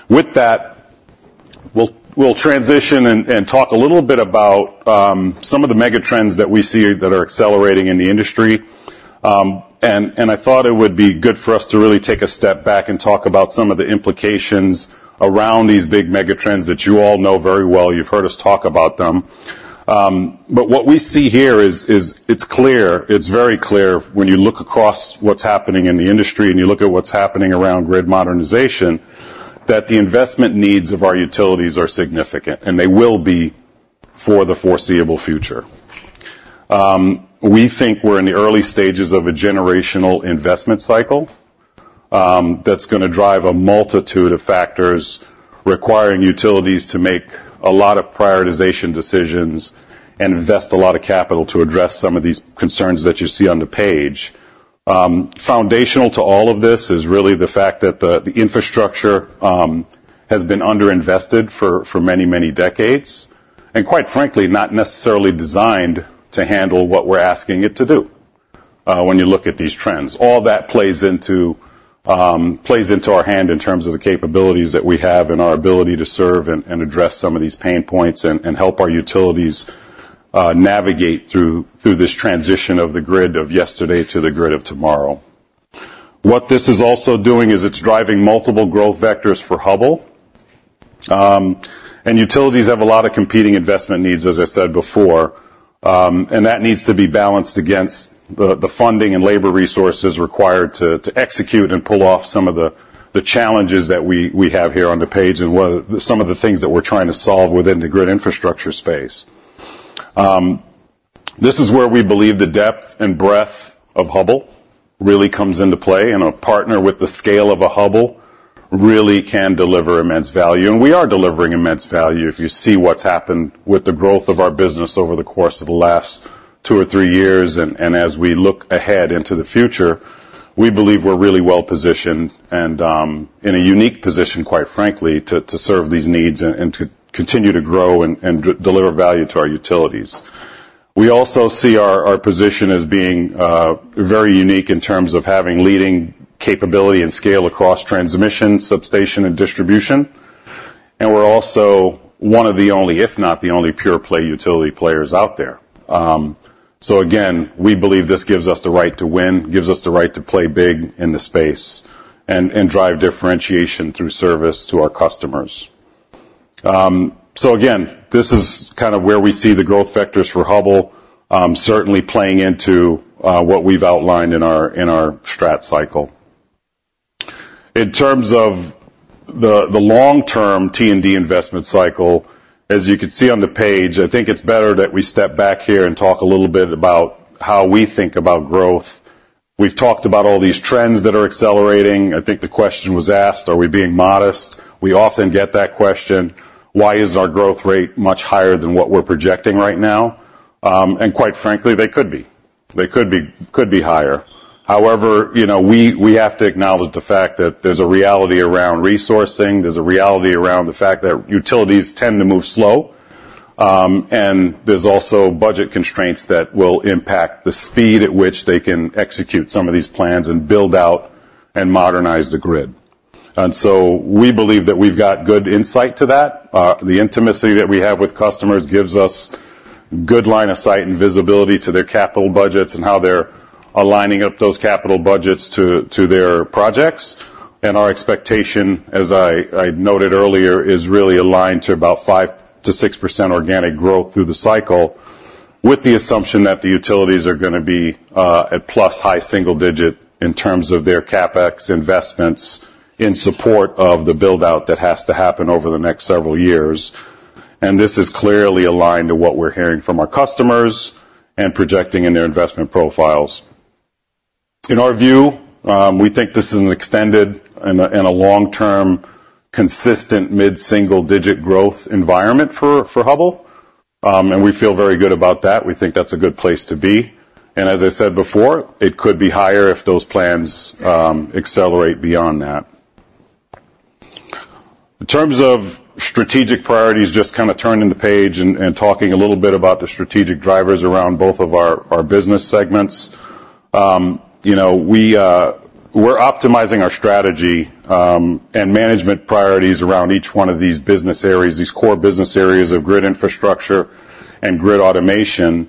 With that, we'll transition and talk a little bit about some of the mega trends that we see that are accelerating in the industry. And I thought it would be good for us to really take a step back and talk about some of the implications around these big mega trends that you all know very well. You've heard us talk about them. But what we see here is, it's clear, it's very clear, when you look across what's happening in the industry and you look at what's happening around grid modernization, that the investment needs of our utilities are significant, and they will be for the foreseeable future. We think we're in the early stages of a generational investment cycle, that's gonna drive a multitude of factors, requiring utilities to make a lot of prioritization decisions and invest a lot of capital to address some of these concerns that you see on the page. Foundational to all of this is really the fact that the infrastructure has been underinvested for many, many decades, and quite frankly, not necessarily designed to handle what we're asking it to do when you look at these trends. All that plays into our hand in terms of the capabilities that we have and our ability to serve and address some of these pain points, and help our utilities navigate through this transition of the grid of yesterday to the grid of tomorrow. What this is also doing is it's driving multiple growth vectors for Hubbell. And utilities have a lot of competing investment needs, as I said before, and that needs to be balanced against the funding and labor resources required to execute and pull off some of the challenges that we have here on the page and some of the things that we're trying to solve within the grid infrastructure space. This is where we believe the depth and breadth of Hubbell really comes into play, and a partner with the scale of a Hubbell really can deliver immense value, and we are delivering immense value. If you see what's happened with the growth of our business over the course of the last 2 or 3 years, and as we look ahead into the future, we believe we're really well-positioned and in a unique position, quite frankly, to serve these needs and to continue to grow and deliver value to our utilities. We also see our position as being very unique in terms of having leading capability and scale across transmission, substation, and distribution. And we're also one of the only, if not the only, pure-play utility players out there. So again, we believe this gives us the right to win, gives us the right to play big in the space and drive differentiation through service to our customers. So again, this is kind of where we see the growth vectors for Hubbell, certainly playing into what we've outlined in our, in our strat cycle. In terms of the, the long-term T&D investment cycle, as you can see on the page, I think it's better that we step back here and talk a little bit about how we think about growth. We've talked about all these trends that are accelerating. I think the question was asked: Are we being modest? We often get that question. Why isn't our growth rate much higher than what we're projecting right now? And quite frankly, they could be. They could be, could be higher. However, you know, we have to acknowledge the fact that there's a reality around resourcing, there's a reality around the fact that utilities tend to move slow, and there's also budget constraints that will impact the speed at which they can execute some of these plans and build out and modernize the grid. And so we believe that we've got good insight to that. The intimacy that we have with customers gives us good line of sight and visibility to their capital budgets and how they're aligning up those capital budgets to their projects. And our expectation, as I noted earlier, is really aligned to about 5%-6% organic growth through the cycle, with the assumption that the utilities are gonna be at + high single-digit in terms of their CapEx investments in support of the build-out that has to happen over the next several years. And this is clearly aligned to what we're hearing from our customers and projecting in their investment profiles. In our view, we think this is an extended and a long-term, consistent, mid-single-digit growth environment for Hubbell, and we feel very good about that. We think that's a good place to be. And as I said before, it could be higher if those plans accelerate beyond that. In terms of strategic priorities, just kinda turning the page and talking a little bit about the strategic drivers around both of our business segments. You know, we're optimizing our strategy and management priorities around each one of these business areas, these core business areas of grid infrastructure and grid automation,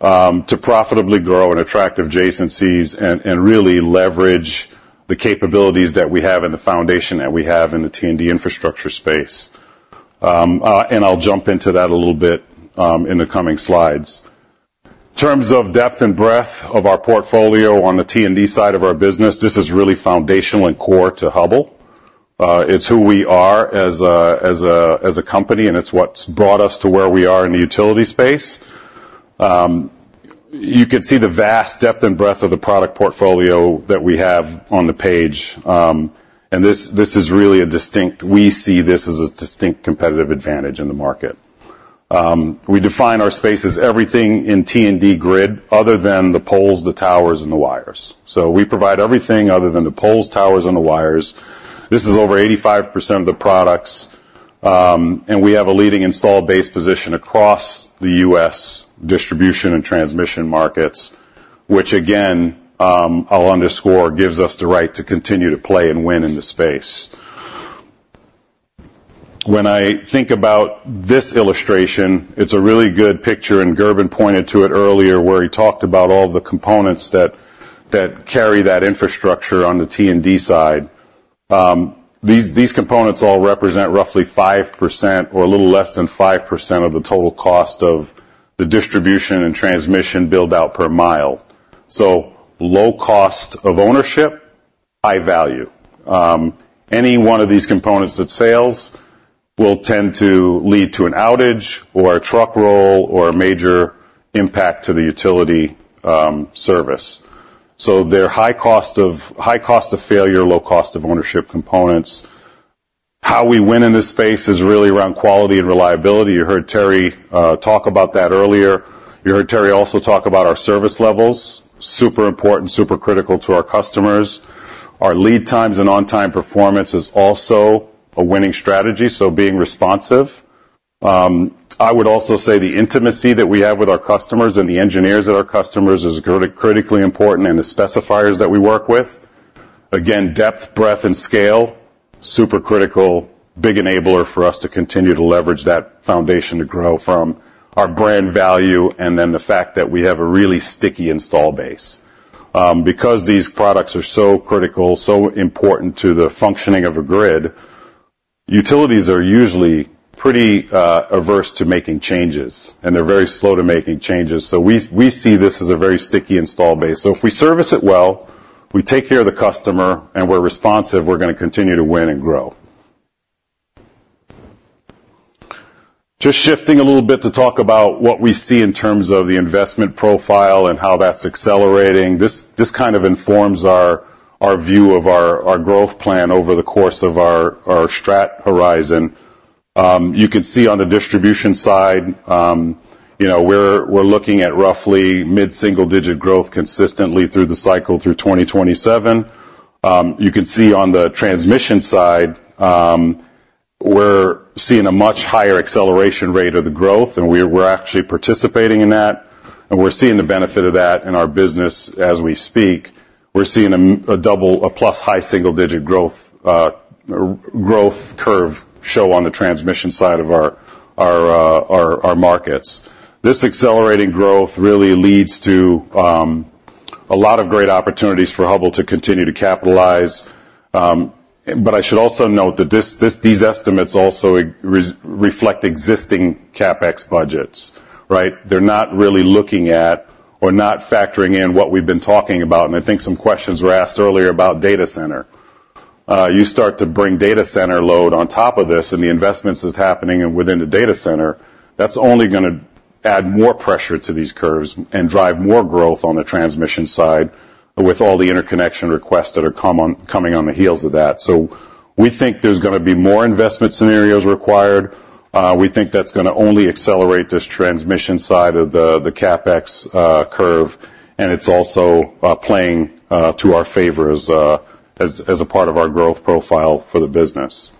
to profitably grow and attract adjacencies and really leverage the capabilities that we have and the foundation that we have in the T&D infrastructure space. And I'll jump into that a little bit in the coming slides. In terms of depth and breadth of our portfolio on the T&D side of our business, this is really foundational and core to Hubbell. It's who we are as a company, and it's what's brought us to where we are in the utility space. You could see the vast depth and breadth of the product portfolio that we have on the page, and this is really a distinct. We see this as a distinct competitive advantage in the market. We define our space as everything in T&D grid other than the poles, the towers, and the wires. So we provide everything other than the poles, towers, and the wires. This is over 85% of the products, and we have a leading installed base position across the U.S. distribution and transmission markets, which, again, I'll underscore, gives us the right to continue to play and win in the space. When I think about this illustration, it's a really good picture, and Gerben pointed to it earlier, where he talked about all the components that carry that infrastructure on the T&D side. These components all represent roughly 5% or a little less than 5% of the total cost of the distribution and transmission build-out per mile. So low cost of ownership, high value. Any one of these components that fails will tend to lead to an outage or a truck roll or a major impact to the utility service. So they're high cost of failure, low cost of ownership components. How we win in this space is really around quality and reliability. You heard Terry talk about that earlier. You heard Terry also talk about our service levels, super important, super critical to our customers. Our lead times and on-time performance is also a winning strategy, so being responsive. I would also say the intimacy that we have with our customers and the engineers at our customers is critically important, and the specifiers that we work with. Again, depth, breadth, and scale, super critical, big enabler for us to continue to leverage that foundation to grow from. Our brand value, and then the fact that we have a really sticky install base. Because these products are so critical, so important to the functioning of a grid, utilities are usually pretty averse to making changes, and they're very slow to making changes, so we see this as a very sticky install base. So if we service it well, we take care of the customer, and we're responsive, we're gonna continue to win and grow.... Just shifting a little bit to talk about what we see in terms of the investment profile and how that's accelerating. This kind of informs our view of our growth plan over the course of our strat horizon. You could see on the distribution side, you know, we're looking at roughly mid-single-digit growth consistently through the cycle through 2027. You can see on the transmission side, we're seeing a much higher acceleration rate of the growth, and we're actually participating in that, and we're seeing the benefit of that in our business as we speak. We're seeing a double- a plus high single-digit growth growth curve show on the transmission side of our markets. This accelerating growth really leads to a lot of great opportunities for Hubbell to continue to capitalize. But I should also note that this-- these estimates also reflect existing CapEx budgets, right? They're not really looking at, or not factoring in what we've been talking about, and I think some questions were asked earlier about data center. You start to bring data center load on top of this, and the investments that's happening within the data center, that's only gonna add more pressure to these curves and drive more growth on the transmission side with all the interconnection requests that are coming on the heels of that. So we think there's gonna be more investment scenarios required. We think that's gonna only accelerate this transmission side of the CapEx curve, and it's also playing to our favor as, as a part of our growth profile for the business.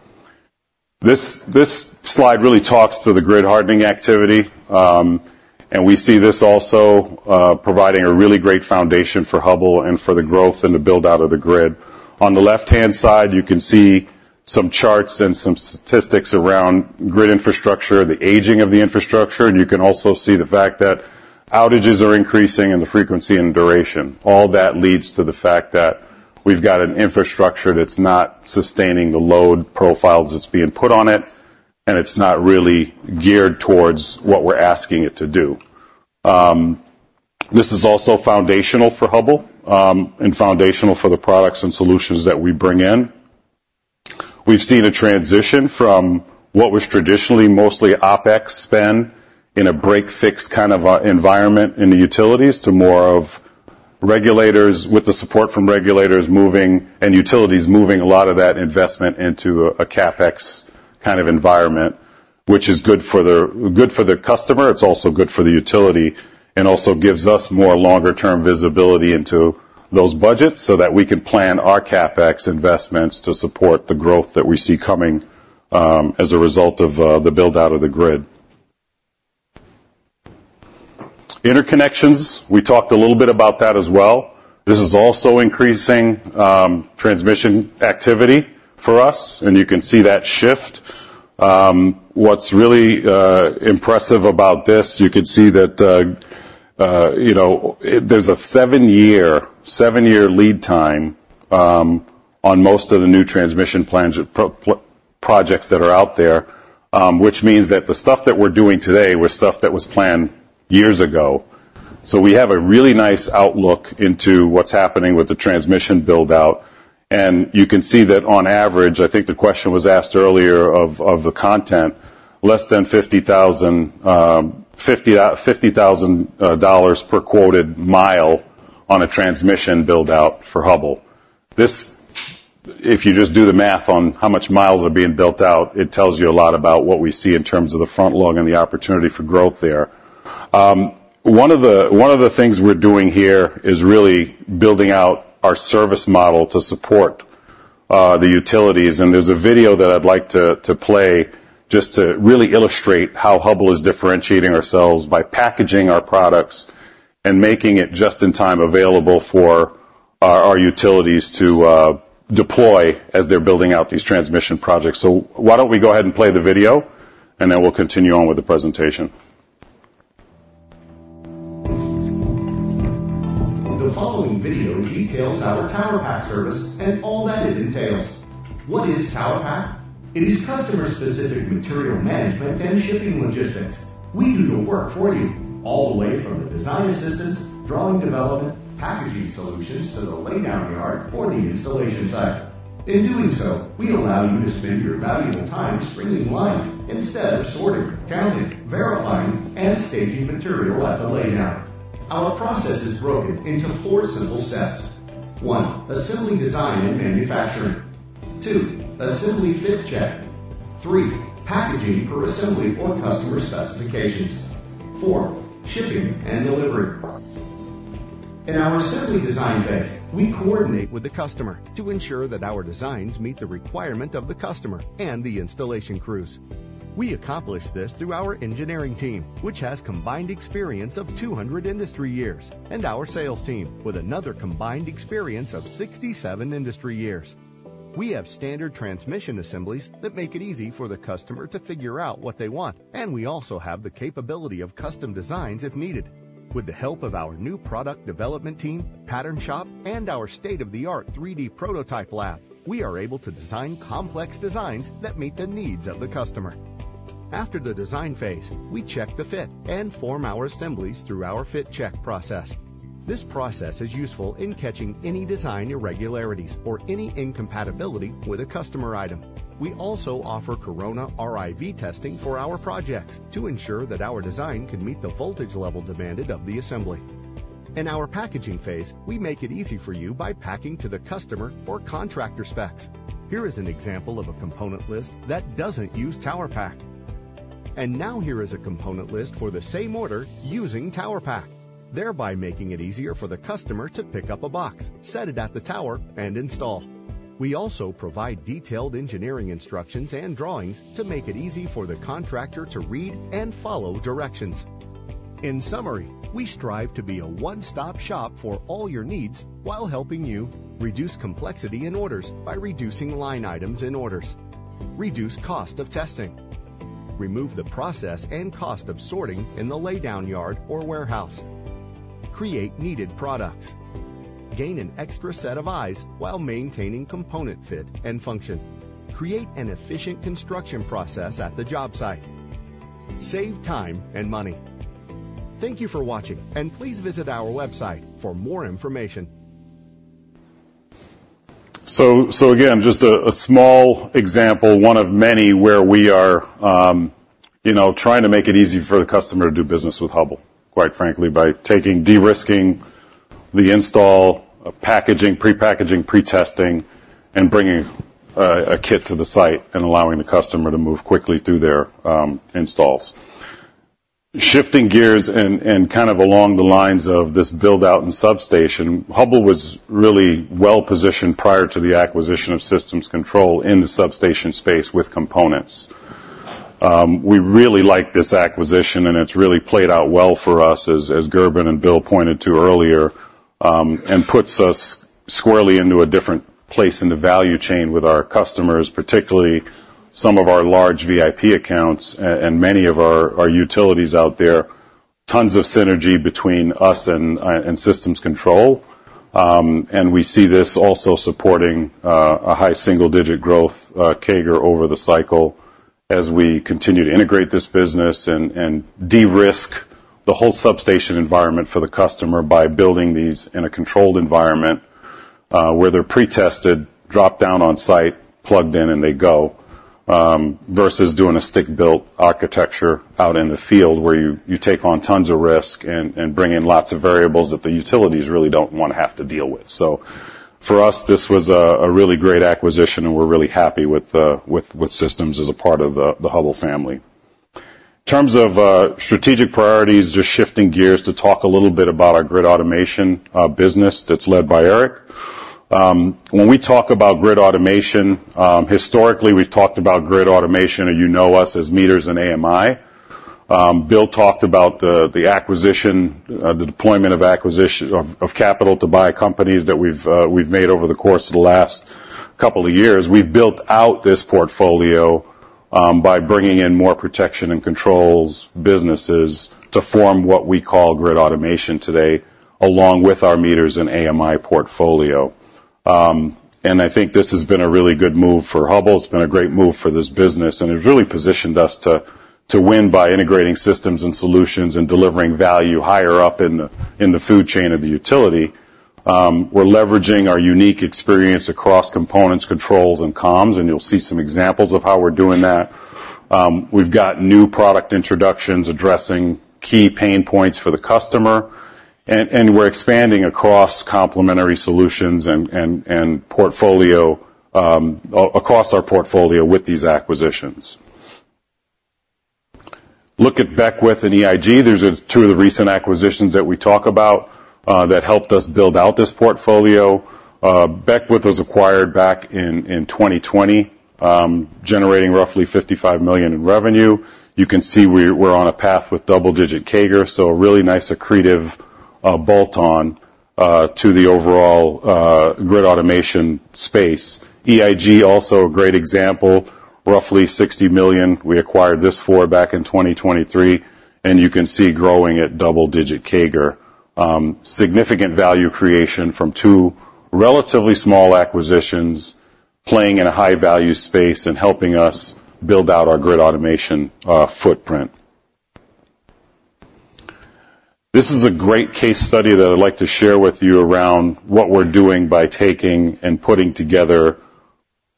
This, this slide really talks to the grid hardening activity, and we see this also providing a really great foundation for Hubbell and for the growth and the build-out of the grid. On the left-hand side, you can see some charts and some statistics around grid infrastructure, the aging of the infrastructure. You can also see the fact that outages are increasing, and the frequency and duration. All that leads to the fact that we've got an infrastructure that's not sustaining the load profiles that's being put on it, and it's not really geared towards what we're asking it to do. This is also foundational for Hubbell, and foundational for the products and solutions that we bring in. We've seen a transition from what was traditionally mostly OpEx spend in a break-fix kind of environment in the utilities to more of regulators with the support from regulators moving, and utilities moving a lot of that investment into a CapEx kind of environment, which is good for the customer, it's also good for the utility, and also gives us more longer-term visibility into those budgets so that we can plan our CapEx investments to support the growth that we see coming, as a result of the build-out of the grid. Interconnections, we talked a little bit about that as well. This is also increasing transmission activity for us, and you can see that shift. What's really impressive about this, you could see that, you know, there's a 7-year, 7-year lead time on most of the new transmission plans projects that are out there, which means that the stuff that we're doing today was stuff that was planned years ago. So we have a really nice outlook into what's happening with the transmission build-out, and you can see that on average, I think the question was asked earlier of the content, less than $50,000 per quoted mile on a transmission build-out for Hubbell. This, if you just do the math on how much miles are being built out, it tells you a lot about what we see in terms of the front log and the opportunity for growth there. One of the things we're doing here is really building out our service model to support the utilities. And there's a video that I'd like to play just to really illustrate how Hubbell is differentiating ourselves by packaging our products and making it just in time available for our utilities to deploy as they're building out these transmission projects. So why don't we go ahead and play the video, and then we'll continue on with the presentation. The following video details our PowerPad service and all that it entails. What is PowerPad? It is customer-specific material management and shipping logistics. We do the work for you, all the way from the design assistance, drawing development, packaging solutions to the laydown yard for the installation site. In doing so, we allow you to spend your valuable time stringing lines instead of sorting, counting, verifying, and staging material at the laydown. Our process is broken into four simple steps: One, assembly, design, and manufacturing. Two, assembly fit check. Three, packaging per assembly or customer specifications. Four, shipping and delivery. In our assembly design phase, we coordinate with the customer to ensure that our designs meet the requirement of the customer and the installation crews. We accomplish this through our engineering team, which has combined experience of 200 industry years, and our sales team, with another combined experience of 67 industry years. We have standard transmission assemblies that make it easy for the customer to figure out what they want, and we also have the capability of custom designs if needed. With the help of our new product development team, pattern shop, and our state-of-the-art 3D prototype lab, we are able to design complex designs that meet the needs of the customer. After the design phase, we check the fit and form our assemblies through our fit check process. This process is useful in catching any design irregularities or any incompatibility with a customer item. We also offer Corona RIV testing for our projects to ensure that our design can meet the voltage level demanded of the assembly. In our packaging phase, we make it easy for you by packing to the customer or contractor specs. Here is an example of a component list that doesn't use TowerPak. And now here is a component list for the same order using TowerPak, thereby making it easier for the customer to pick up a box, set it at the tower, and install. We also provide detailed engineering instructions and drawings to make it easy for the contractor to read and follow directions. In summary, we strive to be a one-stop shop for all your needs while helping you reduce complexity in orders by reducing line items in orders, reduce cost of testing, remove the process and cost of sorting in the laydown yard or warehouse, create needed products, gain an extra set of eyes while maintaining component fit and function, create an efficient construction process at the job site, save time and money. Thank you for watching, and please visit our website for more information. So, so again, just a small example, one of many, where we are, you know, trying to make it easy for the customer to do business with Hubbell, quite frankly, by derisking the install of packaging, prepackaging, pretesting, and bringing a kit to the site and allowing the customer to move quickly through their installs. Shifting gears and kind of along the lines of this build-out and substation, Hubbell was really well-positioned prior to the acquisition of Systems Control in the substation space with components. We really like this acquisition, and it's really played out well for us, as Gerben and Bill pointed to earlier, and puts us squarely into a different place in the value chain with our customers, particularly some of our large VIP accounts and many of our utilities out there. Tons of synergy between us and Systems Control. We see this also supporting a high single-digit growth CAGR over the cycle as we continue to integrate this business and derisk the whole substation environment for the customer by building these in a controlled environment where they're pretested, dropped down on site, plugged in, and they go, versus doing a stick-built architecture out in the field, where you take on tons of risk and bring in lots of variables that the utilities really don't wanna have to deal with. So for us, this was a really great acquisition, and we're really happy with Systems Control as a part of the Hubbell family. In terms of strategic priorities, just shifting gears to talk a little bit about our grid automation business that's led by Erik. When we talk about grid automation, historically, we've talked about grid automation, and you know us as meters and AMI. Bill talked about the acquisition, the deployment of capital to buy companies that we've made over the course of the last couple of years. We've built out this portfolio by bringing in more protection and controls businesses to form what we call grid automation today, along with our meters and AMI portfolio. And I think this has been a really good move for Hubbell. It's been a great move for this business, and it really positioned us to win by integrating systems and solutions and delivering value higher up in the food chain of the utility. We're leveraging our unique experience across components, controls, and comms, and you'll see some examples of how we're doing that. We've got new product introductions addressing key pain points for the customer, and we're expanding across complementary solutions and portfolio across our portfolio with these acquisitions. Look at Beckwith and EIG. Those are two of the recent acquisitions that we talk about that helped us build out this portfolio. Beckwith was acquired back in 2020, generating roughly $55 million in revenue. You can see we're on a path with double-digit CAGR, so a really nice accretive bolt-on to the overall grid automation space. EIG, also a great example, roughly $60 million, we acquired this back in 2023, and you can see growing at double-digit CAGR. Significant value creation from two relatively small acquisitions, playing in a high-value space and helping us build out our grid automation footprint. This is a great case study that I'd like to share with you around what we're doing by taking and putting together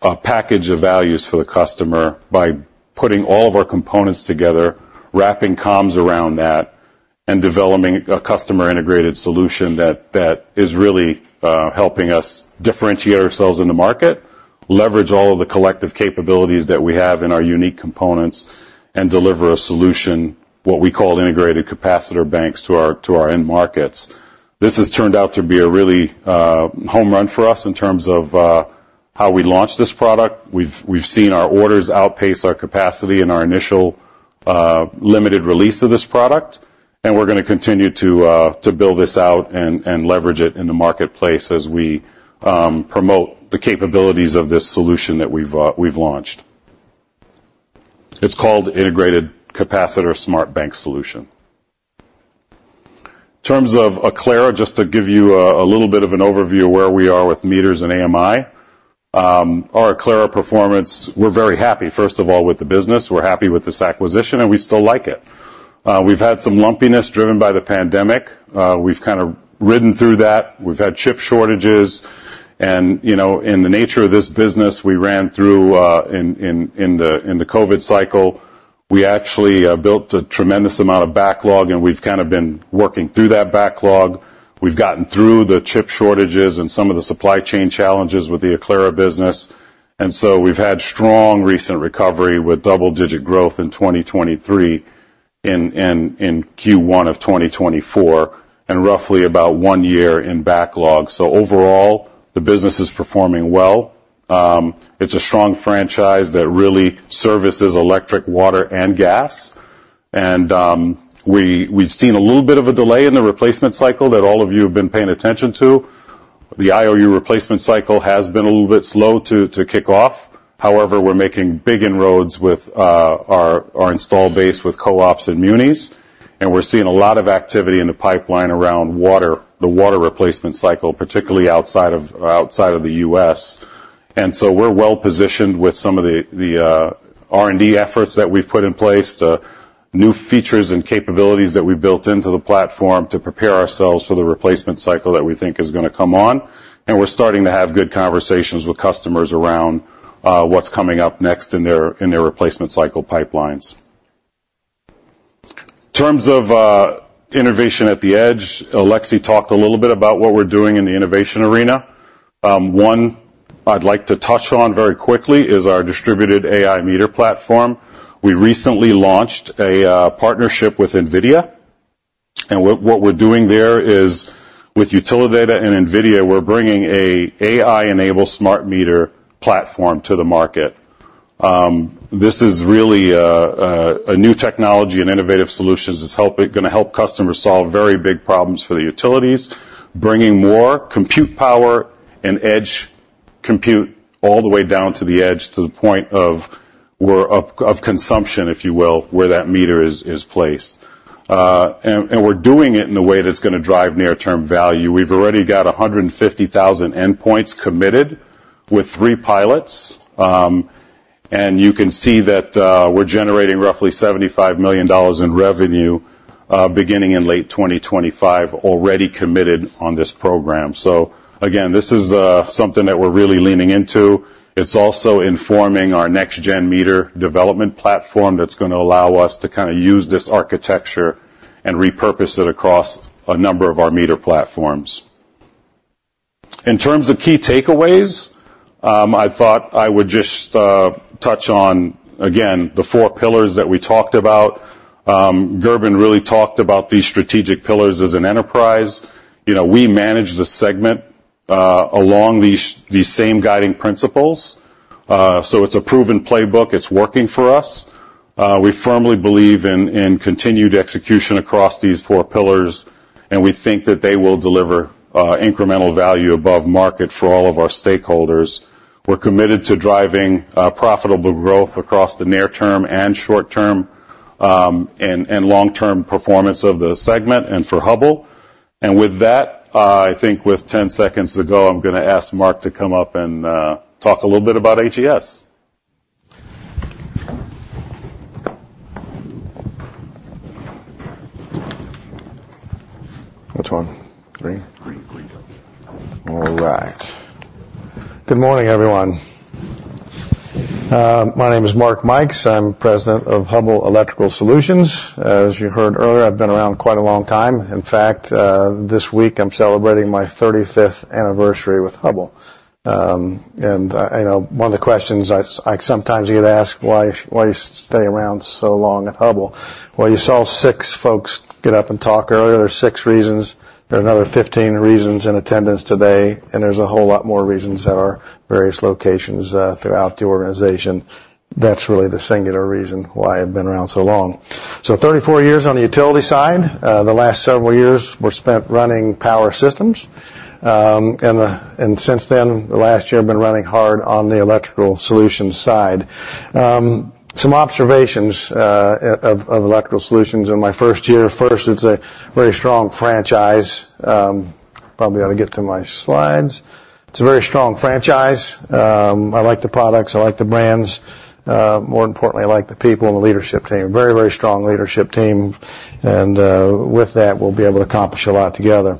a package of values for the customer, by putting all of our components together, wrapping comms around that, and developing a customer-integrated solution that is really helping us differentiate ourselves in the market, leverage all of the collective capabilities that we have in our unique components, and deliver a solution, what we call integrated capacitor banks, to our end markets. This has turned out to be a really home run for us in terms of how we launched this product. We've seen our orders outpace our capacity in our initial limited release of this product, and we're gonna continue to build this out and leverage it in the marketplace as we promote the capabilities of this solution that we've launched. It's called Integrated Capacitor Smart Bank Solution. In terms of Aclara, just to give you a little bit of an overview of where we are with meters and AMI. Our Aclara performance, we're very happy, first of all, with the business. We're happy with this acquisition, and we still like it. We've had some lumpiness driven by the pandemic. We've kind of ridden through that. We've had chip shortages and, you know, in the nature of this business, we ran through in the COVID cycle, we actually built a tremendous amount of backlog, and we've kind of been working through that backlog. We've gotten through the chip shortages and some of the supply chain challenges with the Aclara business, and so we've had strong recent recovery with double-digit growth in 2023, in Q1 of 2024, and roughly about one year in backlog. So overall, the business is performing well. It's a strong franchise that really services electric, water, and gas. We've seen a little bit of a delay in the replacement cycle that all of you have been paying attention to. The IOU replacement cycle has been a little bit slow to kick off. However, we're making big inroads with our install base with co-ops and munis, and we're seeing a lot of activity in the pipeline around water, the water replacement cycle, particularly outside of the US. So we're well-positioned with some of the R&D efforts that we've put in place to new features and capabilities that we've built into the platform to prepare ourselves for the replacement cycle that we think is gonna come on. We're starting to have good conversations with customers around what's coming up next in their replacement cycle pipelines. In terms of innovation at the edge, Alexis talked a little bit about what we're doing in the innovation arena. One I'd like to touch on very quickly is our distributed AI meter platform. We recently launched a partnership with NVIDIA, and what we're doing there is, with Utilidata and NVIDIA, we're bringing a AI-enabled smart meter platform to the market. This is really a new technology and innovative solutions that's gonna help customers solve very big problems for the utilities, bringing more compute power and edge compute all the way down to the edge, to the point of consumption, if you will, where that meter is placed. And we're doing it in a way that's gonna drive near-term value. We've already got 150,000 endpoints committed with three pilots. And you can see that we're generating roughly $75 million in revenue, beginning in late 2025, already committed on this program. So again, this is something that we're really leaning into. It's also informing our next-gen meter development platform that's gonna allow us to kind of use this architecture and repurpose it across a number of our meter platforms. In terms of key takeaways, I thought I would just touch on, again, the four pillars that we talked about. Gerben really talked about these strategic pillars as an enterprise. You know, we manage the segment along these same guiding principles. So it's a proven playbook. It's working for us. We firmly believe in continued execution across these four pillars, and we think that they will deliver incremental value above market for all of our stakeholders. We're committed to driving profitable growth across the near term and short term, and long-term performance of the segment and for Hubbell. With that, I think with 10 seconds to go, I'm gonna ask Mark to come up and talk a little bit about HES. Which one? Green? Green. Green. All right. Good morning, everyone. My name is Mark Mikes. I'm President of Hubbell Electrical Solutions. As you heard earlier, I've been around quite a long time. In fact, this week, I'm celebrating my 35th anniversary with Hubbell. And, you know, one of the questions I sometimes get asked, "Why you stay around so long at Hubbell?" Well, you saw six folks get up and talk earlier. There's six reasons, there are another 15 reasons in attendance today, and there's a whole lot more reasons at our various locations throughout the organization. That's really the singular reason why I've been around so long. So 34 years on the utility side. The last several years were spent running power systems. And since then, the last year, I've been running hard on the electrical solutions side. Some observations of electrical solutions in my first year. First, it's a very strong franchise. Probably ought to get to my slides. It's a very strong franchise. I like the products, I like the brands. More importantly, I like the people and the leadership team. Very, very strong leadership team, and with that, we'll be able to accomplish a lot together.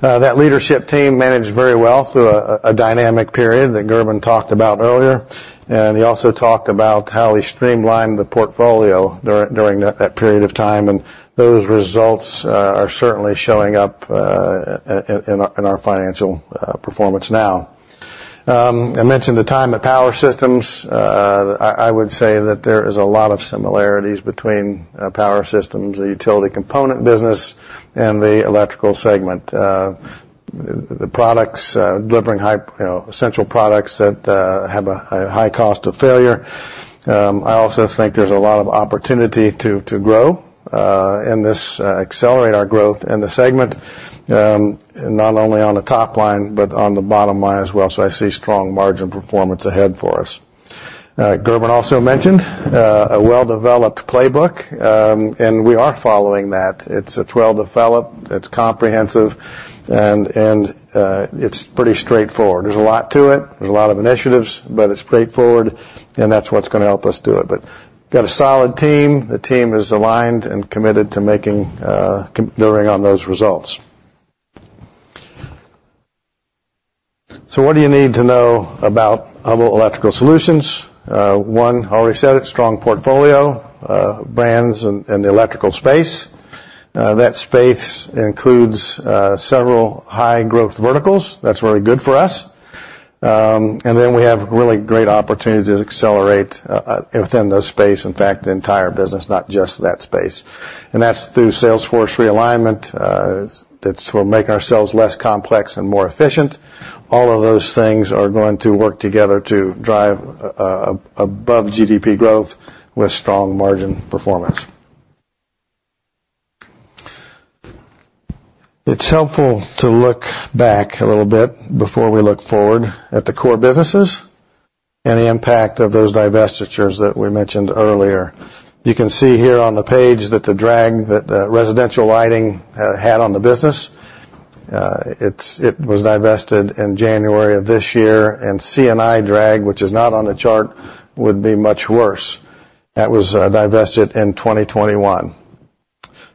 That leadership team managed very well through a dynamic period that Gerben talked about earlier, and he also talked about how he streamlined the portfolio during that period of time, and those results are certainly showing up in our financial performance now. I mentioned the time at Power Systems. I would say that there is a lot of similarities between Power Systems, the utility component business, and the electrical segment. The products delivering high, you know, essential products that have a high cost of failure. I also think there's a lot of opportunity to grow and this accelerate our growth in the segment, not only on the top line, but on the bottom line as well. So I see strong margin performance ahead for us. Gerben also mentioned a well-developed playbook, and we are following that. It's well-developed, it's comprehensive, and it's pretty straightforward. There's a lot to it, there's a lot of initiatives, but it's straightforward, and that's what's gonna help us do it. But we've got a solid team. The team is aligned and committed to making, delivering on those results. So what do you need to know about Hubbell Electrical Solutions? One, I already said it, strong portfolio, brands in the electrical space. That space includes several high growth verticals. That's very good for us. And then we have really great opportunities to accelerate within those space, in fact, the entire business, not just that space. And that's through sales force realignment. That's we're making ourselves less complex and more efficient. All of those things are going to work together to drive above GDP growth with strong margin performance. It's helpful to look back a little bit before we look forward at the core businesses and the impact of those divestitures that we mentioned earlier. You can see here on the page that the drag that residential lighting had on the business, it was divested in January of this year, and C&I drag, which is not on the chart, would be much worse. That was divested in 2021.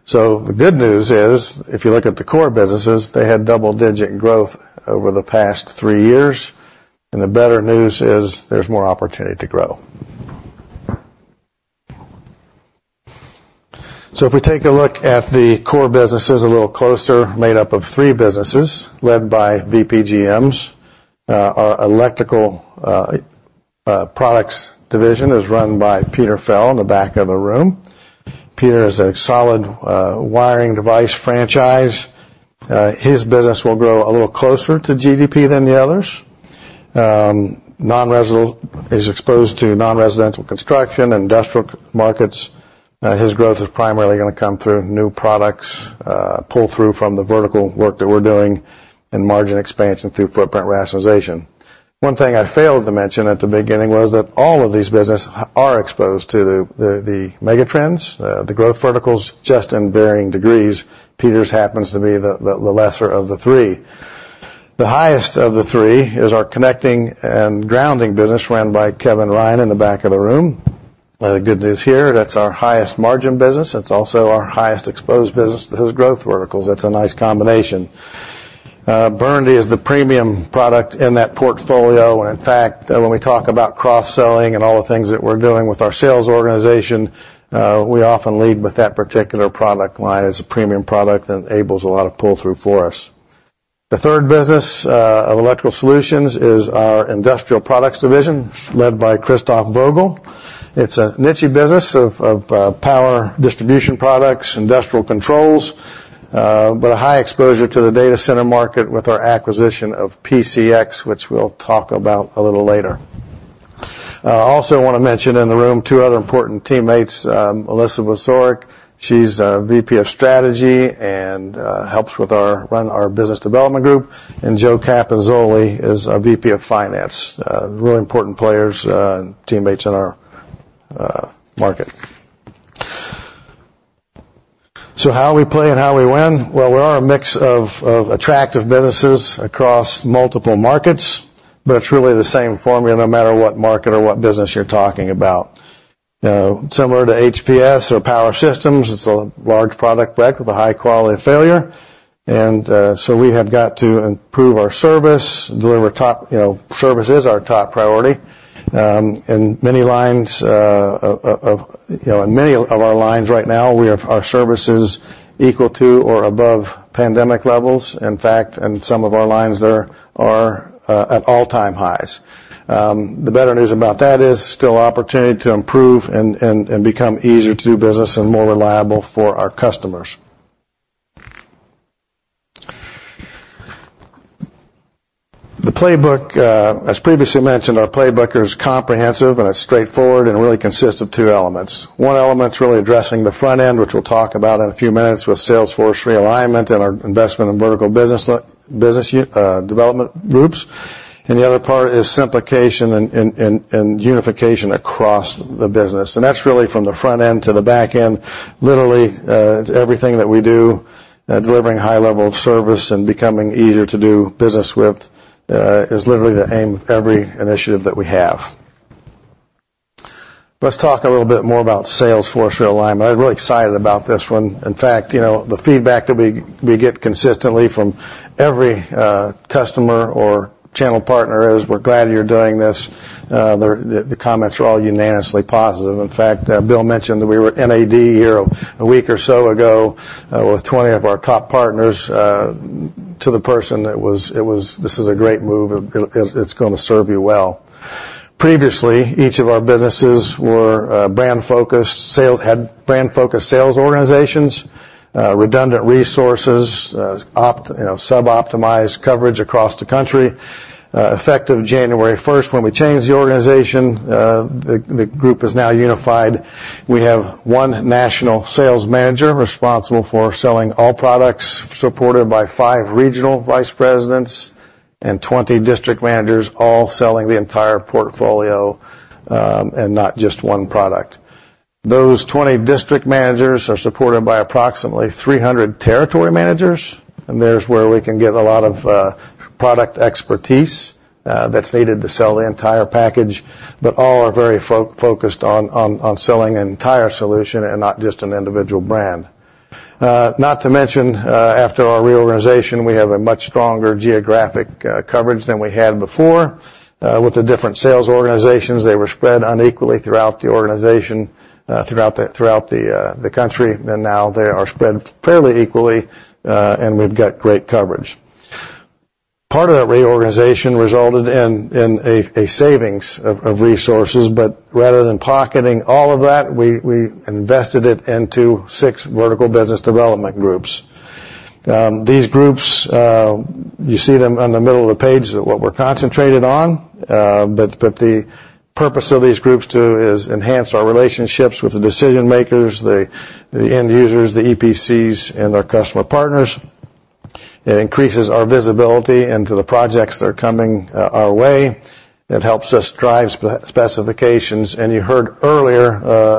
So the good news is, if you look at the core businesses, they had double-digit growth over the past three years, and the better news is there's more opportunity to grow. So if we take a look at the core businesses a little closer, made up of three businesses, led by VPGMs. Our electrical products division is run by Peter Fehl in the back of the room. Peter is a solid wiring device franchise. His business will grow a little closer to GDP than the others. Nonresidential is exposed to nonresidential construction, industrial markets. His growth is primarily gonna come through new products, pull through from the vertical work that we're doing, and margin expansion through footprint rationalization. One thing I failed to mention at the beginning was that all of these businesses are exposed to the mega trends, the growth verticals, just in varying degrees. Peter's happens to be the lesser of the three. The highest of the three is our connecting and grounding business, run by Kevin Ryan in the back of the room. The good news here, that's our highest margin business. It's also our highest exposed business to his growth verticals. That's a nice combination. Burndy is the premium product in that portfolio. In fact, when we talk about cross-selling and all the things that we're doing with our sales organization, we often lead with that particular product line as a premium product that enables a lot of pull-through for us. The third business of Electrical Solutions is our industrial products division, led by Christophe Vogel. It's a nichey business of power distribution products, industrial controls, but a high exposure to the data center market with our acquisition of PCX, which we'll talk about a little later. I also wanna mention in the room two other important teammates, Melissa Wozniak. She's a VP of strategy and helps with our run, our business development group, and Joe Capozzoli is our VP of finance. Really important players and teammates in our market. So how we play and how we win? Well, we are a mix of attractive businesses across multiple markets, but it's really the same formula, no matter what market or what business you're talking about. Similar to HPS or Power Systems, it's a large product deck with a high quality of failure. And so we have got to improve our service, deliver top—you know, service is our top priority. And many lines, you know, in many of our lines right now, we have our services equal to or above pandemic levels. In fact, in some of our lines, there are at all-time highs. The better news about that is still opportunity to improve and become easier to do business and more reliable for our customers. The playbook, as previously mentioned, our playbook is comprehensive, and it's straightforward and really consists of two elements. One element is really addressing the front end, which we'll talk about in a few minutes, with sales force realignment and our investment in vertical business development groups. The other part is simplification and unification across the business. That's really from the front end to the back end. Literally, it's everything that we do, delivering high level of service and becoming easier to do business with, is literally the aim of every initiative that we have. Let's talk a little bit more about sales force realignment. I'm really excited about this one. In fact, you know, the feedback that we get consistently from every customer or channel partner is, "We're glad you're doing this." The comments are all unanimously positive. In fact, Bill mentioned that we were in AD here a week or so ago, with 20 of our top partners, to the person, that was-- it was, "This is a great move. It, it's gonna serve you well." Previously, each of our businesses were, brand-focused, had brand-focused sales organizations, redundant resources, you know, suboptimized coverage across the country. Effective January first, when we changed the organization, the group is now unified. We have one national sales manager responsible for selling all products, supported by five regional vice presidents, and 20 district managers all selling the entire portfolio, and not just one product. Those 20 district managers are supported by approximately 300 territory managers, and there's where we can get a lot of, product expertise, that's needed to sell the entire package. But all are very focused on selling an entire solution and not just an individual brand. Not to mention, after our reorganization, we have a much stronger geographic coverage than we had before with the different sales organizations. They were spread unequally throughout the organization, throughout the country, and now they are spread fairly equally, and we've got great coverage. Part of that reorganization resulted in a savings of resources, but rather than pocketing all of that, we invested it into six vertical business development groups. These groups, you see them on the middle of the page, what we're concentrated on, but the purpose of these groups, too, is enhance our relationships with the decision-makers, the end users, the EPCs, and our customer partners. It increases our visibility into the projects that are coming our way. It helps us drive specifications. And you heard earlier,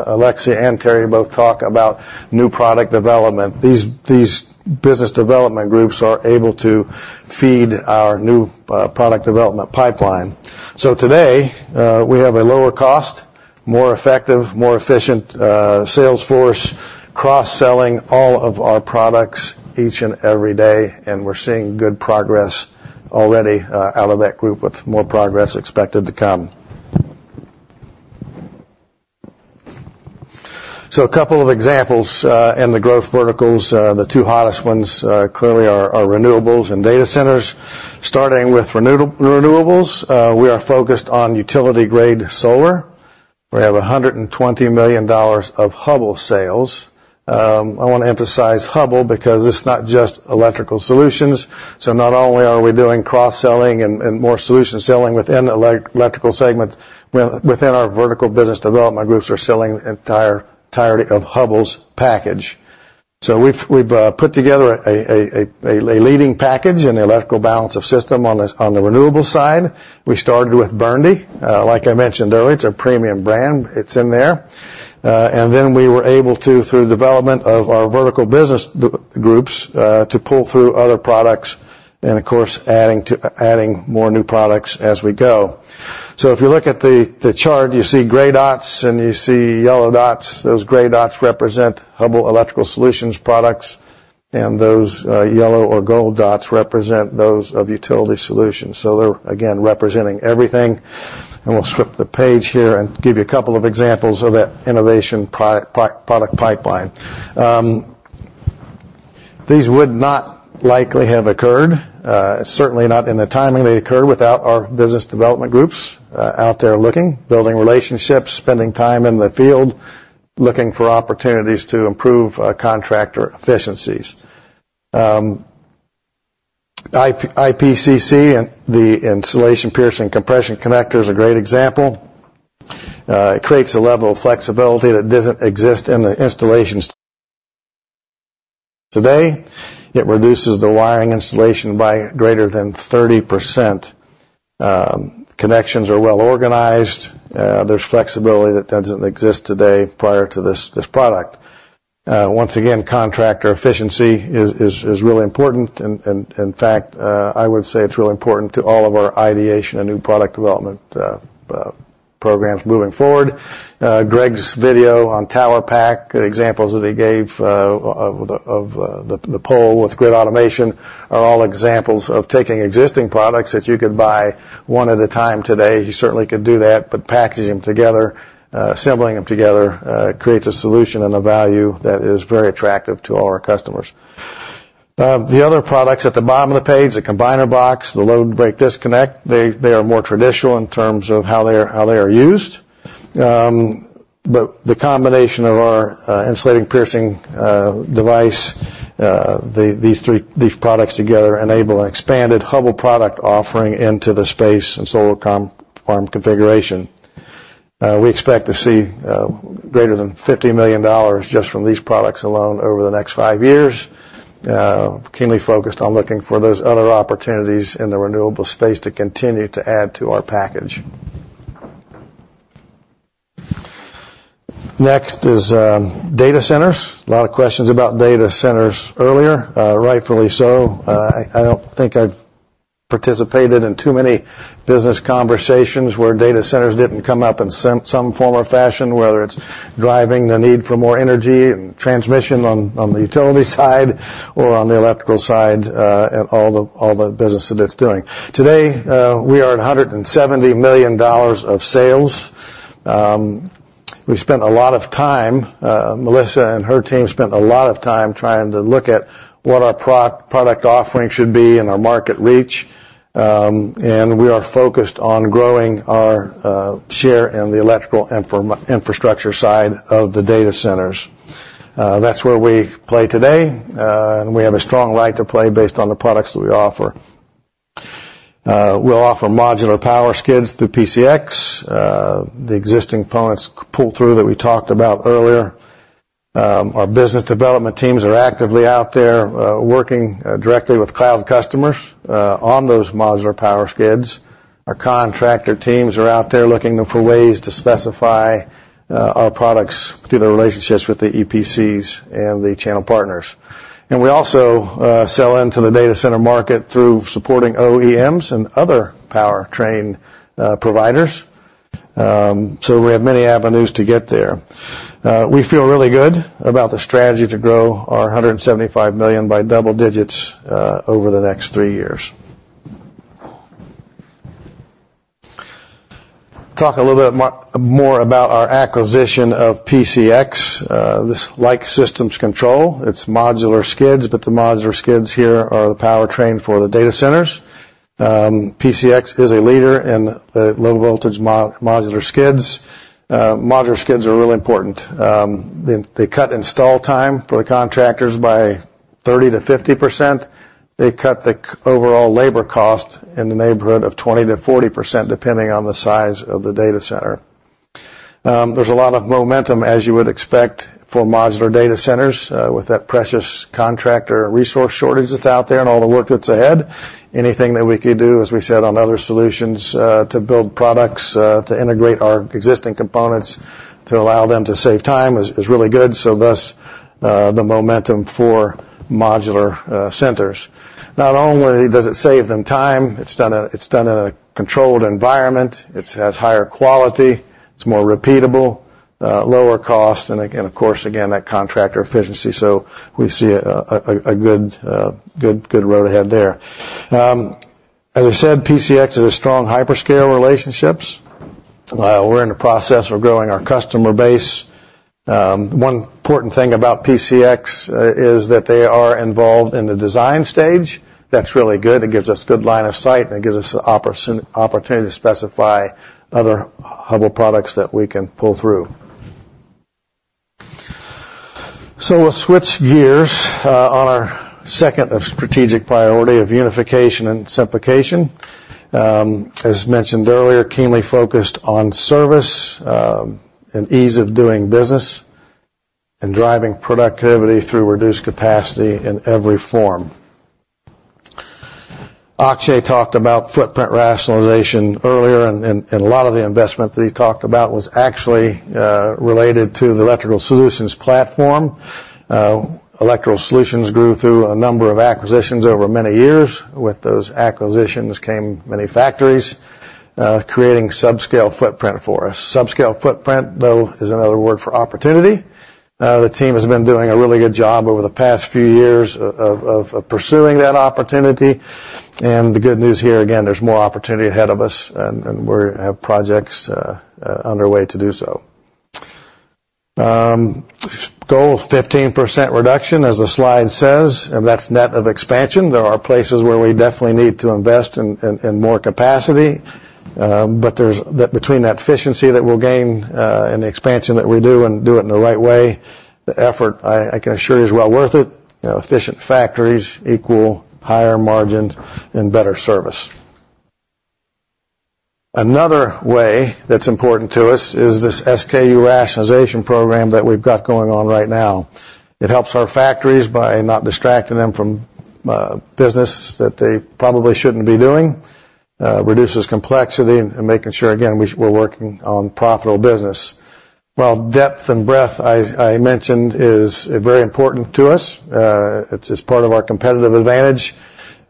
Alexis and Terry both talk about new product development. These business development groups are able to feed our new product development pipeline. So today, we have a lower cost, more effective, more efficient sales force, cross-selling all of our products each and every day, and we're seeing good progress already out of that group, with more progress expected to come. So a couple of examples in the growth verticals. The two hottest ones clearly are renewables and data centers. Starting with renewables, we are focused on utility-grade solar. We have $120 million of Hubbell sales. I want to emphasize Hubbell because it's not just electrical solutions. So not only are we doing cross-selling and more solution selling within the electrical segment, within our vertical business development groups are selling the entirety of Hubbell's package. So we've put together a leading package in the electrical balance of system on the renewable side. We started with Burndy. Like I mentioned earlier, it's a premium brand. It's in there. And then we were able to, through the development of our vertical business groups, to pull through other products and, of course, adding more new products as we go. So if you look at the chart, you see gray dots, and you see yellow dots. Those gray dots represent Hubbell Electrical Solutions products, and those yellow or gold dots represent those of Utility Solutions. So they're, again, representing everything. We'll flip the page here and give you a couple of examples of that innovation product, product pipeline. These would not likely have occurred, certainly not in the timing they occurred, without our business development groups out there looking, building relationships, spending time in the field, looking for opportunities to improve contractor efficiencies. IPCC, the Insulation Piercing Compression Connector, is a great example. It creates a level of flexibility that doesn't exist in the installations today. It reduces the wiring installation by greater than 30%. Connections are well organized. There's flexibility that doesn't exist today prior to this product. Once again, contractor efficiency is really important, and in fact, I would say it's really important to all of our ideation and new product development programs moving forward. Greg's video on TowerPak, the examples that he gave of the pole with grid automation, are all examples of taking existing products that you could buy one at a time today. You certainly could do that, but packaging them together, assembling them together, creates a solution and a value that is very attractive to all our customers. The other products at the bottom of the page, the combiner box, the load-break disconnect, they are more traditional in terms of how they are used. But the combination of our insulation piercing device, these products together enable an expanded Hubbell product offering into the space and solar farm configuration. We expect to see greater than $50 million just from these products alone over the next five years. Keenly focused on looking for those other opportunities in the renewable space to continue to add to our package. Next is data centers. A lot of questions about data centers earlier, rightfully so. I don't think I've participated in too many business conversations where data centers didn't come up in some form or fashion, whether it's driving the need for more energy and transmission on the utility side or on the electrical side, and all the business that it's doing. Today, we are at $170 million of sales. We spent a lot of time, Melissa and her team spent a lot of time trying to look at what our product offering should be and our market reach. We are focused on growing our share in the electrical infrastructure side of the data centers. That's where we play today, and we have a strong right to play based on the products that we offer. We'll offer modular power skids through PCX, the existing products pull-through that we talked about earlier. Our business development teams are actively out there working directly with cloud customers on those modular power skids. Our contractor teams are out there looking for ways to specify our products through the relationships with the EPCs and the channel partners. And we also sell into the data center market through supporting OEMs and other powertrain providers. So we have many avenues to get there. We feel really good about the strategy to grow our $175 million by double digits over the next three years. Talk a little bit more about our acquisition of PCX. This like Systems Control, it's modular skids, but the modular skids here are the powertrain for the data centers. PCX is a leader in the low-voltage modular skids. Modular skids are really important. They cut install time for the contractors by 30%-50%. They cut the overall labor cost in the neighborhood of 20%-40%, depending on the size of the data center. There's a lot of momentum, as you would expect, for modular data centers with that precious contractor resource shortage that's out there and all the work that's ahead. Anything that we could do, as we said, on other solutions, to build products, to integrate our existing components, to allow them to save time is really good, so thus, the momentum for modular centers. Not only does it save them time, it's done in a controlled environment, it has higher quality, it's more repeatable, lower cost, and again, of course, again, that contractor efficiency. So we see a good road ahead there. As I said, PCX has strong hyperscale relationships. We're in the process of growing our customer base. One important thing about PCX is that they are involved in the design stage. That's really good. It gives us good line of sight, and it gives us the opportunity to specify other Hubbell products that we can pull through. So we'll switch gears on our second of strategic priority of unification and simplification. As mentioned earlier, keenly focused on service and ease of doing business, and driving productivity through reduced capacity in every form. Akshay talked about footprint rationalization earlier, and a lot of the investment that he talked about was actually related to the Electrical Solutions platform. Electrical Solutions grew through a number of acquisitions over many years. With those acquisitions came many factories creating subscale footprint for us. Subscale footprint, though, is another word for opportunity. The team has been doing a really good job over the past few years of pursuing that opportunity. And the good news here, again, there's more opportunity ahead of us, and we're have projects underway to do so. Goal, 15% reduction, as the slide says, and that's net of expansion. There are places where we definitely need to invest in more capacity, but there's between that efficiency that we'll gain, and the expansion that we do and do it in the right way, the effort, I can assure you, is well worth it. Efficient factories equal higher margin and better service. Another way that's important to us is this SKU rationalization program that we've got going on right now. It helps our factories by not distracting them from business that they probably shouldn't be doing, reduces complexity and making sure, again, we're working on profitable business. While depth and breadth, I mentioned, is very important to us, it's part of our competitive advantage,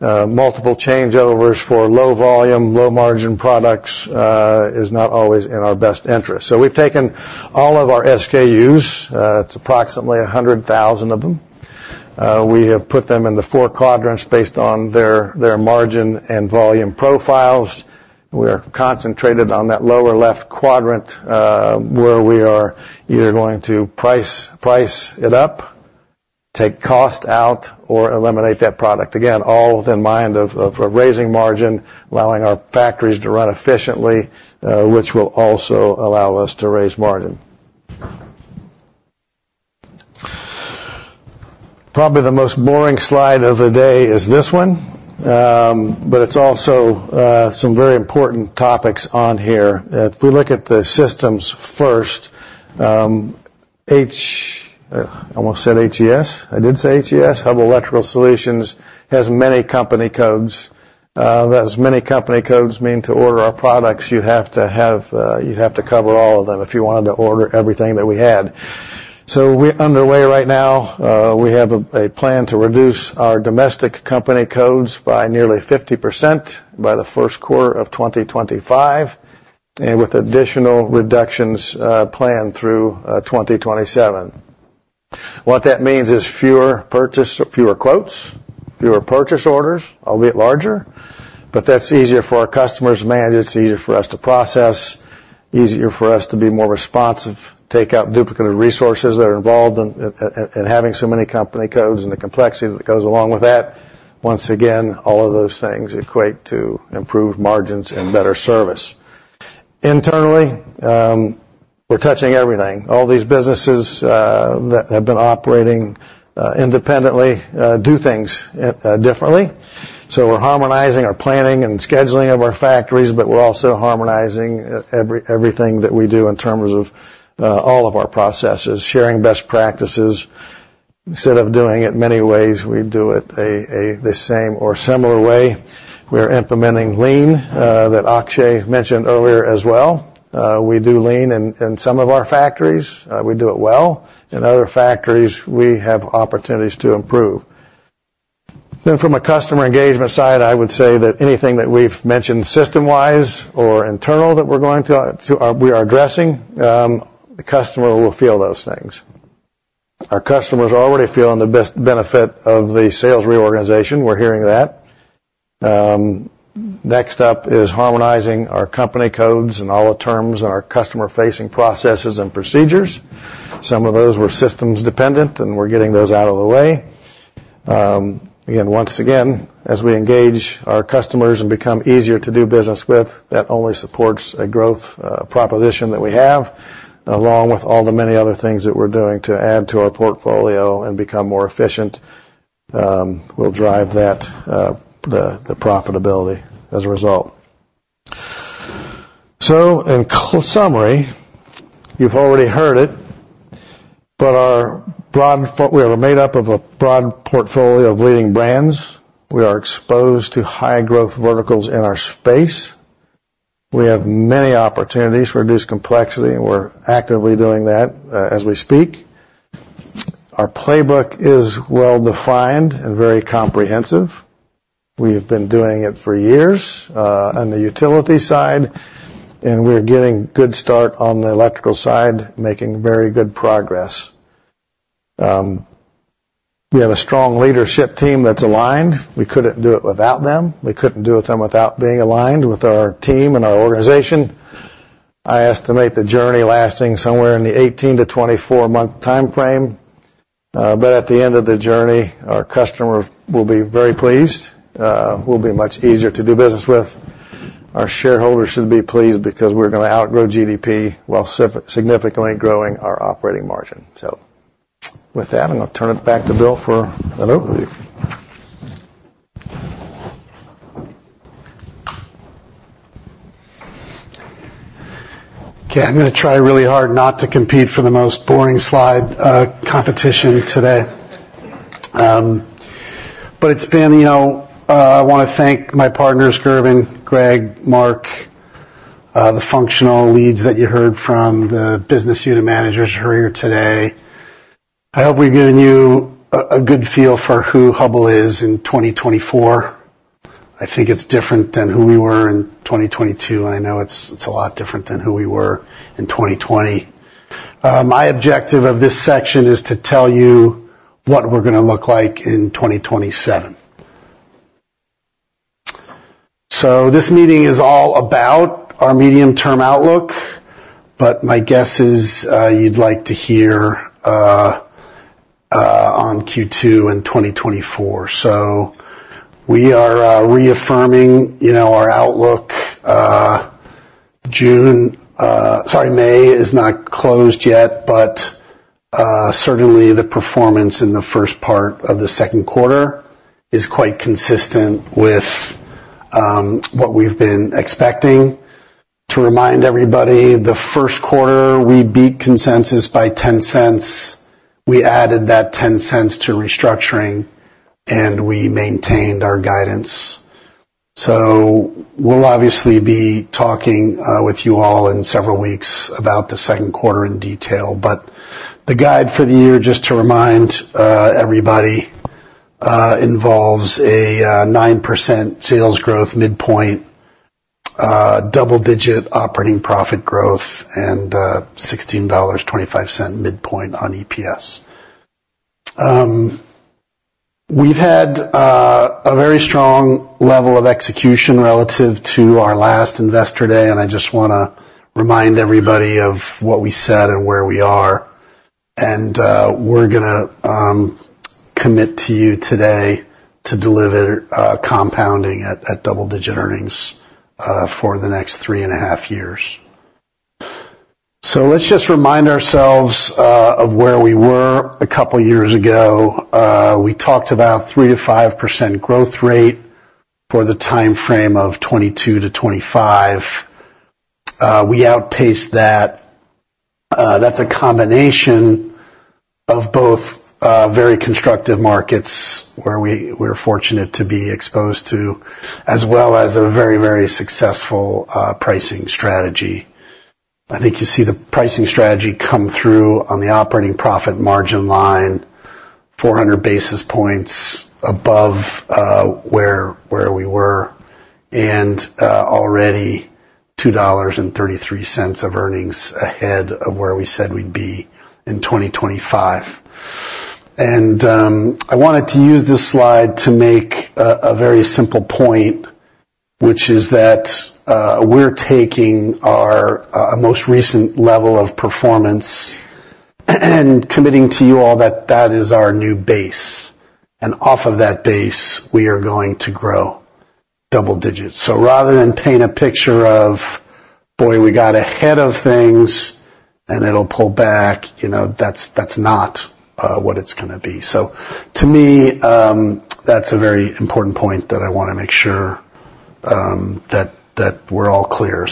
multiple changeovers for low volume, low margin products is not always in our best interest. So we've taken all of our SKUs, it's approximately 100,000 of them. We have put them in the four quadrants based on their margin and volume profiles. We are concentrated on that lower left quadrant, where we are either going to price it up, take cost out, or eliminate that product. Again, all within mind of raising margin, allowing our factories to run efficiently, which will also allow us to raise margin. Probably the most boring slide of the day is this one, but it's also some very important topics on here. If we look at the systems first, I almost said HES. I did say HES. Hubbell Electrical Solutions has many company codes. There's many company codes mean to order our products, you have to have, you'd have to cover all of them if you wanted to order everything that we had. So we're underway right now. We have a plan to reduce our domestic company codes by nearly 50% by the first quarter of 2025, and with additional reductions planned through 2027. What that means is fewer quotes, fewer purchase orders, a bit larger, but that's easier for our customers to manage, it's easier for us to process, easier for us to be more responsive, take out duplicated resources that are involved in having so many company codes and the complexity that goes along with that. Once again, all of those things equate to improved margins and better service. Internally, we're touching everything. All these businesses that have been operating independently do things differently. So we're harmonizing our planning and scheduling of our factories, but we're also harmonizing everything that we do in terms of all of our processes, sharing best practices instead of doing it many ways, we do it the same or similar way. We are implementing Lean that Akshay mentioned earlier as well. We do Lean in some of our factories. We do it well. In other factories, we have opportunities to improve. Then from a customer engagement side, I would say that anything that we've mentioned system-wise or internal that we're going to, we are addressing, the customer will feel those things. Our customers are already feeling the benefit of the sales reorganization. We're hearing that. Next up is harmonizing our company codes and all the terms and our customer-facing processes and procedures. Some of those were systems dependent, and we're getting those out of the way. Again, once again, as we engage our customers and become easier to do business with, that only supports a growth proposition that we have, along with all the many other things that we're doing to add to our portfolio and become more efficient, will drive that, the profitability as a result. So in summary, you've already heard it, but our broad portfolio—we are made up of a broad portfolio of leading brands. We are exposed to high-growth verticals in our space. We have many opportunities to reduce complexity, and we're actively doing that, as we speak. Our playbook is well-defined and very comprehensive. We have been doing it for years, on the utility side, and we're getting good start on the electrical side, making very good progress. We have a strong leadership team that's aligned. We couldn't do it without them. We couldn't do it them without being aligned with our team and our organization. I estimate the journey lasting somewhere in the 18-24-month time frame. But at the end of the journey, our customer will be very pleased, we'll be much easier to do business with. Our shareholders should be pleased because we're gonna outgrow GDP while significantly growing our operating margin. So with that, I'm gonna turn it back to Bill for an overview. Okay, I'm gonna try really hard not to compete for the most boring slide competition today. But it's been, you know. I wanna thank my partners, Gerben, Greg, Mark, the functional leads that you heard from, the business unit managers who are here today. I hope we've given you a good feel for who Hubbell is in 2024. I think it's different than who we were in 2022, and I know it's a lot different than who we were in 2020. My objective of this section is to tell you what we're gonna look like in 2027. So this meeting is all about our medium-term outlook, but my guess is you'd like to hear on Q2 in 2024. So we are reaffirming, you know, our outlook. June, sorry, May is not closed yet, but certainly, the performance in the first part of the second quarter is quite consistent with what we've been expecting. To remind everybody, the first quarter, we beat consensus by $0.10. We added that $0.10 to restructuring, and we maintained our guidance. So we'll obviously be talking with you all in several weeks about the second quarter in detail. But the guide for the year, just to remind everybody, involves a 9% sales growth midpoint, double-digit operating profit growth, and $16.25 midpoint on EPS. We've had a very strong level of execution relative to our last Investor Day, and I just wanna remind everybody of what we said and where we are. We're gonna commit to you today to deliver compounding at double-digit earnings for the next 3.5 years. So let's just remind ourselves of where we were a couple of years ago. We talked about 3%-5% growth rate for the time frame of 2022-2025. We outpaced that. That's a combination of both very constructive markets where we're fortunate to be exposed to, as well as a very, very successful pricing strategy. I think you see the pricing strategy come through on the operating profit margin line, 400 basis points above where we were, and already $2.33 of earnings ahead of where we said we'd be in 2025. I wanted to use this slide to make a very simple point, which is that we're taking our most recent level of performance and committing to you all that that is our new base. And off of that base, we are going to grow double digits. So rather than paint a picture of, boy, we got ahead of things, and it'll pull back, you know, that's not what it's gonna be. So to me, that's a very important point that I wanna make sure that we're all clear.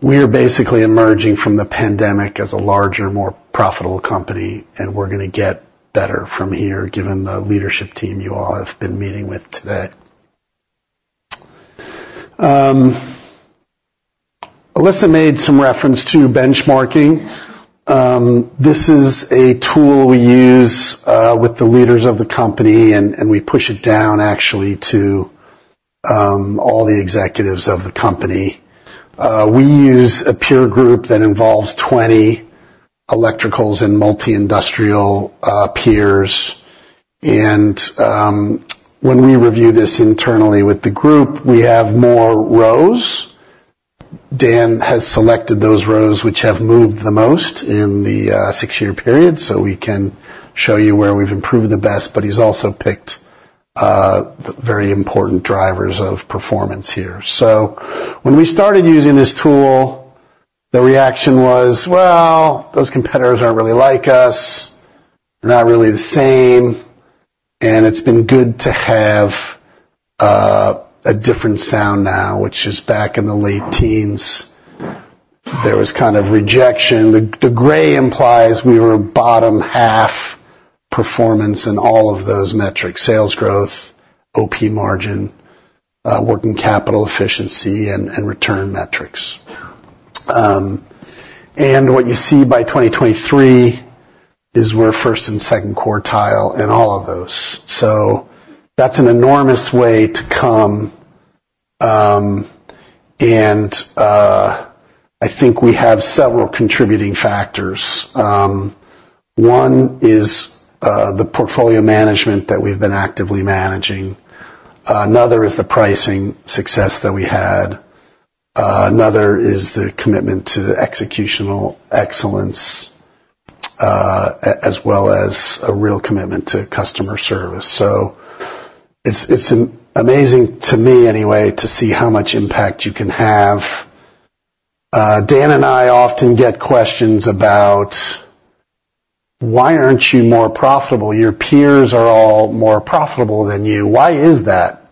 We are basically emerging from the pandemic as a larger, more profitable company, and we're gonna get better from here, given the leadership team you all have been meeting with today. Alyssa made some reference to benchmarking. This is a tool we use with the leaders of the company, and we push it down actually to all the executives of the company. We use a peer group that involves 20 electricals and multi-industrial peers, and when we review this internally with the group, we have more rows. Dan has selected those rows, which have moved the most in the 6-year period, so we can show you where we've improved the best, but he's also picked very important drivers of performance here. So when we started using this tool, the reaction was, "Well, those competitors aren't really like us. They're not really the same." And it's been good to have a different sound now, which is back in the late teens, there was kind of rejection. The gray implies we were bottom half performance in all of those metrics, sales growth, OP margin, working capital efficiency, and return metrics. What you see by 2023 is we're first and second quartile in all of those. So that's an enormous way to come. I think we have several contributing factors. One is the portfolio management that we've been actively managing. Another is the pricing success that we had. Another is the commitment to executional excellence as well as a real commitment to customer service. So it's an amazing, to me anyway, to see how much impact you can have. Dan and I often get questions about, "Why aren't you more profitable? Your peers are all more profitable than you. Why is that?"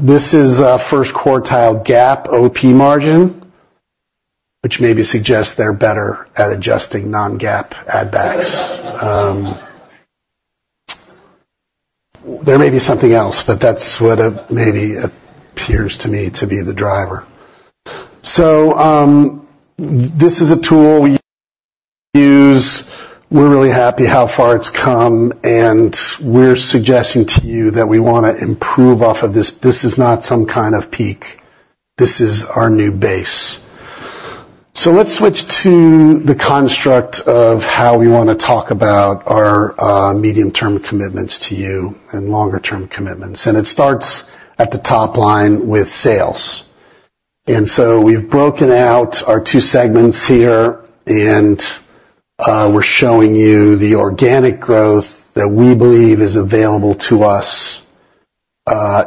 This is a first quartile gap OP margin, which maybe suggests they're better at adjusting non-GAAP add backs. There may be something else, but that's what it maybe appears to me to be the driver. So, this is a tool we use. We're really happy how far it's come, and we're suggesting to you that we wanna improve off of this. This is not some kind of peak. This is our new base. So let's switch to the construct of how we wanna talk about our medium-term commitments to you and longer term commitments. And it starts at the top line with sales. And so we've broken out our two segments here, and we're showing you the organic growth that we believe is available to us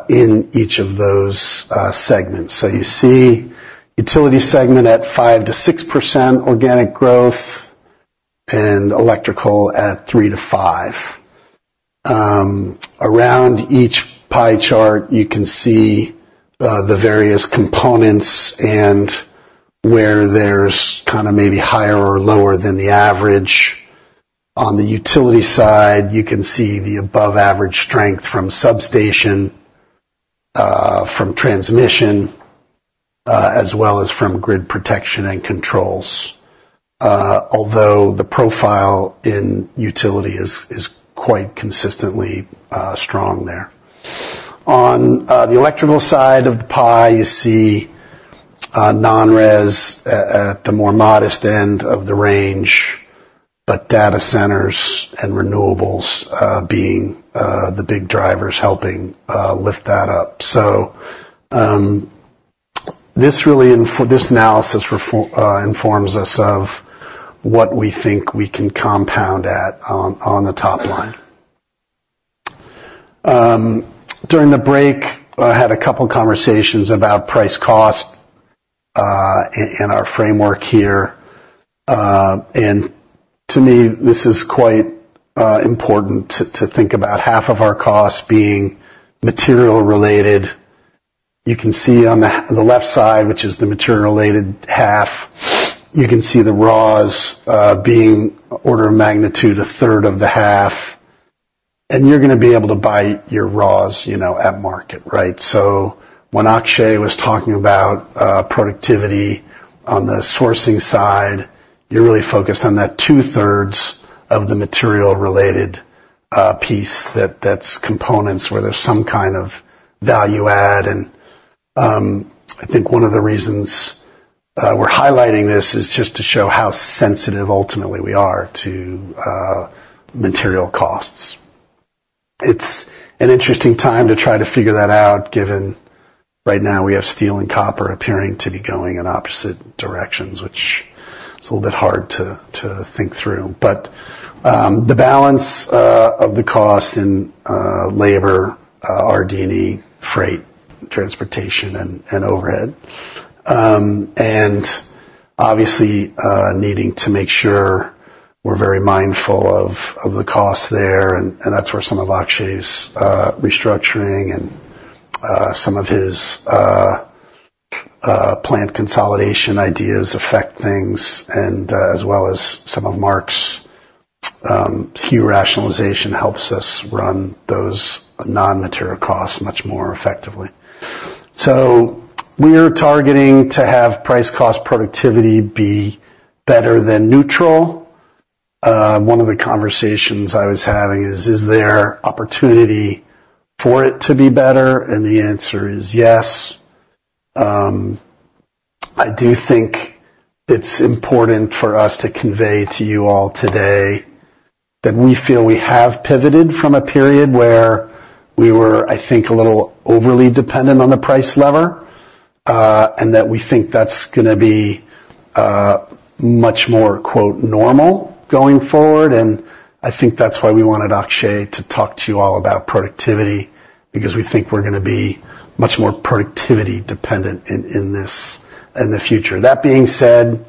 in each of those segments. So you see utility segment at 5%-6% organic growth and electrical at 3%-5%. Around each pie chart, you can see the various components and where there's kind of maybe higher or lower than the average. On the utility side, you can see the above average strength from substation, from transmission, as well as from grid protection and controls, although the profile in utility is quite consistently strong there. On the electrical side of the pie, you see non-res at the more modest end of the range, but data centers and renewables being the big drivers, helping lift that up. So, this really informs us of what we think we can compound at on the top line. During the break, I had a couple conversations about price cost and our framework here. To me, this is quite important to think about half of our costs being material related. You can see on the left side, which is the material-related half, you can see the raws being order of magnitude a third of the half, and you're gonna be able to buy your raws, you know, at market, right? So when Akshay was talking about productivity on the sourcing side, you're really focused on that two-thirds of the material-related piece, that's components where there's some kind of value add. I think one of the reasons we're highlighting this is just to show how sensitive ultimately we are to material costs. It's an interesting time to try to figure that out, given right now we have steel and copper appearing to be going in opposite directions, which is a little bit hard to, to think through. But, the balance of the cost in labor, RD&E, freight, transportation, and overhead. Obviously, needing to make sure we're very mindful of the costs there, and that's where some of Akshay's restructuring and some of his plant consolidation ideas affect things, and as well as some of Mark's SKU rationalization helps us run those non-material costs much more effectively. So we're targeting to have price-cost productivity be better than neutral. One of the conversations I was having is: Is there opportunity for it to be better? And the answer is yes. I do think it's important for us to convey to you all today that we feel we have pivoted from a period where we were, I think, a little overly dependent on the price lever, and that we think that's gonna be much more, quote, normal going forward. And I think that's why we wanted Akshay to talk to you all about productivity, because we think we're gonna be much more productivity dependent in, in this, in the future. That being said,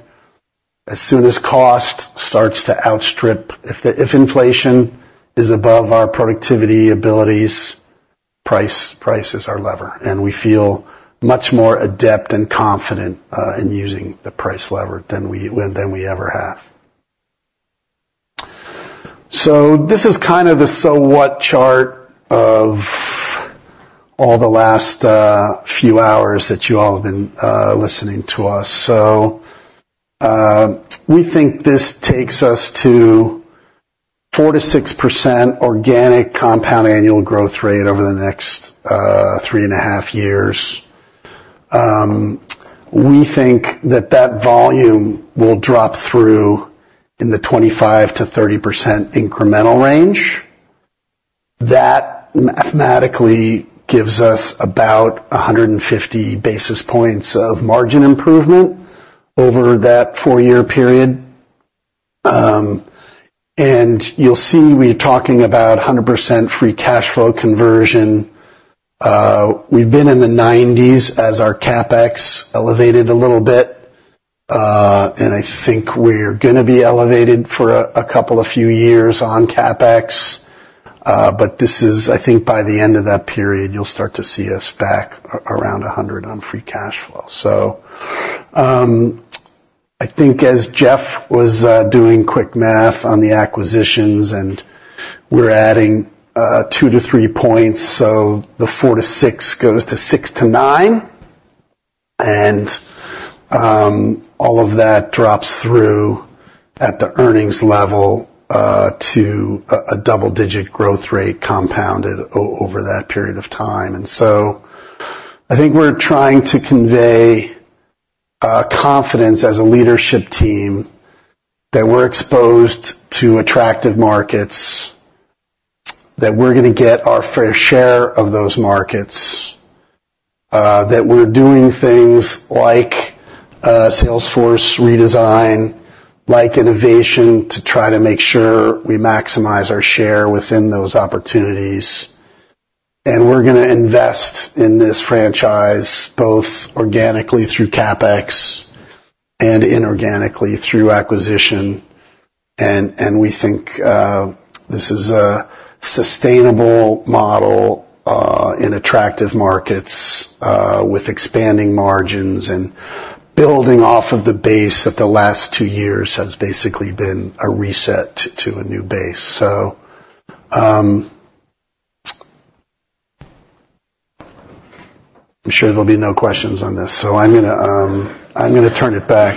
as soon as cost starts to outstrip - if the, if inflation is above our productivity abilities, price, price is our lever, and we feel much more adept and confident in using the price lever than we, than we ever have. So this is kind of a so what chart of all the last few hours that you all have been listening to us. So, we think this takes us to 4%-6% organic compound annual growth rate over the next three and a half years. We think that that volume will drop through in the 25%-30% incremental range. That mathematically gives us about 150 basis points of margin improvement over that four-year period. And you'll see we're talking about 100% free cash flow conversion. We've been in the 90s as our CapEx elevated a little bit, and I think we're gonna be elevated for a couple of few years on CapEx. But this is, I think by the end of that period, you'll start to see us back around 100 on free cash flow. So, I think as Jeff was doing quick math on the acquisitions, and we're adding two to three points, so the 4-6 goes to 6-9, and all of that drops through at the earnings level to a double-digit growth rate compounded over that period of time. And so I think we're trying to convey confidence as a leadership team, that we're exposed to attractive markets, that we're gonna get our fair share of those markets, that we're doing things like Salesforce redesign, like innovation, to try to make sure we maximize our share within those opportunities. And we're gonna invest in this franchise, both organically through CapEx and inorganically through acquisition. We think this is a sustainable model in attractive markets with expanding margins and building off of the base that the last two years has basically been a reset to a new base. So, I'm sure there'll be no questions on this, so I'm gonna turn it back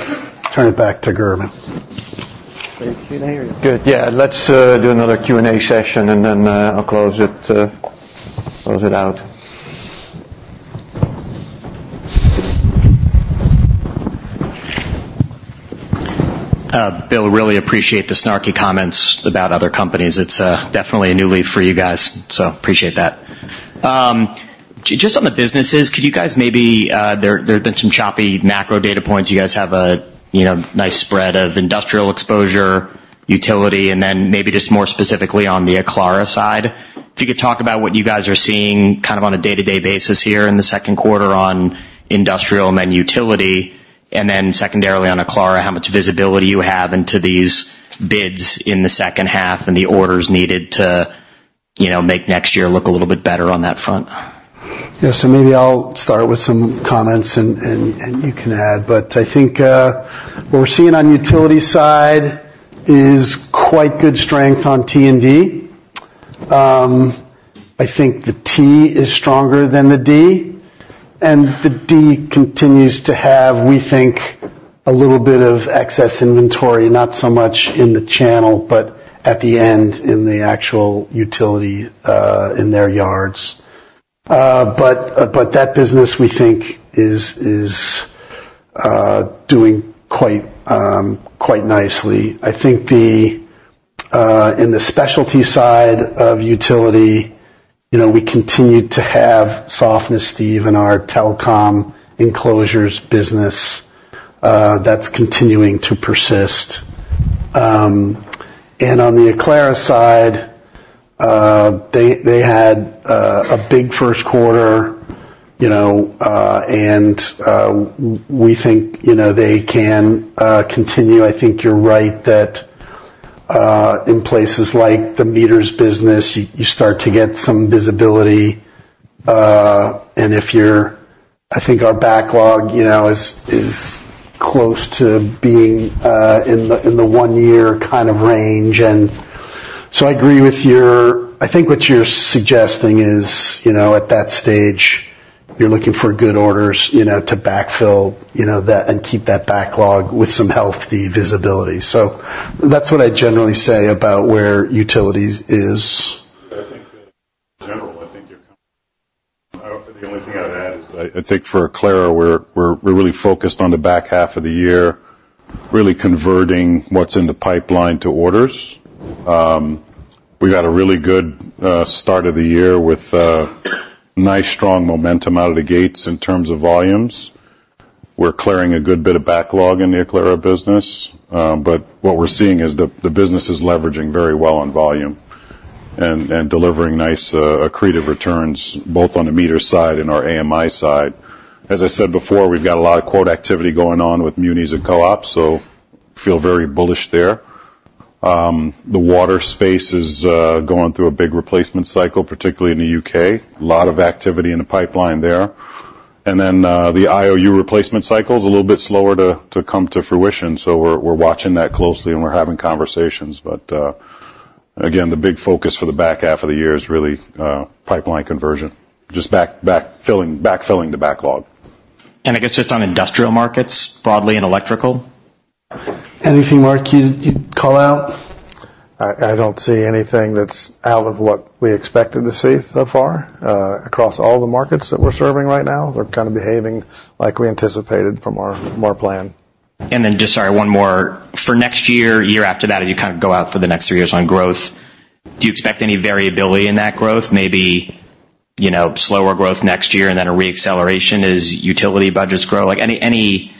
to Gerben. Good. Yeah. Let's do another Q&A session, and then I'll close it, close it out. Bill, really appreciate the snarky comments about other companies. It's definitely a new lead for you guys, so appreciate that. Just on the businesses, could you guys maybe have been some choppy macro data points. You guys have a, you know, nice spread of industrial exposure, utility, and then maybe just more specifically on the Aclara side. If you could talk about what you guys are seeing, kind of on a day-to-day basis here in the second quarter on industrial and then utility, and then secondarily, on Aclara, how much visibility you have into these bids in the second half and the orders needed to, you know, make next year look a little bit better on that front. Yeah. So maybe I'll start with some comments and you can add. But I think what we're seeing on utility side is quite good strength on T&D. I think the T is stronger than the D, and the D continues to have, we think, a little bit of excess inventory, not so much in the channel, but at the end in the actual utility in their yards. But that business, we think, is doing quite nicely. I think in the specialty side of utility, you know, we continue to have softness, Steve, in our telecom enclosures business, that's continuing to persist. And on the Aclara side- ... They had a big first quarter, you know, and we think, you know, they can continue. I think you're right that in places like the meters business, you start to get some visibility. And if you're, I think our backlog, you know, is close to being in the one-year kind of range. And so I agree with your, I think what you're suggesting is, you know, at that stage, you're looking for good orders, you know, to backfill, you know, that, and keep that backlog with some healthy visibility. So that's what I generally say about where utilities is. I think the only thing I'd add is, I think for Aclara, we're really focused on the back half of the year, really converting what's in the pipeline to orders. We had a really good start of the year with nice, strong momentum out of the gates in terms of volumes. We're clearing a good bit of backlog in the Aclara business, but what we're seeing is the business is leveraging very well on volume and delivering nice accretive returns, both on the meter side and our AMI side. As I said before, we've got a lot of quote activity going on with munis and co-ops, so feel very bullish there. The water space is going through a big replacement cycle, particularly in the U.K. A lot of activity in the pipeline there. Then, the IOU replacement cycle is a little bit slower to come to fruition, so we're watching that closely, and we're having conversations. But, again, the big focus for the back half of the year is really pipeline conversion, just backfilling the backlog. I guess just on industrial markets, broadly, and electrical? Anything, Mark, you'd call out? I don't see anything that's out of what we expected to see so far. Across all the markets that we're serving right now, they're kind of behaving like we anticipated from our plan. And then just, sorry, one more. For next year, year after that, as you kind of go out for the next three years on growth, do you expect any variability in that growth? Maybe, you know, slower growth next year and then a reacceleration as utility budgets grow? Like, any, any,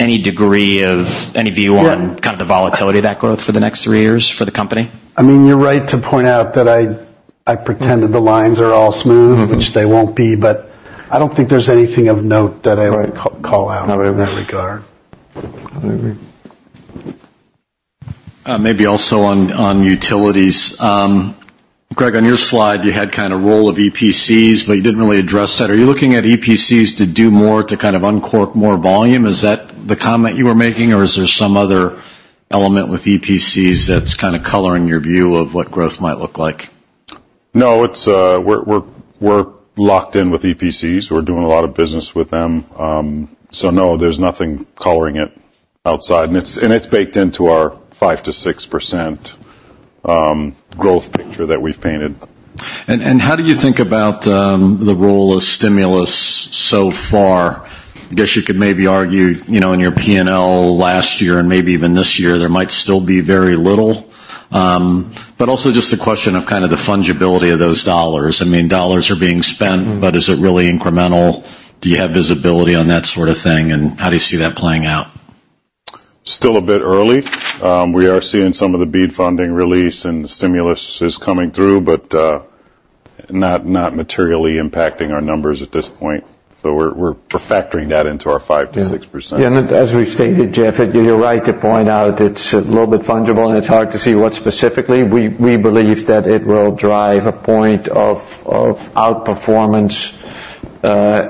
any degree of—any view on- Yeah... kind of the volatility of that growth for the next three years for the company? I mean, you're right to point out that I pretended the lines are all smooth- Mm-hmm... which they won't be, but I don't think there's anything of note that I would call out. Not at all. in that regard. I agree. Maybe also on, on utilities. Greg, on your slide, you had kind of role of EPCs, but you didn't really address that. Are you looking at EPCs to do more to kind of uncork more volume? Is that the comment you were making, or is there some other element with EPCs that's kind of coloring your view of what growth might look like? No, it's, we're locked in with EPCs. We're doing a lot of business with them. So no, there's nothing coloring it outside, and it's baked into our 5%-6% growth picture that we've painted. How do you think about the role of stimulus so far? I guess you could maybe argue, you know, in your P&L last year and maybe even this year, there might still be very little. But also just a question of kind of the fungibility of those dollars. I mean, dollars are being spent- Mm-hmm. But is it really incremental? Do you have visibility on that sort of thing, and how do you see that playing out? Still a bit early. We are seeing some of the BEAD funding release and the stimulus is coming through, but not materially impacting our numbers at this point. So we're factoring that into our 5%-6%. Yeah, and as we've stated, Jeff, you're right to point out it's a little bit fungible, and it's hard to see what specifically. We believe that it will drive a point of outperformance.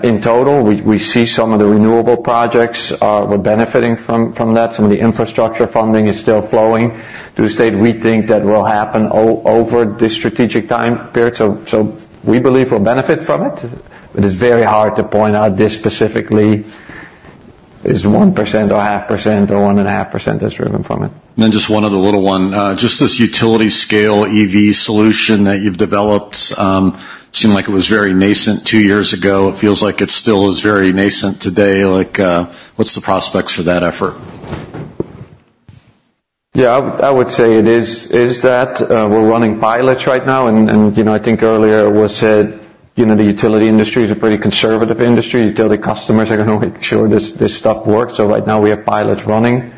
In total, we see some of the renewable projects we're benefiting from that. Some of the infrastructure funding is still flowing to the state. We think that will happen over this strategic time period, so we believe we'll benefit from it. It is very hard to point out this specifically is 1% or 0.5% or 1.5% that's driven from it. Just one other little one. Just this utility scale EV solution that you've developed seemed like it was very nascent two years ago. It feels like it still is very nascent today. Like, what's the prospects for that effort? Yeah, I would say it is that we're running pilots right now, and you know, I think earlier it was said, you know, the utility industry is a pretty conservative industry. Utility customers are going to make sure this stuff works. So right now, we have pilots running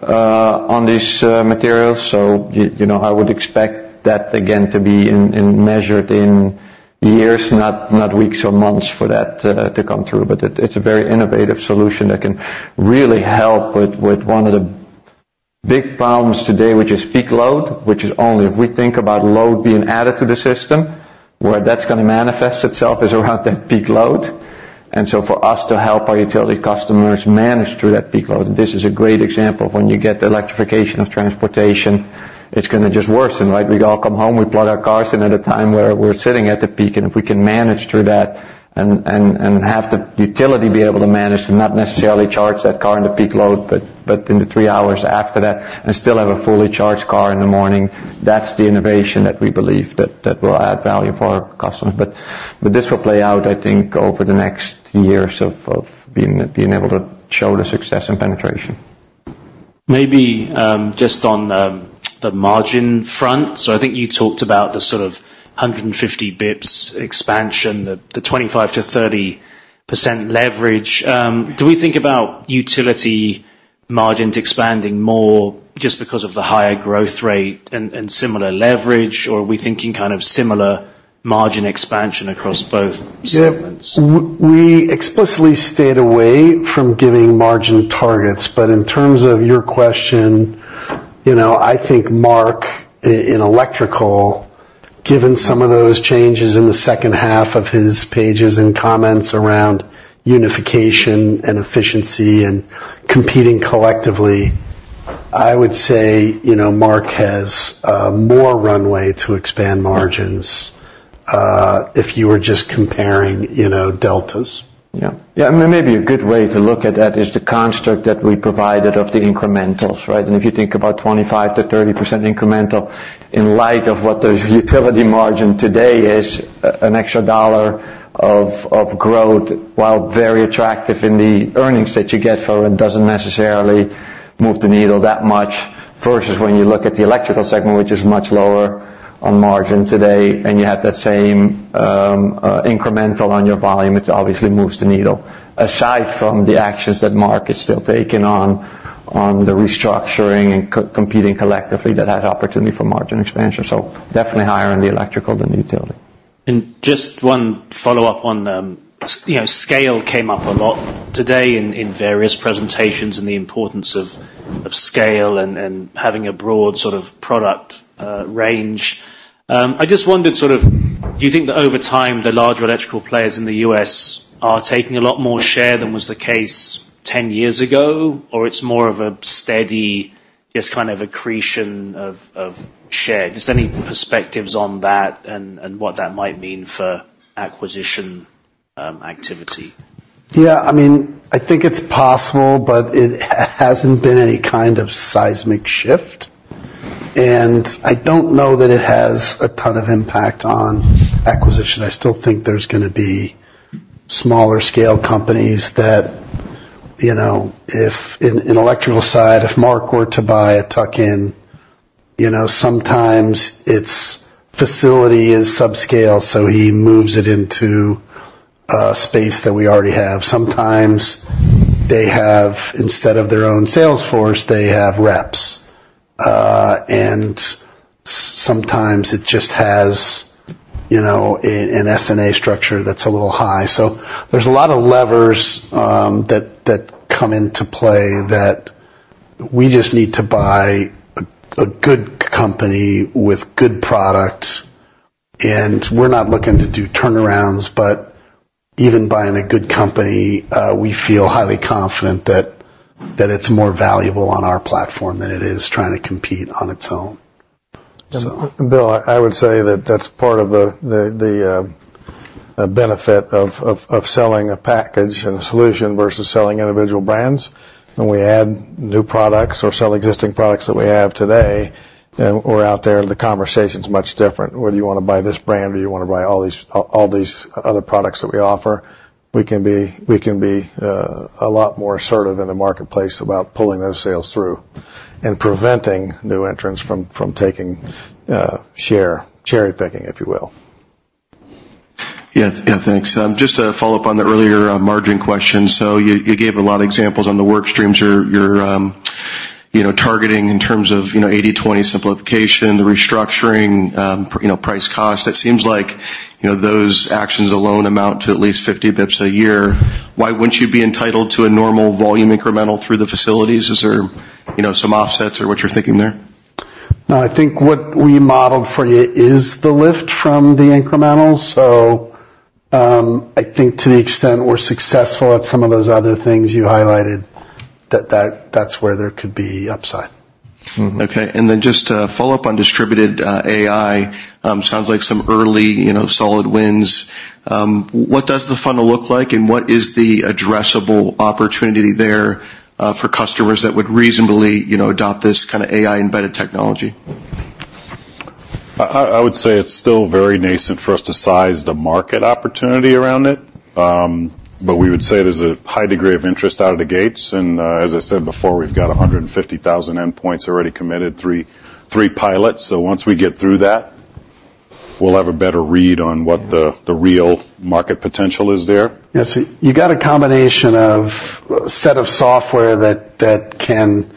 on these materials. So you know, I would expect that again, to be measured in years, not weeks or months for that to come through. But it's a very innovative solution that can really help with one of the big problems today, which is peak load, which is only if we think about load being added to the system, where that's gonna manifest itself is around the peak load. And so for us to help our utility customers manage through that peak load, this is a great example of when you get the electrification of transportation, it's gonna just worsen, right? We all come home, we plug our cars in at a time where we're sitting at the peak, and if we can manage through that and have the utility be able to manage to not necessarily charge that car in the peak load, but in the three hours after that, and still have a fully charged car in the morning, that's the innovation that we believe that will add value for our customers. But this will play out, I think, over the next years of being able to show the success and penetration. Maybe, just on, the margin front. So I think you talked about the sort of 150 BIPS expansion, the 25%-30% leverage. Do we think about utility-... margins expanding more just because of the higher growth rate and similar leverage, or are we thinking kind of similar margin expansion across both segments? Yeah, we explicitly stayed away from giving margin targets. But in terms of your question, you know, I think Mark, in Electrical, given some of those changes in the second half of his pages and comments around unification and efficiency and competing collectively, I would say, you know, Mark has more runway to expand margins, if you were just comparing, you know, deltas. Yeah. Yeah, I mean, maybe a good way to look at that is the construct that we provided of the incrementals, right? If you think about 25%-30% incremental, in light of what the utility margin today is, an extra dollar of, of growth, while very attractive in the earnings that you get for it, doesn't necessarily move the needle that much, versus when you look at the Electrical segment, which is much lower on margin today, and you have that same, incremental on your volume, it obviously moves the needle, aside from the actions that Mark is still taking on, on the restructuring and co-competing collectively, that has opportunity for margin expansion. So definitely higher in the Electrical than Utility. Just one follow-up on, you know, scale came up a lot today in various presentations, and the importance of scale and having a broad sort of product range. I just wondered, sort of, do you think that over time, the larger electrical players in the U.S. are taking a lot more share than was the case 10 years ago? Or it's more of a steady, just kind of accretion of share. Just any perspectives on that and what that might mean for acquisition activity? Yeah, I mean, I think it's possible, but it hasn't been any kind of seismic shift. I don't know that it has a ton of impact on acquisition. I still think there's gonna be smaller scale companies that, you know, if in Electrical side, if Mark were to buy a tuck-in, you know, sometimes its facility is subscale, so he moves it into a space that we already have. Sometimes they have, instead of their own sales force, they have reps. And sometimes it just has, you know, a, an S&A structure that's a little high. So there's a lot of levers that come into play that we just need to buy a good company with good product, and we're not looking to do turnarounds, but even buying a good company, we feel highly confident that it's more valuable on our platform than it is trying to compete on its own. So- And Bill, I would say that that's part of the benefit of selling a package and a solution versus selling individual brands. When we add new products or sell existing products that we have today, then we're out there, and the conversation's much different. Whether you wanna buy this brand, or you wanna buy all these, all these other products that we offer, we can be a lot more assertive in the marketplace about pulling those sales through and preventing new entrants from taking share, cherry-picking, if you will. Yeah, yeah, thanks. Just to follow up on the earlier margin question. So you, you gave a lot of examples on the work streams you're targeting in terms of 80/20 simplification, the restructuring, you know, price cost. It seems like those actions alone amount to at least 50 bips a year. Why wouldn't you be entitled to a normal volume incremental through the facilities? Is there some offsets or what you're thinking there? No, I think what we modeled for you is the lift from the incremental. So, I think to the extent we're successful at some of those other things you highlighted, that's where there could be upside. Mm-hmm. Okay. And then just to follow up on distributed AI, sounds like some early, you know, solid wins. What does the funnel look like, and what is the addressable opportunity there, for customers that would reasonably, you know, adopt this kind of AI-embedded technology? I would say it's still very nascent for us to size the market opportunity around it. But we would say there's a high degree of interest out of the gates, and as I said before, we've got 150,000 endpoints already committed, three pilots. So once we get through that, we'll have a better read on what the real market potential is there. Yes, you got a combination of a set of software that can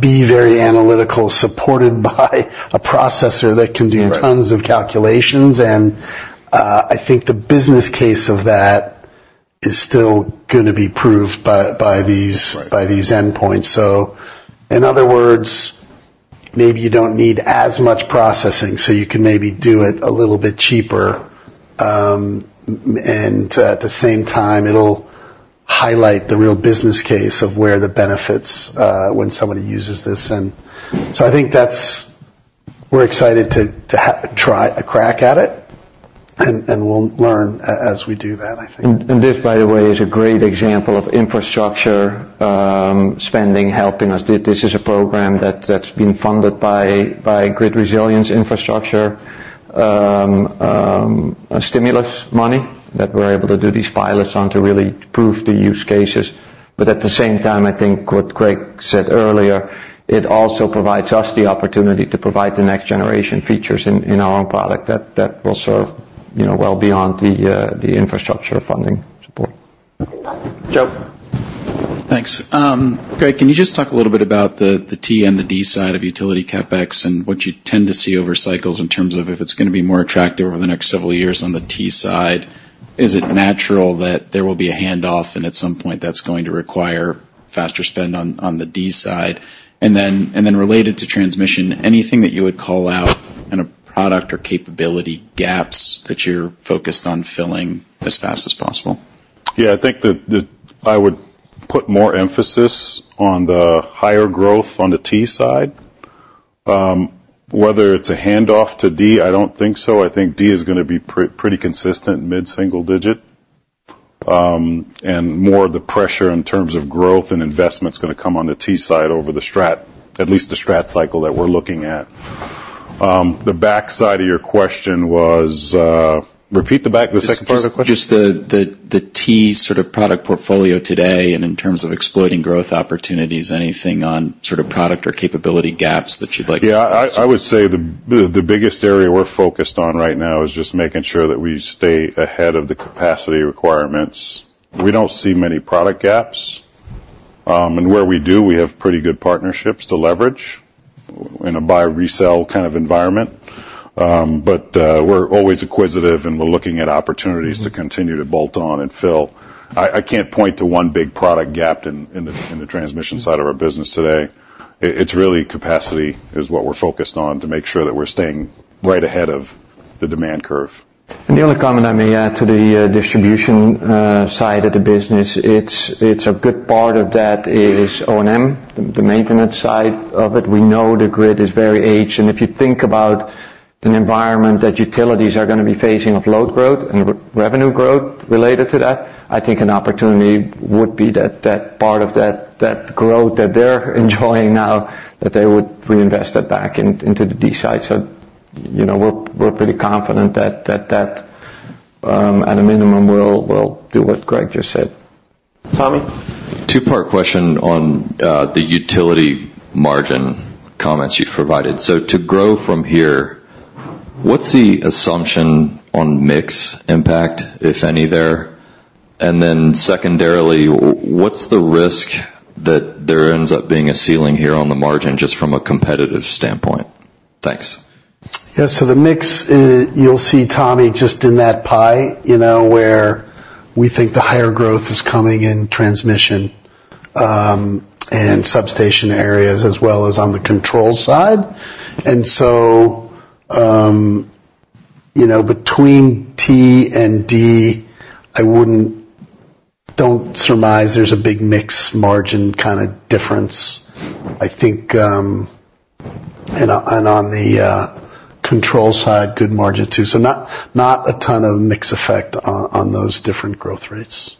be very analytical, supported by a processor that can do- Right... tons of calculations, and, I think the business case of that is still gonna be proved by, by these- Right... by these endpoints. So in other words, maybe you don't need as much processing, so you can maybe do it a little bit cheaper. And at the same time, it'll highlight the real business case of where the benefits, when somebody uses this. And so I think that's. We're excited to try a crack at it, and we'll learn as we do that, I think. And this, by the way, is a great example of infrastructure spending helping us. This is a program that's been funded by Grid Resilience Infrastructure stimulus money that we're able to do these pilots on to really prove the use cases. But at the same time, I think what Greg said earlier, it also provides us the opportunity to provide the next-generation features in our own product that will serve you know, well beyond the infrastructure funding support. Joe? Thanks. Greg, can you just talk a little bit about the T&D side of utility CapEx and what you tend to see over cycles in terms of if it's gonna be more attractive over the next several years on the T side? Is it natural that there will be a handoff, and at some point, that's going to require faster spend on the D side? And then related to transmission, anything that you would call out in a product or capability gaps that you're focused on filling as fast as possible? Yeah, I think that, that I would put more emphasis on the higher growth on the T side. Whether it's a handoff to D, I don't think so. I think D is gonna be pretty consistent, mid-single digit. And more of the pressure in terms of growth and investment is gonna come on the T side over the strat, at least the strat cycle that we're looking at. The backside of your question was, repeat the back, the second part of the question? Just the T sort of product portfolio today, and in terms of exploiting growth opportunities, anything on sort of product or capability gaps that you'd like to-? Yeah, I would say the biggest area we're focused on right now is just making sure that we stay ahead of the capacity requirements. We don't see many product gaps, and where we do, we have pretty good partnerships to leverage in a buy, resell kind of environment. But we're always acquisitive, and we're looking at opportunities to continue to bolt on and fill. I can't point to one big product gap in the transmission side of our business today. It's really capacity is what we're focused on to make sure that we're staying right ahead of the demand curve. The other comment I may add to the distribution side of the business, it's a good part of that is O&M, the maintenance side of it. We know the grid is very aged, and if you think about an environment that utilities are gonna be facing of load growth and revenue growth related to that, I think an opportunity would be that part of that growth that they're enjoying now, that they would reinvest it back into the D side. So, you know, we're pretty confident that at a minimum will do what Greg just said. Tommy? Two-part question on the utility margin comments you've provided. So to grow from here, what's the assumption on mix impact, if any, there? And then secondarily, what's the risk that there ends up being a ceiling here on the margin just from a competitive standpoint? Thanks. Yeah, so the mix, you'll see, Tommy, just in that pie, you know, where we think the higher growth is coming in transmission, and substation areas, as well as on the control side. So, you know, between T and D, don't surmise there's a big mix margin kinda difference. I think, and on the control side, good margin, too. So not a ton of mix effect on those different growth rates.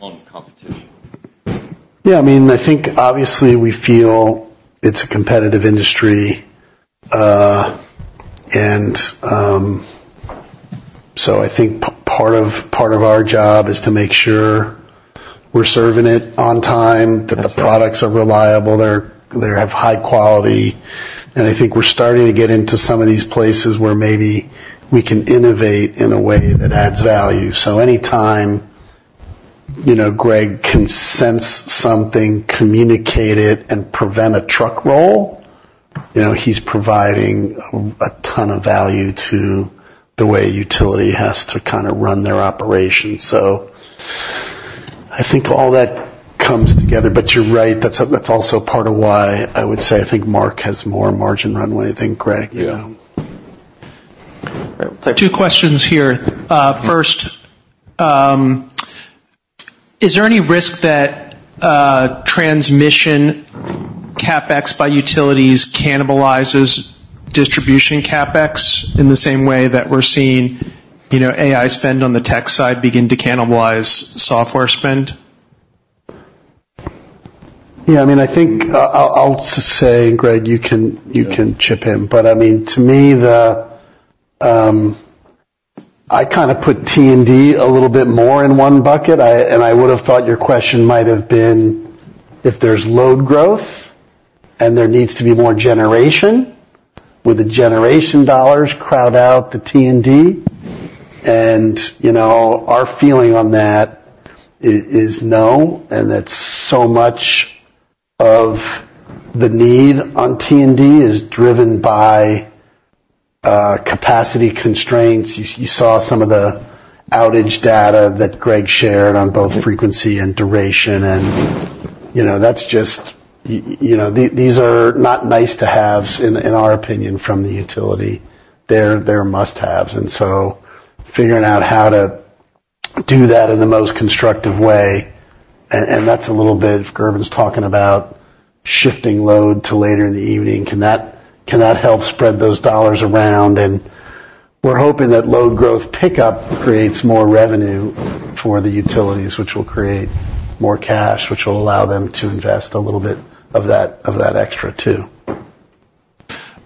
On competition? Yeah, I mean, I think, obviously, we feel it's a competitive industry. So I think part of our job is to make sure we're serving it on time- Okay... that the products are reliable, they have high quality. And I think we're starting to get into some of these places where maybe we can innovate in a way that adds value. So anytime, you know, Greg can sense something, communicate it, and prevent a truck roll, you know, he's providing a ton of value to the way utility has to kinda run their operations. So I think all that comes together, but you're right, that's also part of why I would say I think Mark has more margin runway than Greg. Yeah. All right. Two questions here. First, is there any risk that transmission CapEx by utilities cannibalizes distribution CapEx in the same way that we're seeing, you know, AI spend on the tech side begin to cannibalize software spend? Yeah, I mean, I think, I'll, I'll just say, Greg, you can- Yeah... you can chip in. But, I mean, to me, I kinda put T and D a little bit more in one bucket. I and I would have thought your question might have been, if there's load growth and there needs to be more generation, will the generation dollars crowd out the T and D? And, you know, our feeling on that is no, and that so much of the need on T and D is driven by capacity constraints. You saw some of the outage data that Greg shared on both frequency and duration, and, you know, that's just... you know, these are not nice-to-haves, in our opinion, from the utility. They're must-haves, and so figuring out how to do that in the most constructive way, and that's a little bit of Gerben's talking about shifting load to later in the evening, can that help spread those dollars around? And we're hoping that load growth pickup creates more revenue for the utilities, which will create more cash, which will allow them to invest a little bit of that, of that extra, too.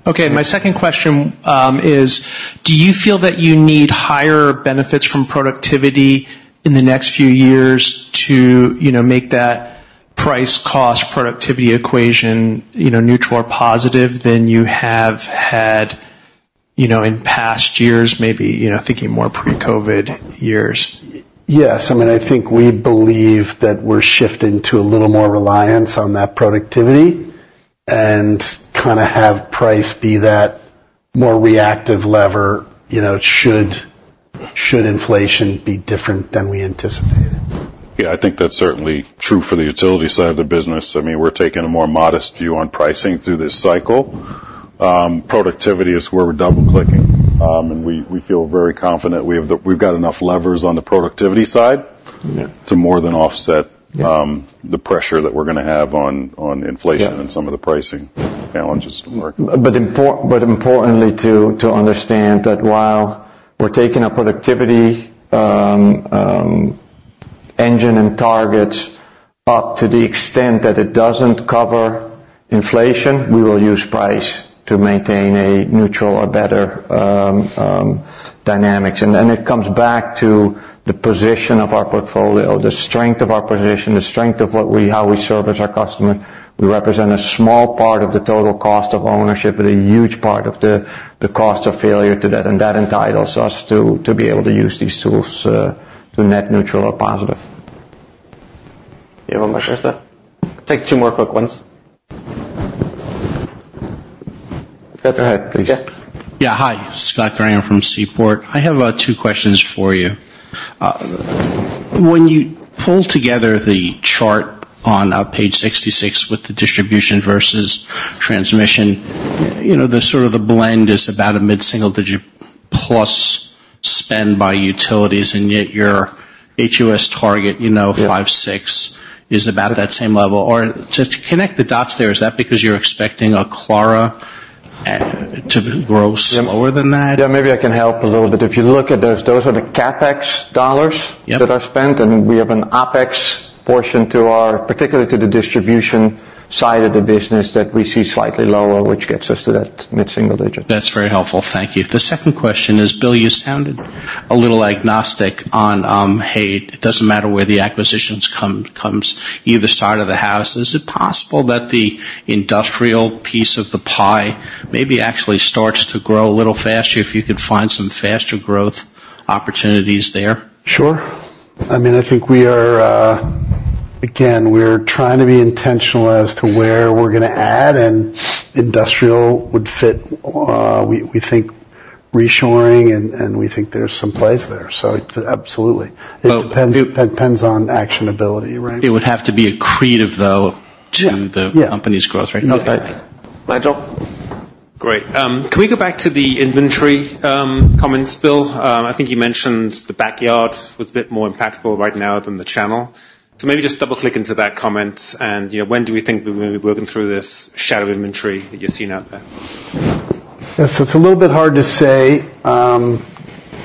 Okay, my second question is: do you feel that you need higher benefits from productivity in the next few years to, you know, make that-... price, cost, productivity equation, you know, neutral or positive than you have had, you know, in past years, maybe, you know, thinking more pre-COVID years? Yes. I mean, I think we believe that we're shifting to a little more reliance on that productivity, and kinda have price be that more reactive lever, you know, should inflation be different than we anticipated. Yeah, I think that's certainly true for the utility side of the business. I mean, we're taking a more modest view on pricing through this cycle. Productivity is where we're double-clicking, and we, we feel very confident we have the-- we've got enough levers on the productivity side- Yeah. -to more than offset the pressure that we're gonna have on inflation- Yeah and some of the pricing challenges at work. But importantly, to understand that while we're taking a productivity engine and targets up to the extent that it doesn't cover inflation, we will use price to maintain a neutral or better dynamics. And then it comes back to the position of our portfolio, the strength of our position, the strength of what we-- how we service our customer. We represent a small part of the total cost of ownership, but a huge part of the cost of failure to that, and that entitles us to be able to use these tools to net neutral or positive. You have one more, Christopher? Take two more quick ones. Go ahead, please. Yeah. Hi, Scott Graham from Seaport. I have two questions for you. When you pull together the chart on page 66 with the distribution versus transmission, you know, the sort of the blend is about a mid-single digit plus spend by utilities, and yet your HUS target, you know, 5-6, is about that same level. Or just connect the dots there, is that because you're expecting Aclara to grow slower than that? Yeah, maybe I can help a little bit. If you look at those, those are the CapEx dollars- Yep -that are spent, and we have an OpEx portion to our, particularly to the distribution side of the business, that we see slightly lower, which gets us to that mid-single digit. That's very helpful. Thank you. The second question is, Bill, you sounded a little agnostic on, hey, it doesn't matter where the acquisitions come, either side of the house. Is it possible that the industrial piece of the pie maybe actually starts to grow a little faster if you could find some faster growth opportunities there? Sure. I mean, I think we are, again, we're trying to be intentional as to where we're gonna add, and industrial would fit. We think reshoring, and we think there's some plays there, so absolutely. Well- It depends, depends on actionability, right? It would have to be accretive, though- Yeah to the company's growth rate. Okay. Michael? Great. Can we go back to the inventory comments, Bill? I think you mentioned the backyard was a bit more impactful right now than the channel. So maybe just double-click into that comment and, you know, when do we think we may be working through this shadow inventory that you're seeing out there? Yes, so it's a little bit hard to say. I'm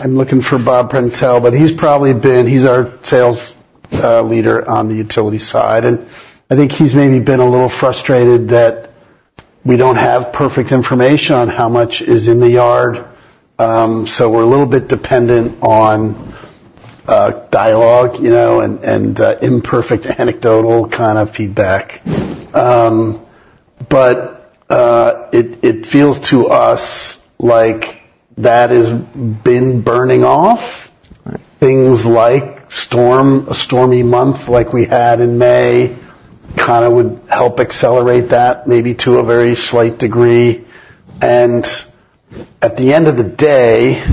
looking for Bob Prantl, but he's probably been... He's our sales leader on the utility side, and I think he's maybe been a little frustrated that we don't have perfect information on how much is in the yard. So we're a little bit dependent on dialogue, you know, and, and imperfect, anecdotal kind of feedback. But it feels to us like that has been burning off. Right. Things like storm, a stormy month like we had in May, kinda would help accelerate that maybe to a very slight degree. And at the end of the day,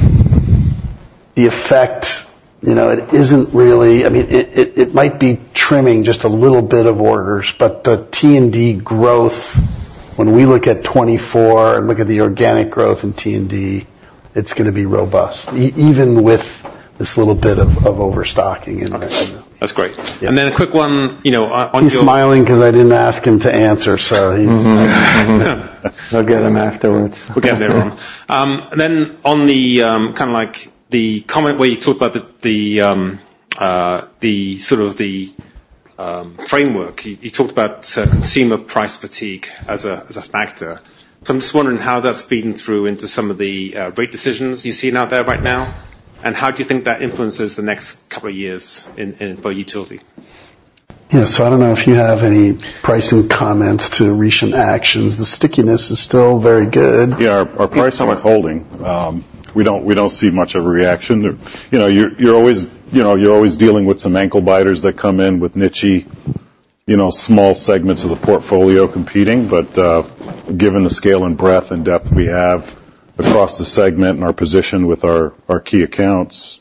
the effect, you know, it isn't really—I mean, it might be trimming just a little bit of orders, but the T&D growth, when we look at 2024 and look at the organic growth in T&D, it's gonna be robust, even with this little bit of overstocking in there. Okay. That's great. Yeah. Then a quick one, you know, on- He's smiling 'cause I didn't ask him to answer, so he's- Mm-hmm. I'll get him afterwards. We'll get him later on. Then on the kinda like the comment where you talked about the sort of framework, you talked about consumer price fatigue as a factor. So I'm just wondering how that's feeding through into some of the rate decisions you're seeing out there right now, and how do you think that influences the next couple of years in for utility? Yeah. I don't know if you have any pricing comments to recent actions. The stickiness is still very good. Yeah, our price is holding. We don't see much of a reaction. You know, you're always, you know, you're always dealing with some ankle biters that come in with nichey, you know, small segments of the portfolio competing. But, given the scale and breadth and depth we have across the segment and our position with our key accounts,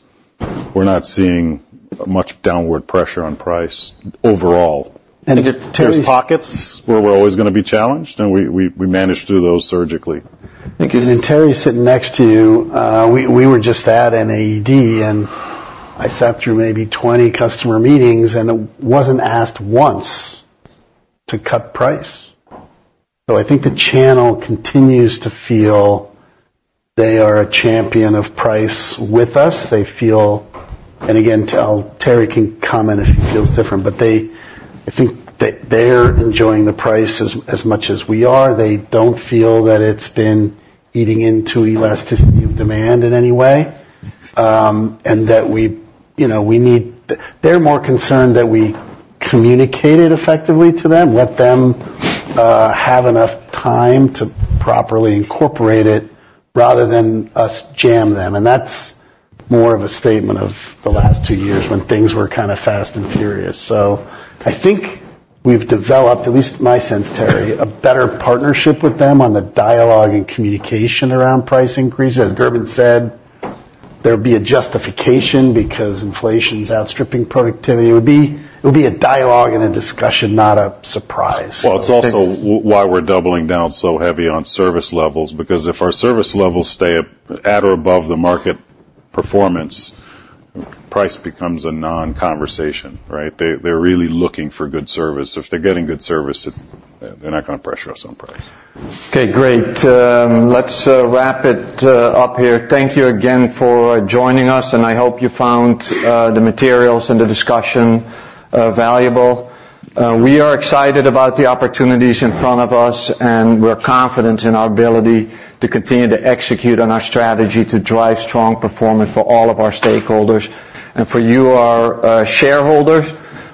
we're not seeing much downward pressure on price overall. And Terry's- There's pockets where we're always gonna be challenged, and we manage through those surgically. Then Terry's sitting next to you. We were just at NAED, and I sat through maybe 20 customer meetings, and I wasn't asked once to cut price. So I think the channel continues to feel they are a champion of price with us. They feel... And again, Terry can comment if he feels different, but they, I think, they, they're enjoying the price as much as we are. They don't feel that it's been eating into elasticity of demand in any way, and you know, they're more concerned that we communicate it effectively to them, let them have enough time to properly incorporate it, rather than us jam them. And that's more of a statement of the last two years, when things were kind of fast and furious. So I think we've developed, at least in my sense, Terry, a better partnership with them on the dialogue and communication around price increases. As Gerben said, there'd be a justification because inflation's outstripping productivity. It would be, it would be a dialogue and a discussion, not a surprise. Well, it's also why we're doubling down so heavy on service levels, because if our service levels stay up at or above the market performance, price becomes a non-conversation, right? They, they're really looking for good service. If they're getting good service, they're not gonna pressure us on price. Okay, great. Let's wrap it up here. Thank you again for joining us, and I hope you found the materials and the discussion valuable. We are excited about the opportunities in front of us, and we're confident in our ability to continue to execute on our strategy to drive strong performance for all of our stakeholders. And for you, our shareholders,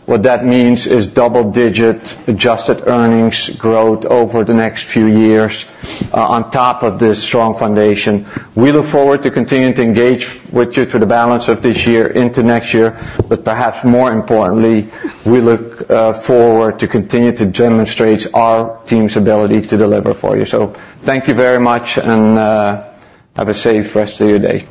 what that means is double-digit adjusted earnings growth over the next few years on top of this strong foundation. We look forward to continuing to engage with you through the balance of this year into next year, but perhaps more importantly, we look forward to continuing to demonstrate our team's ability to deliver for you. So thank you very much, and have a safe rest of your day.